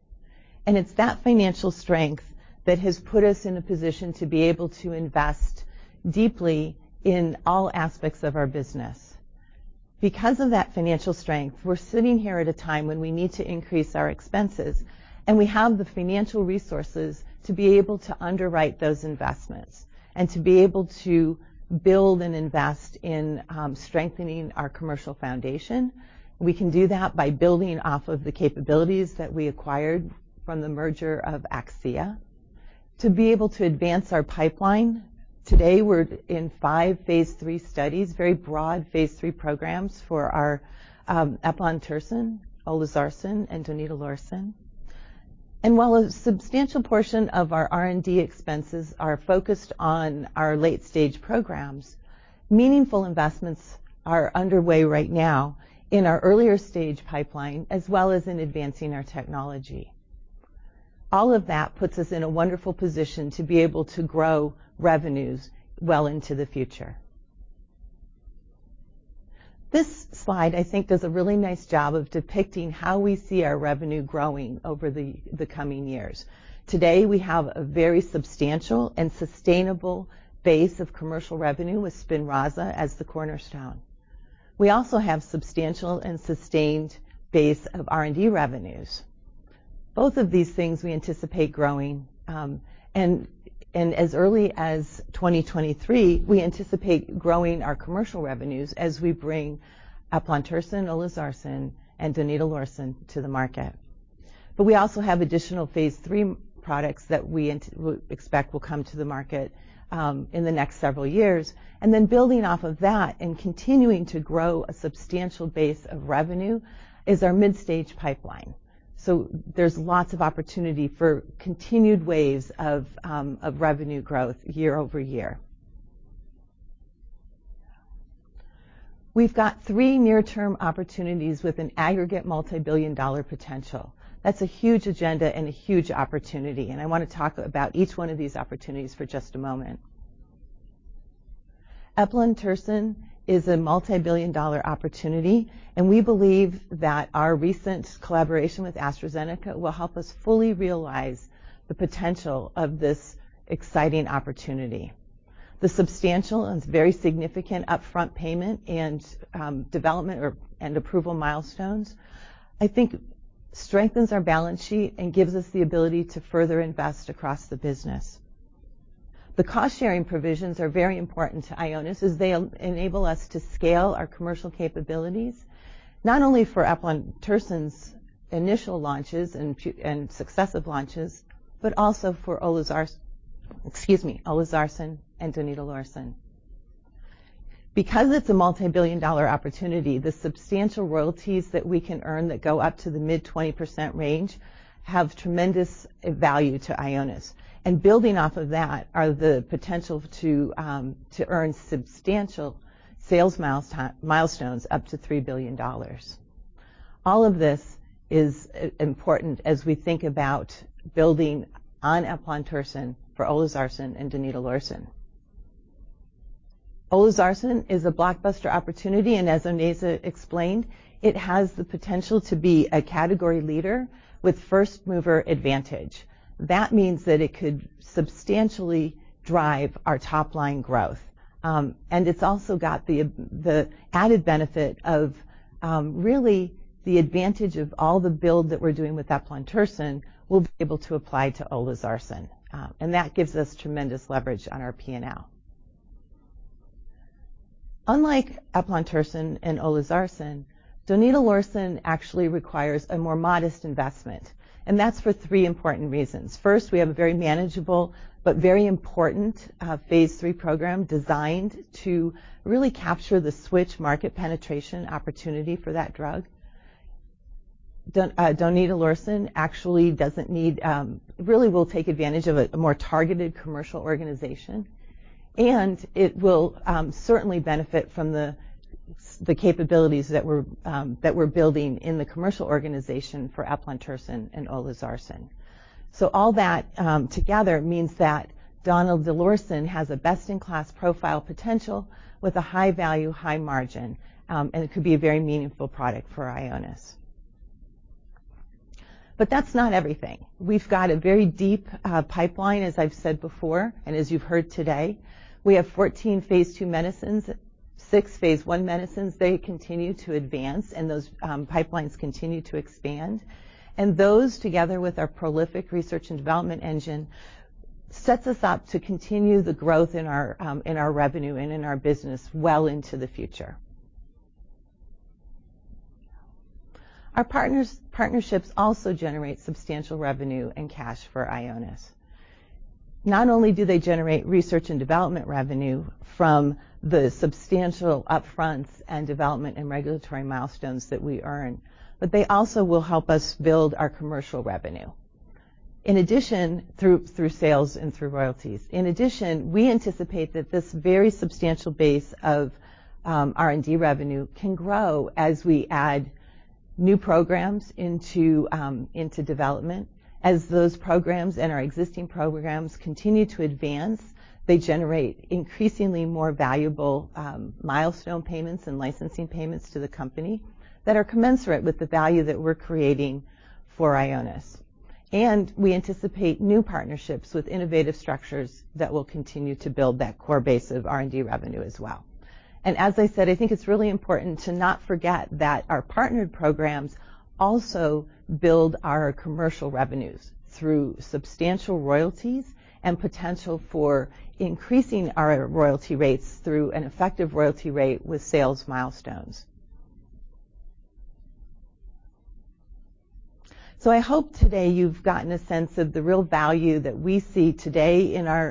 and it's that financial strength that has put us in a position to be able to invest deeply in all aspects of our business. Because of that financial strength, we're sitting here at a time when we need to increase our expenses, and we have the financial resources to be able to underwrite those investments and to be able to build and invest in strengthening our commercial foundation. We can do that by building off of the capabilities that we acquired from the merger of Akcea. To be able to advance our pipeline, today we're in five phase III studies, very broad phase III programs for our, eplontersen, olezarsen, and donidalorsen. While a substantial portion of our R&D expenses are focused on our late-stage programs, meaningful investments are underway right now in our earlier stage pipeline, as well as in advancing our technology. All of that puts us in a wonderful position to be able to grow revenues well into the future. This slide, I think, does a really nice job of depicting how we see our revenue growing over the coming years. Today, we have a very substantial and sustainable base of commercial revenue with SPINRAZA as the cornerstone. We also have substantial and sustained base of R&D revenues. Both of these things we anticipate growing, and as early as 2023, we anticipate growing our commercial revenues as we bring eplontersen, olezarsen, and donidalorsen to the market. We also have additional phase III products that we expect will come to the market, in the next several years. Then building off of that and continuing to grow a substantial base of revenue is our mid-stage pipeline. There's lots of opportunity for continued waves of revenue growth year-over-year. We've got three near-term opportunities with an aggregate multibillion-dollar potential. That's a huge agenda and a huge opportunity, and I want to talk about each one of these opportunities for just a moment. Eplontersen is a multibillion-dollar opportunity, and we believe that our recent collaboration with AstraZeneca will help us fully realize the potential of this exciting opportunity. The substantial and very significant upfront payment and development and approval milestones, I think, strengthens our balance sheet and gives us the ability to further invest across the business. The cost-sharing provisions are very important to Ionis as they enable us to scale our commercial capabilities, not only for eplontersen's initial launches and successive launches, but also for olezarsen and donidalorsen. Because it's a multibillion-dollar opportunity, the substantial royalties that we can earn that go up to the mid-20% range have tremendous value to Ionis. Building off of that are the potential to earn substantial sales milestones up to $3 billion. All of this is important as we think about building on eplontersen for olezarsen and donidalorsen. Olezarsen is a blockbuster opportunity, and as Onaiza explained, it has the potential to be a category leader with first-mover advantage. That means that it could substantially drive our top-line growth. It's also got the added benefit of really the advantage of all the build that we're doing with eplontersen, we'll be able to apply to olezarsen, and that gives us tremendous leverage on our P&L. Unlike eplontersen and olezarsen, donidalorsen actually requires a more modest investment, and that's for three important reasons. First, we have a very manageable but very important phase III program designed to really capture the switch market penetration opportunity for that drug. donidalorsen actually doesn't need really will take advantage of a more targeted commercial organization, and it will certainly benefit from the capabilities that we're building in the commercial organization for eplontersen and olezarsen. All that together means that donidalorsen has a best-in-class profile potential with a high value, high margin, and it could be a very meaningful product for Ionis. That's not everything. We've got a very deep pipeline, as I've said before, and as you've heard today. We have 14 phase II medicines, six phase I medicines. They continue to advance, and those pipelines continue to expand. Those, together with our prolific research and development engine, sets us up to continue the growth in our revenue and in our business well into the future. Our partnerships also generate substantial revenue and cash for Ionis. Not only do they generate research and development revenue from the substantial upfronts and development and regulatory milestones that we earn, but they also will help us build our commercial revenue. In addition, through sales and through royalties. In addition, we anticipate that this very substantial base of R&D revenue can grow as we add new programs into development. As those programs and our existing programs continue to advance, they generate increasingly more valuable milestone payments and licensing payments to the company that are commensurate with the value that we're creating for Ionis. We anticipate new partnerships with innovative structures that will continue to build that core base of R&D revenue as well. As I said, I think it's really important to not forget that our partnered programs also build our commercial revenues through substantial royalties and potential for increasing our royalty rates through an effective royalty rate with sales milestones. I hope today you've gotten a sense of the real value that we see today in our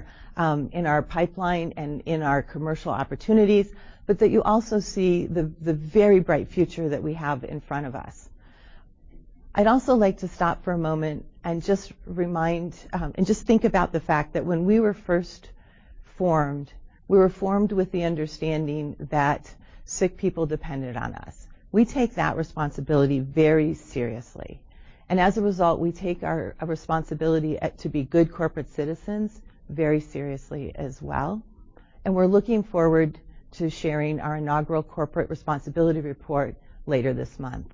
pipeline and in our commercial opportunities, but that you also see the very bright future that we have in front of us. I'd also like to stop for a moment and just remind and just think about the fact that when we were first formed, we were formed with the understanding that sick people depended on us. We take that responsibility very seriously. As a result, we take our responsibility to be good corporate citizens very seriously as well. We're looking forward to sharing our inaugural corporate responsibility report later this month.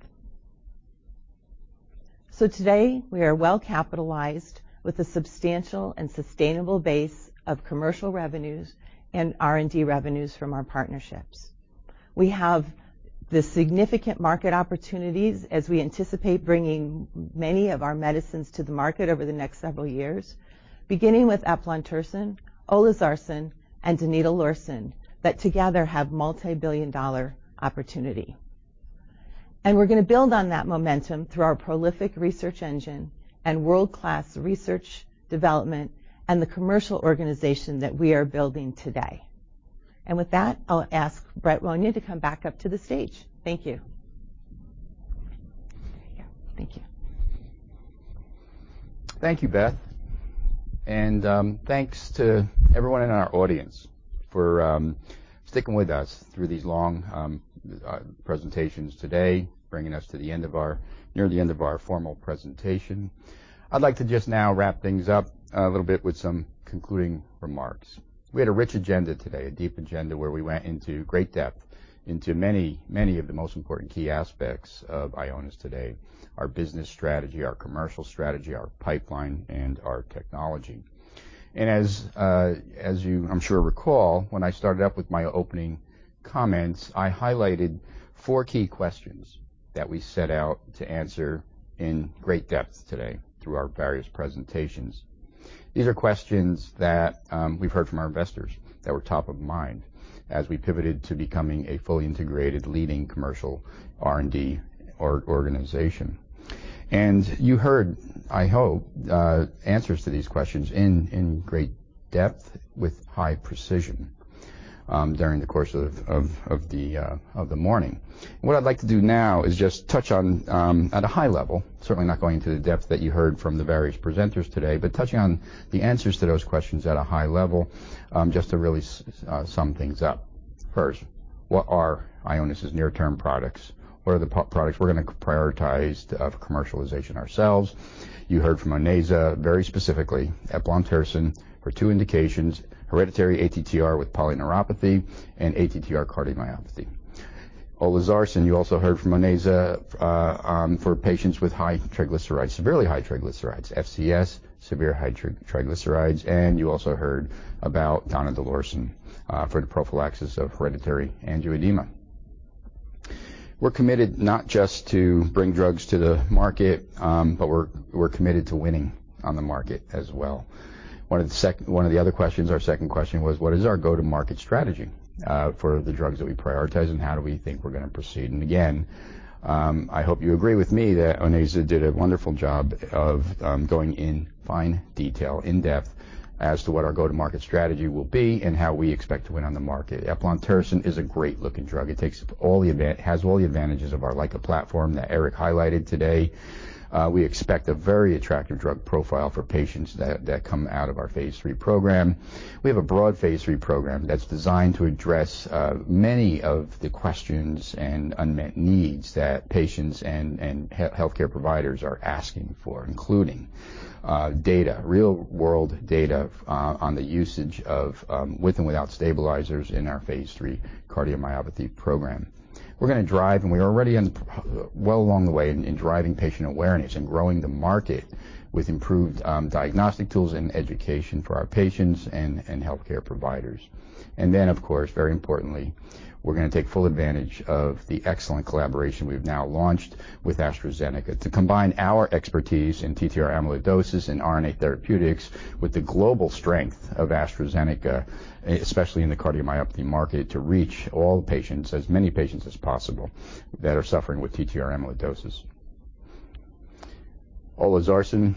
Today, we are well-capitalized with a substantial and sustainable base of commercial revenues and R&D revenues from our partnerships. We have these significant market opportunities as we anticipate bringing many of our medicines to the market over the next several years, beginning with eplontersen, olezarsen, and donidalorsen that together have multibillion-dollar opportunity. We're gonna build on that momentum through our prolific research engine and world-class research development and the commercial organization that we are building today. And with that, I'll ask Brett Monia to come back up to the stage. Thank you. There you go. Thank you. Thank you, Beth. Thanks to everyone in our audience for sticking with us through these long presentations today, bringing us near the end of our formal presentation. I'd like to just now wrap things up a little bit with some concluding remarks. We had a rich agenda today, a deep agenda, where we went into great depth into many, many of the most important key aspects of Ionis today, our business strategy, our commercial strategy, our pipeline, and our technology. As you I'm sure recall, when I started up with my opening comments, I highlighted four key questions that we set out to answer in great depth today through our various presentations. These are questions that we've heard from our investors that were top of mind as we pivoted to becoming a fully integrated leading commercial R&D organization. You heard, I hope, answers to these questions in great depth with high precision during the course of the morning. What I'd like to do now is just touch on at a high level, certainly not going into the depth that you heard from the various presenters today, but touch on the answers to those questions at a high level just to really sum things up. First, what are Ionis' near-term products? What are the products we're gonna prioritize of commercialization ourselves? You heard from Onaiza very specifically, eplontersen for two indications, hereditary ATTR with polyneuropathy and ATTR cardiomyopathy. Olezarsen, you also heard from Onaiza, for patients with high triglycerides, severely high triglycerides, FCS, severe high triglycerides, and you also heard about donidalorsen, for the prophylaxis of hereditary angioedema. We're committed not just to bring drugs to the market, but we're committed to winning on the market as well. One of the other questions, our second question was, what is our go-to-market strategy, for the drugs that we prioritize, and how do we think we're gonna proceed? I hope you agree with me that Onaiza did a wonderful job of, going in fine detail, in depth, as to what our go-to-market strategy will be and how we expect to win on the market. Eplontersen is a great-looking drug. It has all the advantages of our LICA platform that Eric highlighted today. We expect a very attractive drug profile for patients that come out of our phase III program. We have a broad phase III program that's designed to address many of the questions and unmet needs that patients and healthcare providers are asking for, including real-world data on the usage of with and without stabilizers in our phase III cardiomyopathy program. We're already well along the way in driving patient awareness and growing the market with improved diagnostic tools and education for our patients and healthcare providers. Of course, very importantly, we're gonna take full advantage of the excellent collaboration we've now launched with AstraZeneca to combine our expertise in TTR amyloidosis and RNA therapeutics with the global strength of AstraZeneca, especially in the cardiomyopathy market, to reach all patients, as many patients as possible, that are suffering with TTR amyloidosis. Olezarsen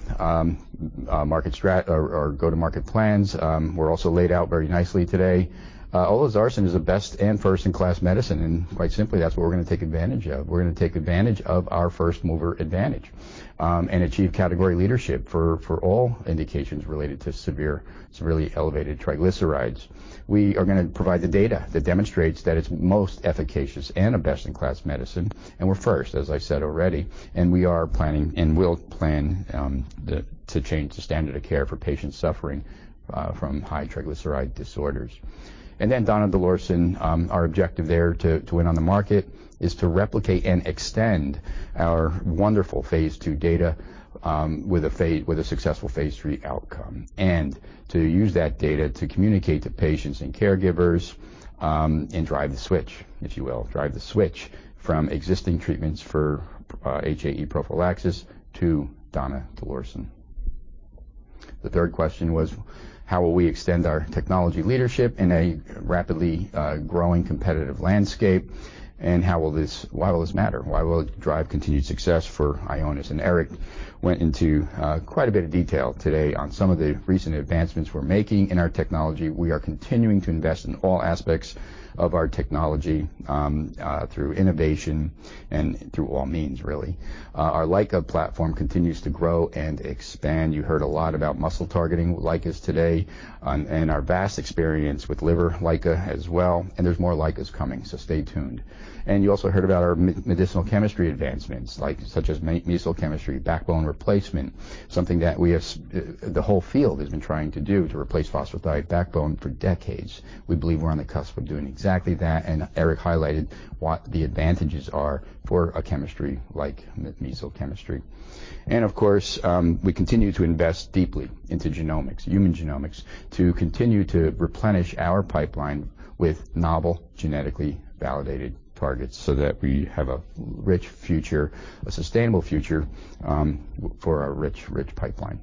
market strategy or go-to-market plans were also laid out very nicely today. Olezarsen is the best and first-in-class medicine, and quite simply, that's what we're gonna take advantage of. We're gonna take advantage of our first-mover advantage and achieve category leadership for all indications related to severe, severely elevated triglycerides. We are gonna provide the data that demonstrates that it's most efficacious and a best-in-class medicine, and we're first, as I said already, and we are planning to change the standard of care for patients suffering from high triglyceride disorders. Then donidalorsen, our objective there to win on the market is to replicate and extend our wonderful phase II data with a successful phase III outcome, and to use that data to communicate to patients and caregivers and drive the switch, if you will. Drive the switch from existing treatments for HAE prophylaxis to donidalorsen. The third question was, how will we extend our technology leadership in a rapidly growing competitive landscape? Why will this matter? Why will it drive continued success for Ionis? Eric went into quite a bit of detail today on some of the recent advancements we're making in our technology. We are continuing to invest in all aspects of our technology through innovation and through all means really. Our LICA platform continues to grow and expand. You heard a lot about muscle targeting LICAs today and our vast experience with liver LICA as well, and there's more LICAs coming, so stay tuned. You also heard about our medicinal chemistry advancements, like such as mesyl chemistry, backbone replacement, something that the whole field has been trying to do to replace phosphorothioate backbone for decades. We believe we're on the cusp of doing exactly that, and Eric highlighted what the advantages are for a chemistry like mesyl chemistry. Of course, we continue to invest deeply into genomics, human genomics, to continue to replenish our pipeline with novel, genetically validated targets so that we have a rich future, a sustainable future, for our rich pipeline.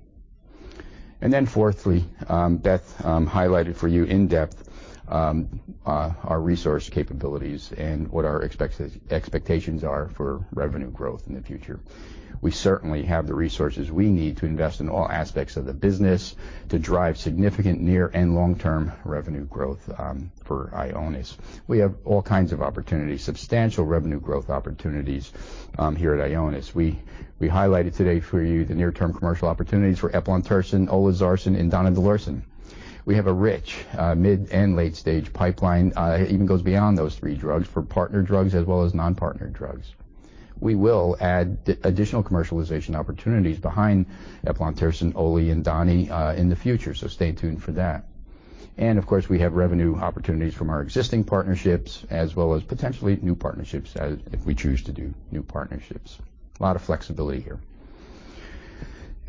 Fourthly, Beth highlighted for you in depth our resource capabilities and what our expectations are for revenue growth in the future. We certainly have the resources we need to invest in all aspects of the business to drive significant near- and long-term revenue growth for Ionis. We have all kinds of opportunities, substantial revenue growth opportunities, here at Ionis. We highlighted today for you the near-term commercial opportunities for eplontersen, olezarsen, and donidalorsen. We have a rich mid- and late-stage pipeline, even goes beyond those three drugs for partner drugs as well as non-partner drugs. We will add additional commercialization opportunities behind eplontersen, olezarsen, and donidalorsen in the future, so stay tuned for that. Of course, we have revenue opportunities from our existing partnerships as well as potentially new partnerships if we choose to do new partnerships. A lot of flexibility here.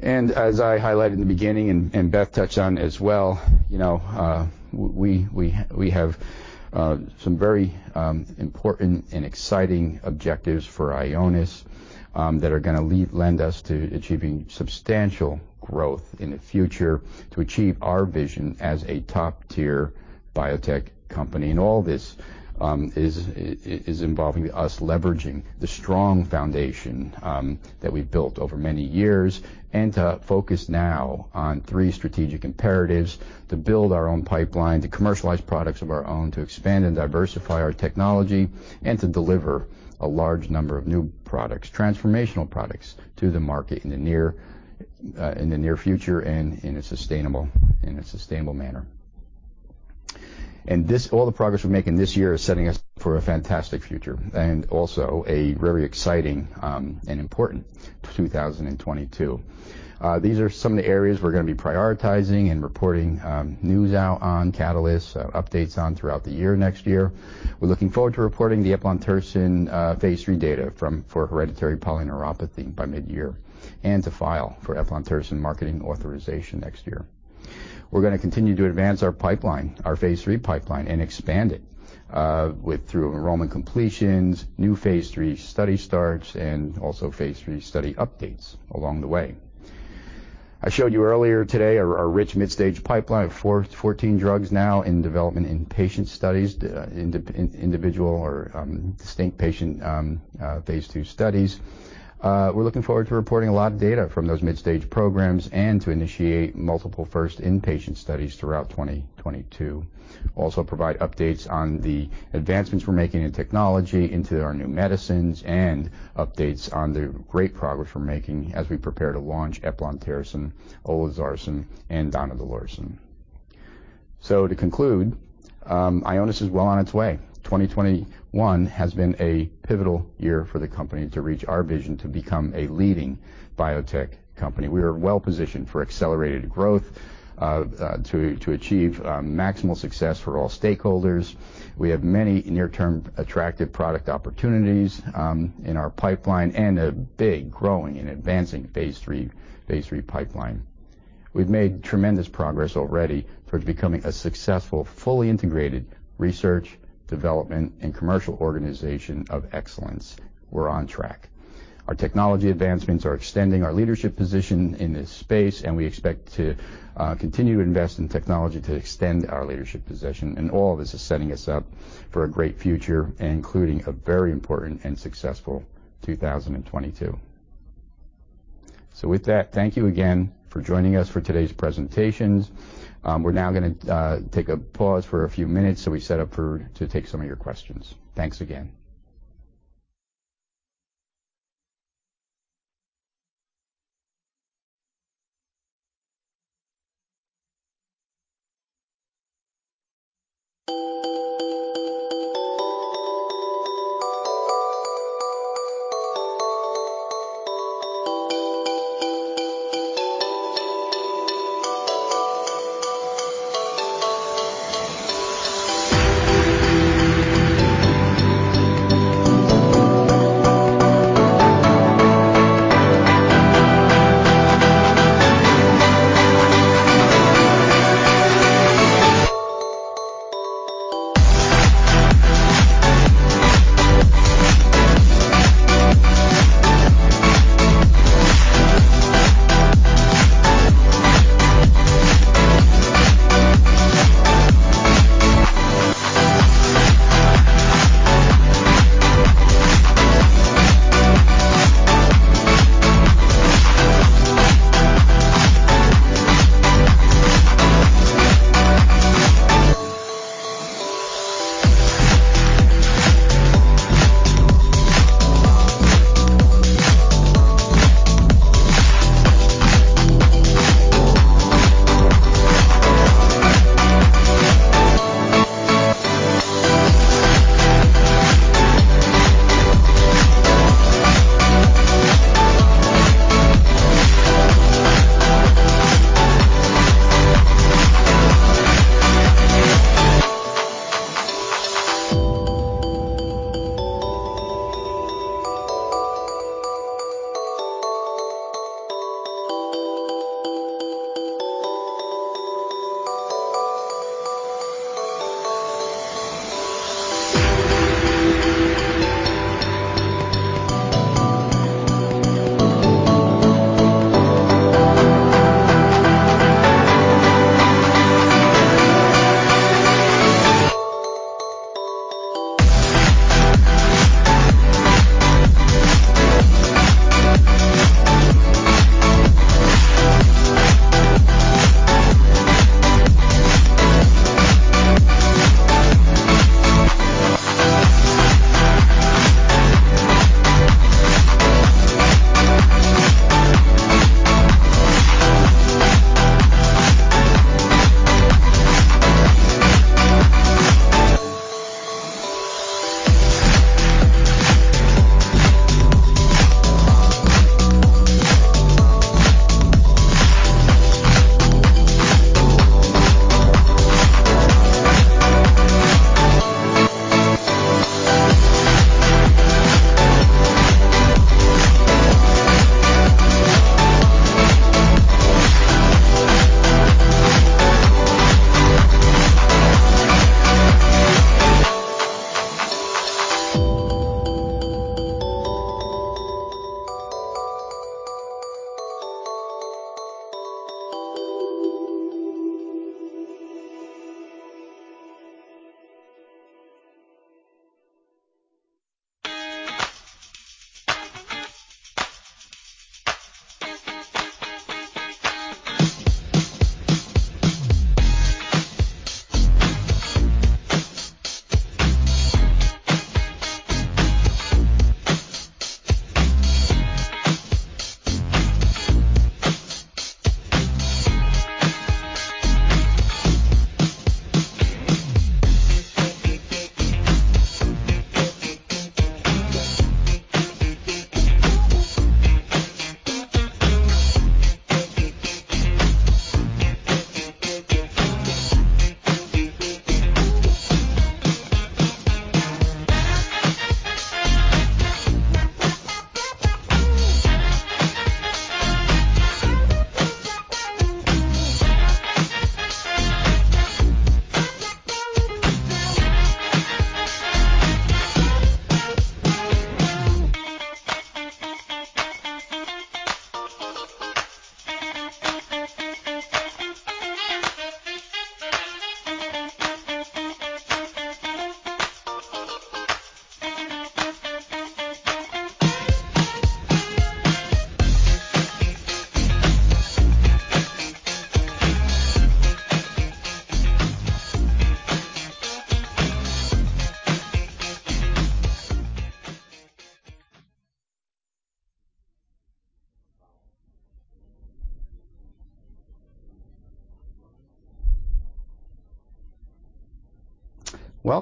As I highlighted in the beginning and Beth touched on as well, you know, we have some very important and exciting objectives for Ionis that are gonna lead us to achieving substantial growth in the future to achieve our vision as a top-tier biotech company. This is involving us leveraging the strong foundation that we've built over many years and to focus now on three strategic imperatives: to build our own pipeline, to commercialize products of our own, to expand and diversify our technology, and to deliver a large number of new products, transformational products to the market in the near future and in a sustainable manner. This, all the progress we're making this year is setting us for a fantastic future and also a very exciting and important 2022. These are some of the areas we're gonna be prioritizing and reporting news out on catalysts, updates on throughout the year next year. We're looking forward to reporting the eplontersen phase III data from for hereditary polyneuropathy by mid-year and to file for eplontersen marketing authorization next year. We're gonna continue to advance our pipeline, our phase III pipeline, and expand it with through enrollment completions, new phase III study starts, and also phase III study updates along the way. I showed you earlier today our rich mid-stage pipeline of 4-14 drugs now in development in patient studies in individual or distinct patient phase II studies. We're looking forward to reporting a lot of data from those mid-stage programs and to initiate multiple first-in-human studies throughout 2022. Also provide updates on the advancements we're making in technology into our new medicines and updates on the great progress we're making as we prepare to launch eplontersen, olezarsen, and donidalorsen. To conclude, Ionis is well on its way. 2021 has been a pivotal year for the company to reach our vision to become a leading biotech company. We are well positioned for accelerated growth to achieve maximal success for all stakeholders. We have many near-term attractive product opportunities in our pipeline and a big growing and advancing phase III pipeline. We've made tremendous progress already towards becoming a successful, fully integrated research, development, and commercial organization of excellence. We're on track. Our technology advancements are extending our leadership position in this space, and we expect to continue to invest in technology to extend our leadership position. All this is setting us up for a great future, including a very important and successful 2022. With that, thank you again for joining us for today's presentations. We're now gonna take a pause for a few minutes, so we set up to take some of your questions. Thanks again.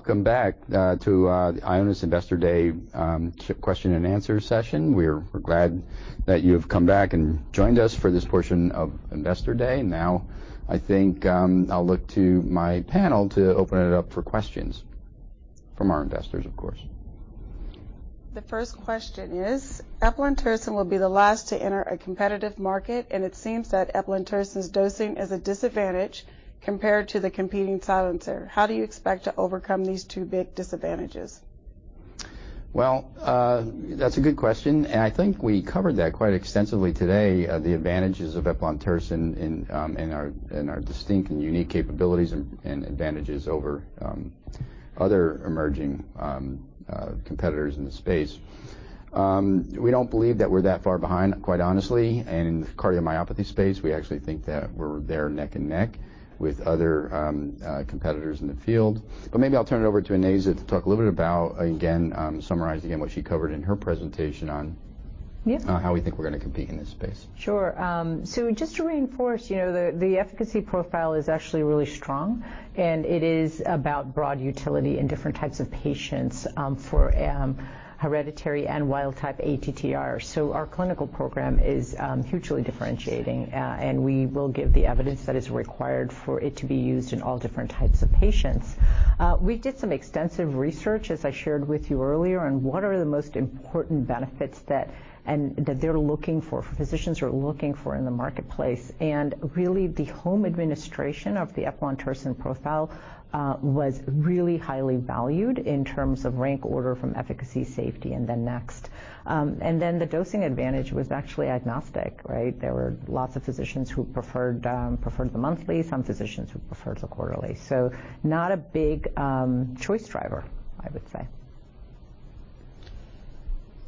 Welcome back to the Ionis Investor Day question and answer session. We're glad that you've come back and joined us for this portion of Investor Day. Now, I think I'll look to my panel to open it up for questions from our investors, of course. The first question is, eplontersen will be the last to enter a competitive market, and it seems that eplontersen's dosing is a disadvantage compared to the competing silencer. How do you expect to overcome these two big disadvantages? Well, that's a good question, and I think we covered that quite extensively today, the advantages of eplontersen in our distinct and unique capabilities and advantages over other emerging competitors in the space. We don't believe that we're that far behind, quite honestly. In cardiomyopathy space, we actually think that we're there neck and neck with other competitors in the field. Maybe I'll turn it over to Onaiza to talk a little bit about, again, summarize again what she covered in her presentation on- Yeah. how we think we're gonna compete in this space. Sure. Just to reinforce, you know, the efficacy profile is actually really strong, and it is about broad utility in different types of patients for hereditary and wild-type ATTR. Our clinical program is hugely differentiating, and we will give the evidence that is required for it to be used in all different types of patients. We did some extensive research, as I shared with you earlier, on what are the most important benefits that they're looking for, physicians are looking for in the marketplace. Really, the home administration of the eplontersen profile was really highly valued in terms of rank order from efficacy, safety, and then next. Then the dosing advantage was actually agnostic, right? There were lots of physicians who preferred the monthly. Some physicians who preferred the quarterly. Not a big choice driver, I would say.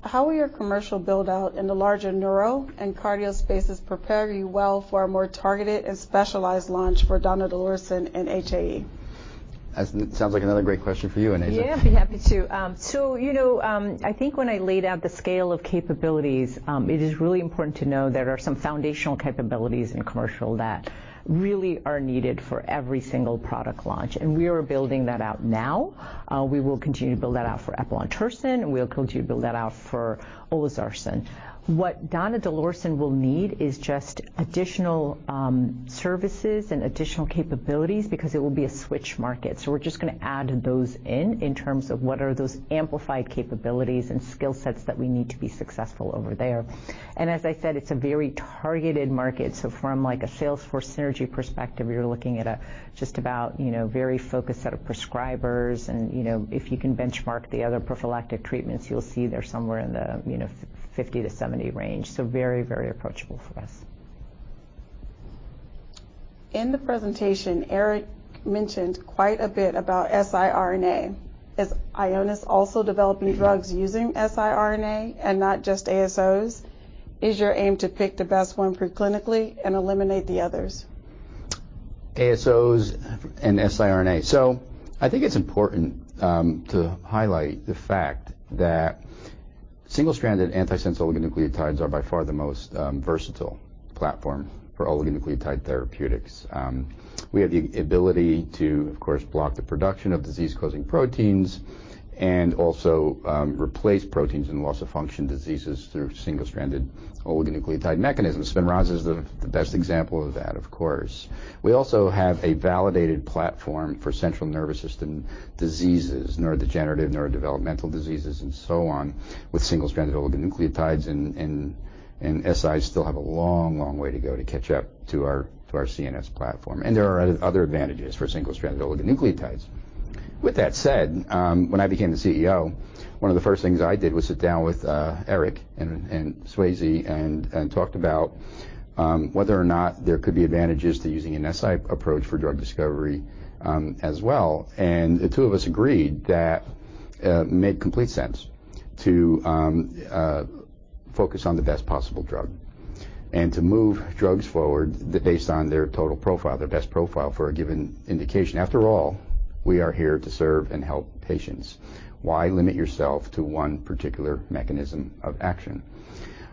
How will your commercial build-out in the larger neuro and cardio spaces prepare you well for a more targeted and specialized launch for donidalorsen and HAE? Sounds like another great question for you, Onaiza. Yeah, I'd be happy to. So, you know, I think when I laid out the scale of capabilities, it is really important to know there are some foundational capabilities in commercial that really are needed for every single product launch, and we are building that out now. We will continue to build that out for eplontersen, and we'll continue to build that out for olezarsen. What donidalorsen will need is just additional services and additional capabilities because it will be a switch market. We're just gonna add those in terms of what are those amplified capabilities and skill sets that we need to be successful over there. As I said, it's a very targeted market, so from like a sales force synergy perspective, you're looking at a just about, you know, very focused set of prescribers and, you know. If you can benchmark the other prophylactic treatments, you'll see they're somewhere in the 50-70 range, you know, so very, very approachable for us. In the presentation, Eric mentioned quite a bit about siRNA. Is Ionis also developing drugs using siRNA and not just ASOs? Is your aim to pick the best one pre-clinically and eliminate the others? ASOs and siRNA. I think it's important to highlight the fact that single-stranded antisense oligonucleotides are by far the most versatile platform for oligonucleotide therapeutics. We have the ability to, of course, block the production of disease-causing proteins and also replace proteins in loss of function diseases through single-stranded oligonucleotide mechanisms. SPINRAZA is the best example of that, of course. We also have a validated platform for central nervous system diseases, neurodegenerative, neurodevelopmental diseases and so on, with single-stranded oligonucleotides and SIs still have a long way to go to catch up to our CNS platform, and there are other advantages for single-stranded oligonucleotides. With that said, when I became the CEO, one of the first things I did was sit down with Eric Swayze and talked about whether or not there could be advantages to using a siRNA approach for drug discovery, as well. The two of us agreed that it made complete sense to focus on the best possible drug and to move drugs forward based on their total profile, their best profile for a given indication. After all, we are here to serve and help patients. Why limit yourself to one particular mechanism of action?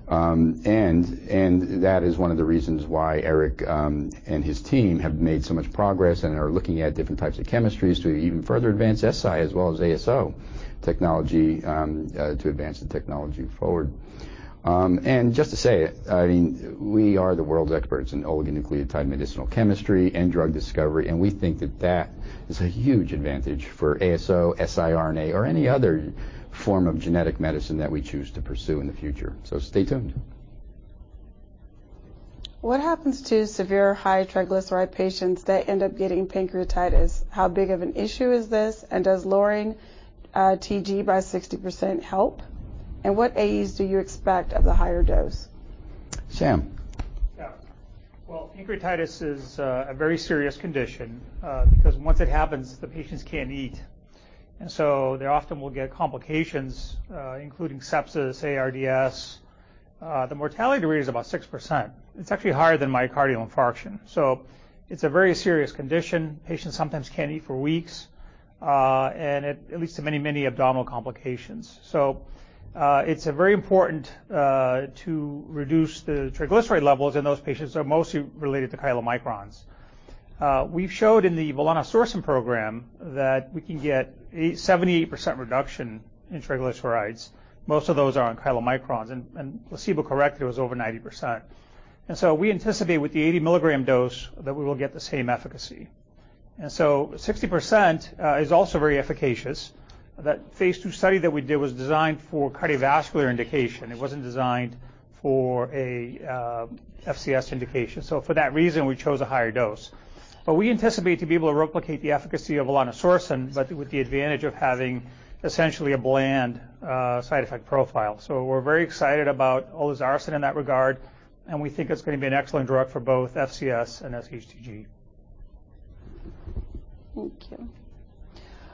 That is one of the reasons why Eric and his team have made so much progress and are looking at different types of chemistries to even further advance siRNA as well as ASO technology, to advance the technology forward. Just to say, I mean, we are the world's experts in oligonucleotide medicinal chemistry and drug discovery, and we think that that is a huge advantage for ASO, siRNA or any other form of genetic medicine that we choose to pursue in the future. Stay tuned. What happens to severe high triglyceride patients that end up getting pancreatitis? How big of an issue is this, and does lowering TG by 60% help? What AEs do you expect of the higher dose? Sam. Yeah. Well, pancreatitis is a very serious condition because once it happens, the patients can't eat, and so they often will get complications, including sepsis, ARDS. The mortality rate is about 6%. It's actually higher than myocardial infarction, so it's a very serious condition. Patients sometimes can't eat for weeks, and it leads to many abdominal complications. It's very important to reduce the triglyceride levels in those patients are mostly related to chylomicrons. We've showed in the volanesorsen program that we can get 78% reduction in triglycerides. Most of those are on chylomicrons, and placebo-corrected was over 90%. We anticipate with the 80 mg dose that we will get the same efficacy. Sixty percent is also very efficacious. That phase II study that we did was designed for cardiovascular indication. It wasn't designed for a FCS indication. For that reason, we chose a higher dose. We anticipate to be able to replicate the efficacy of volanesorsen, but with the advantage of having essentially a bland side effect profile. We're very excited about olezarsen in that regard, and we think it's going to be an excellent drug for both FCS and SHTG. Thank you.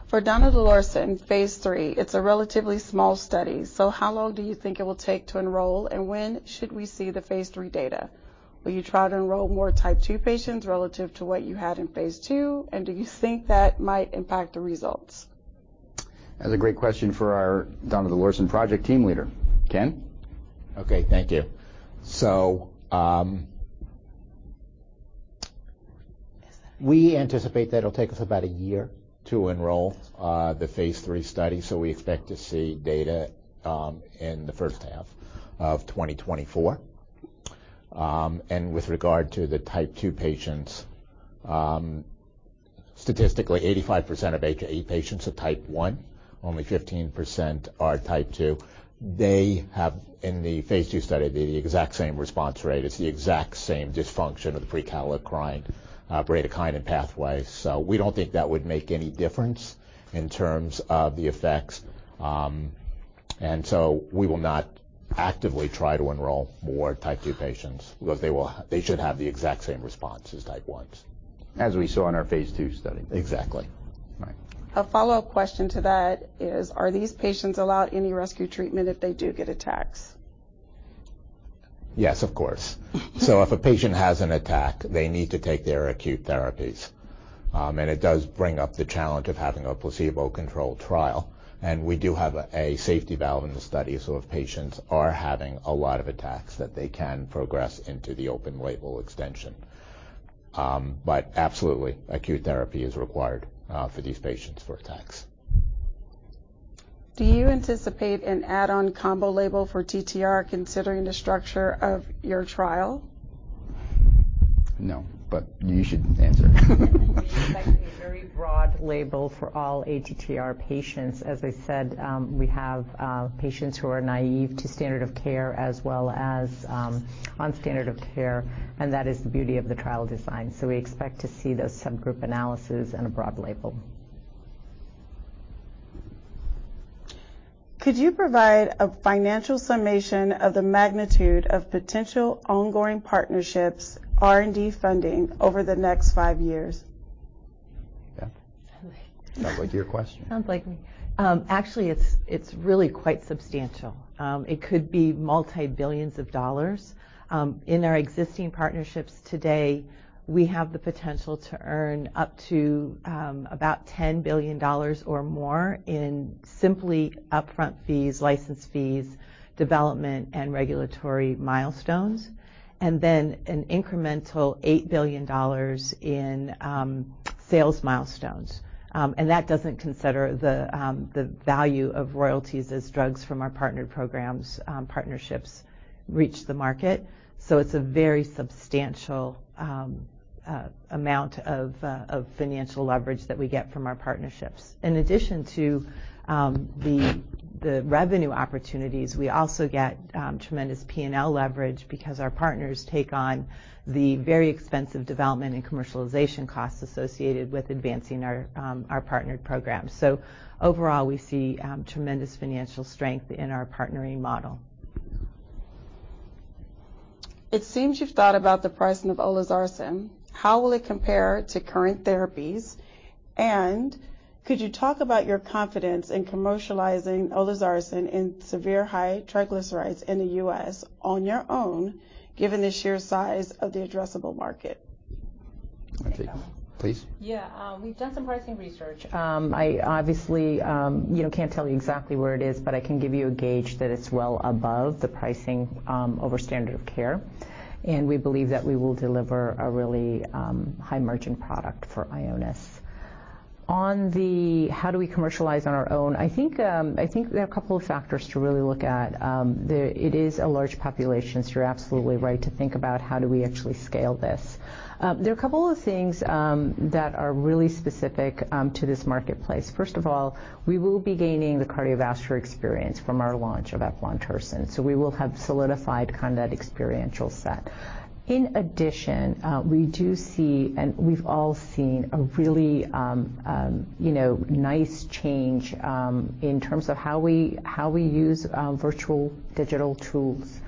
For donidalorsen phase III, it's a relatively small study, so how long do you think it will take to enroll, and when should we see the phase III data? Will you try to enroll more Type II patients relative to what you had in phase II, and do you think that might impact the results? That's a great question for our donidalorsen project team leader. Ken? Okay. Thank you. We anticipate that it'll take us about a year to enroll the phase III study, so we expect to see data in the first half of 2024. With regard to the Type II patients, statistically, 85% of HAE patients are Type I. Only 15% are Type II. They have in the phase II study the exact same response rate. It's the exact same dysfunction of the prekallikrein bradykinin pathway, so we don't think that would make any difference in terms of the effects. We will not actively try to enroll more Type II patients because they should have the exact same response as Type Is. As we saw in our phase II study. Exactly. Right. A follow-up question to that is, are these patients allowed any rescue treatment if they do get attacks? Yes, of course. If a patient has an attack, they need to take their acute therapies. It does bring up the challenge of having a placebo-controlled trial, and we do have a safety valve in the study, so if patients are having a lot of attacks, that they can progress into the open label extension. Absolutely, acute therapy is required for these patients for attacks. Do you anticipate an add-on combo label for TTR considering the structure of your trial? No, but you should answer. We expect a very broad label for all ATTR patients. As I said, we have patients who are naive to standard of care as well as on standard of care, and that is the beauty of the trial design. We expect to see those subgroup analyses in a broad label. Could you provide a financial summation of the magnitude of potential ongoing partnerships R&D funding over the next five years? Beth. Sorry. Sounds like your question. Sounds like me. Actually, it's really quite substantial. It could be multi-billions of dollars. In our existing partnerships today, we have the potential to earn up to about $10 billion or more in simply upfront fees, license fees, development, and regulatory milestones, and then an incremental $8 billion in sales milestones. That doesn't consider the value of royalties as drugs from our partnered programs partnerships reach the market. It's a very substantial amount of financial leverage that we get from our partnerships. In addition to the revenue opportunities, we also get tremendous P&L leverage because our partners take on the very expensive development and commercialization costs associated with advancing our partnered programs. Overall, we see tremendous financial strength in our partnering model. It seems you've thought about the pricing of olezarsen. How will it compare to current therapies? Could you talk about your confidence in commercializing olezarsen in severe high triglycerides in the U.S. on your own, given the sheer size of the addressable market? Okay. Please. Yeah, we've done some pricing research. I obviously, you know, can't tell you exactly where it is, but I can give you a gauge that it's well above the pricing over standard of care. We believe that we will deliver a really high margin product for Ionis. On the how do we commercialize on our own, I think there are a couple of factors to really look at. It is a large population, so you're absolutely right to think about how do we actually scale this. There are a couple of things that are really specific to this marketplace. First of all, we will be gaining the cardiovascular experience from our launch of eplontersen. We will have solidified kind of that experiential set. In addition, we do see, and we've all seen a really, you know, nice change in terms of how we use virtual digital tools.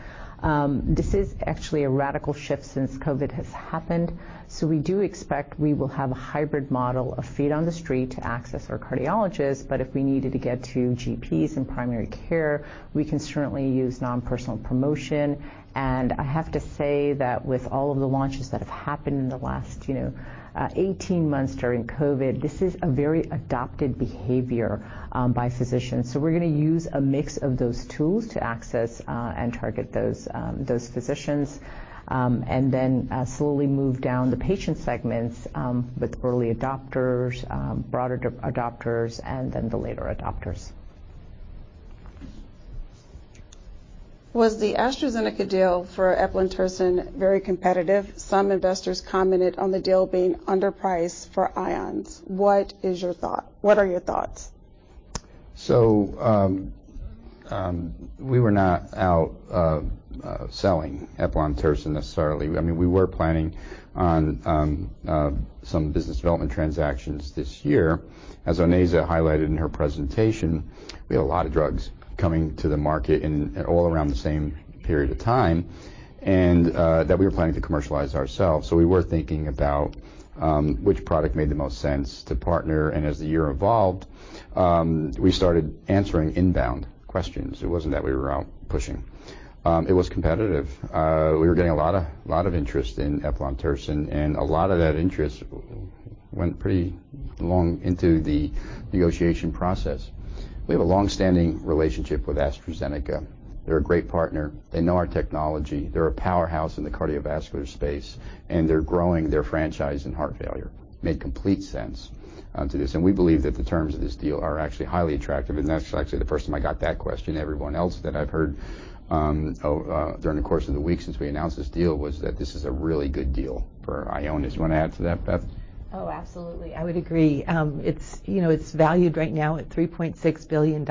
This is actually a radical shift since COVID has happened, so we do expect we will have a hybrid model of feet on the street to access our cardiologists. But if we needed to get to GPs and primary care, we can certainly use non-personal promotion. I have to say that with all of the launches that have happened in the last, you know, 18 months during COVID, this is a very adopted behavior by physicians. We're gonna use a mix of those tools to access and target those physicians and then slowly move down the patient segments with early adopters, broader adopters, and then the later adopters. Was the AstraZeneca deal for eplontersen very competitive? Some investors commented on the deal being underpriced for Ionis. What is your thought? What are your thoughts? We were not out selling eplontersen necessarily. I mean, we were planning on some business development transactions this year. As Onaiza highlighted in her presentation, we have a lot of drugs coming to the market in all around the same period of time, and that we were planning to commercialize ourselves. We were thinking about which product made the most sense to partner. As the year evolved, we started answering inbound questions. It wasn't that we were out pushing. It was competitive. We were getting a lot of interest in eplontersen, and a lot of that interest went pretty long into the negotiation process. We have a long-standing relationship with AstraZeneca. They're a great partner. They know our technology. They're a powerhouse in the cardiovascular space, and they're growing their franchise in heart failure. Made complete sense to this. We believe that the terms of this deal are actually highly attractive, and that's actually the first time I got that question. Everyone else that I've heard during the course of the week since we announced this deal was that this is a really good deal for Ionis. You wanna add to that, Beth? Oh, absolutely. I would agree. It's, you know, it's valued right now at $3.6 billion,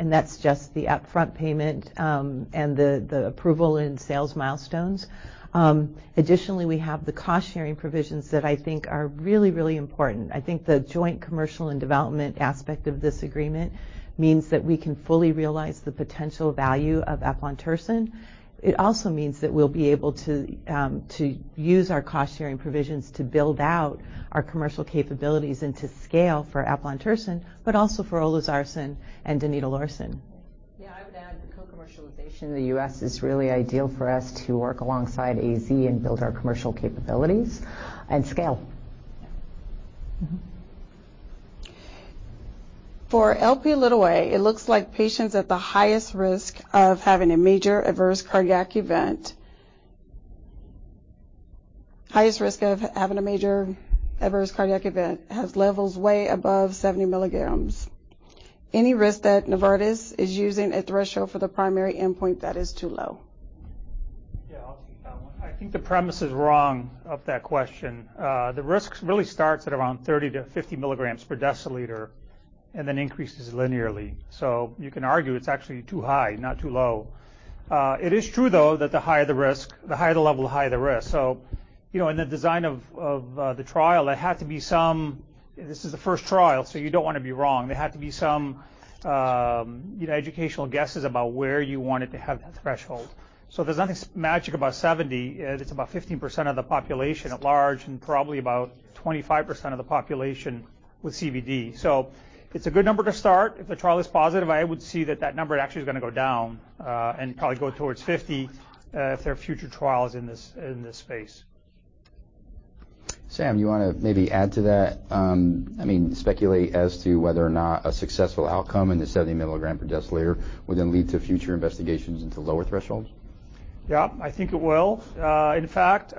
and that's just the upfront payment, and the approval and sales milestones. Additionally, we have the cost-sharing provisions that I think are really, really important. I think the joint commercial and development aspect of this agreement means that we can fully realize the potential value of eplontersen. It also means that we'll be able to use our cost-sharing provisions to build out our commercial capabilities and to scale for eplontersen, but also for olezarsen and donidalorsen. Yeah, I would add the co-commercialization in the U.S. is really ideal for us to work alongside AZ and build our commercial capabilities and scale. For Lp(a), it looks like patients at the highest risk of having a major adverse cardiac event have levels way above 70 mg. Any risk that Novartis is using a threshold for the primary endpoint that is too low? Yeah, I'll take that one. I think the premise is wrong of that question. The risk really starts at around 30-50 mg/dl and then increases linearly. You can argue it's actually too high, not too low. It is true, though, that the higher the risk, the higher the level, the higher the risk. You know, in the design of the trial, there had to be some. This is the first trial, so you don't want to be wrong. There have to be some, you know, educational guesses about where you want it to have that threshold. There's nothing magic about 70. It's about 15% of the population at large and probably about 25% of the population with CVD. It's a good number to start. If the trial is positive, I would see that number actually is going to go down, and probably go towards 50, if there are future trials in this space. Sam, you want to maybe add to that? I mean, speculate as to whether or not a successful outcome in the 70 mg/dL would then lead to future investigations into lower thresholds? Yeah, I think it will. In fact,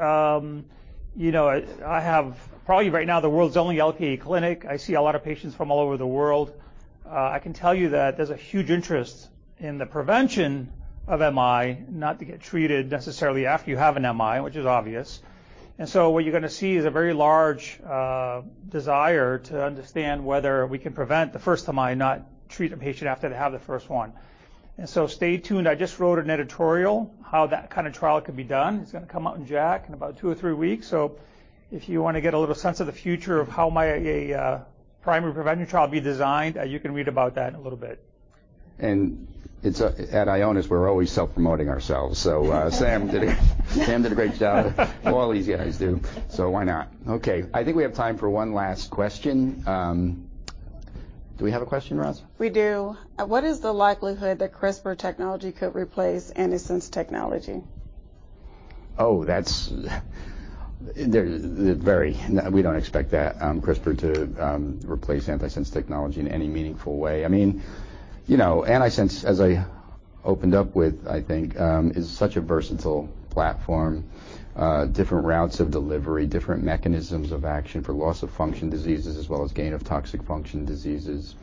you know, I have probably right now the world's only Lp(a) clinic. I see a lot of patients from all over the world. I can tell you that there's a huge interest in the prevention of MI, not to get treated necessarily after you have an MI, which is obvious. What you're going to see is a very large desire to understand whether we can prevent the first MI, not treat a patient after they have the first one. Stay tuned. I just wrote an editorial how that kind of trial could be done. It's going to come out in JACC in about two or three weeks. If you want to get a little sense of the future of how my primary prevention trial will be designed, you can read about that in a little bit. It's at Ionis we're always self-promoting ourselves. Sam did a great job. All these guys do, so why not? Okay. I think we have time for one last question. Do we have a question, Roz? We do. What is the likelihood that CRISPR technology could replace antisense technology? We don't expect that CRISPR to replace antisense technology in any meaningful way. I mean, you know, antisense, as I opened up with, I think, is such a versatile platform. Different routes of delivery, different mechanisms of action for loss of function diseases as well as gain of toxic function diseases.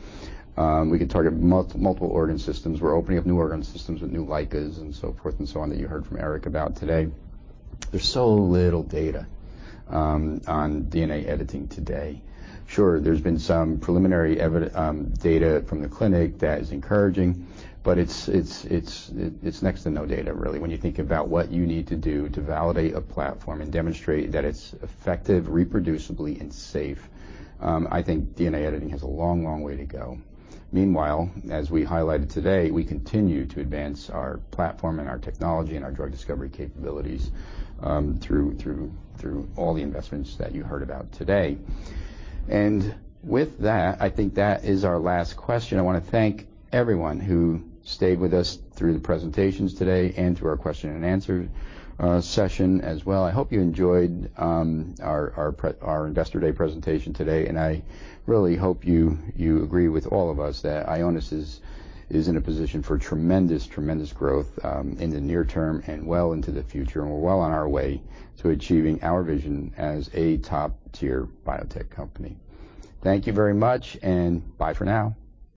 We could target multiple organ systems. We're opening up new organ systems with new LICAs and so forth and so on that you heard from Eric about today. There's so little data on DNA editing today. Sure, there's been some preliminary data from the clinic that is encouraging, but it's next to no data, really. When you think about what you need to do to validate a platform and demonstrate that it's effective, reproducibly and safe, I think DNA editing has a long, long way to go. Meanwhile, as we highlighted today, we continue to advance our platform and our technology and our drug discovery capabilities, through all the investments that you heard about today. With that, I think that is our last question. I want to thank everyone who stayed with us through the presentations today and through our question and answer session as well. I hope you enjoyed our Investor Day presentation today, and I really hope you agree with all of us that Ionis is in a position for tremendous growth in the near term and well into the future, and we're well on our way to achieving our vision as a top-tier biotech company. Thank you very much, and bye for now.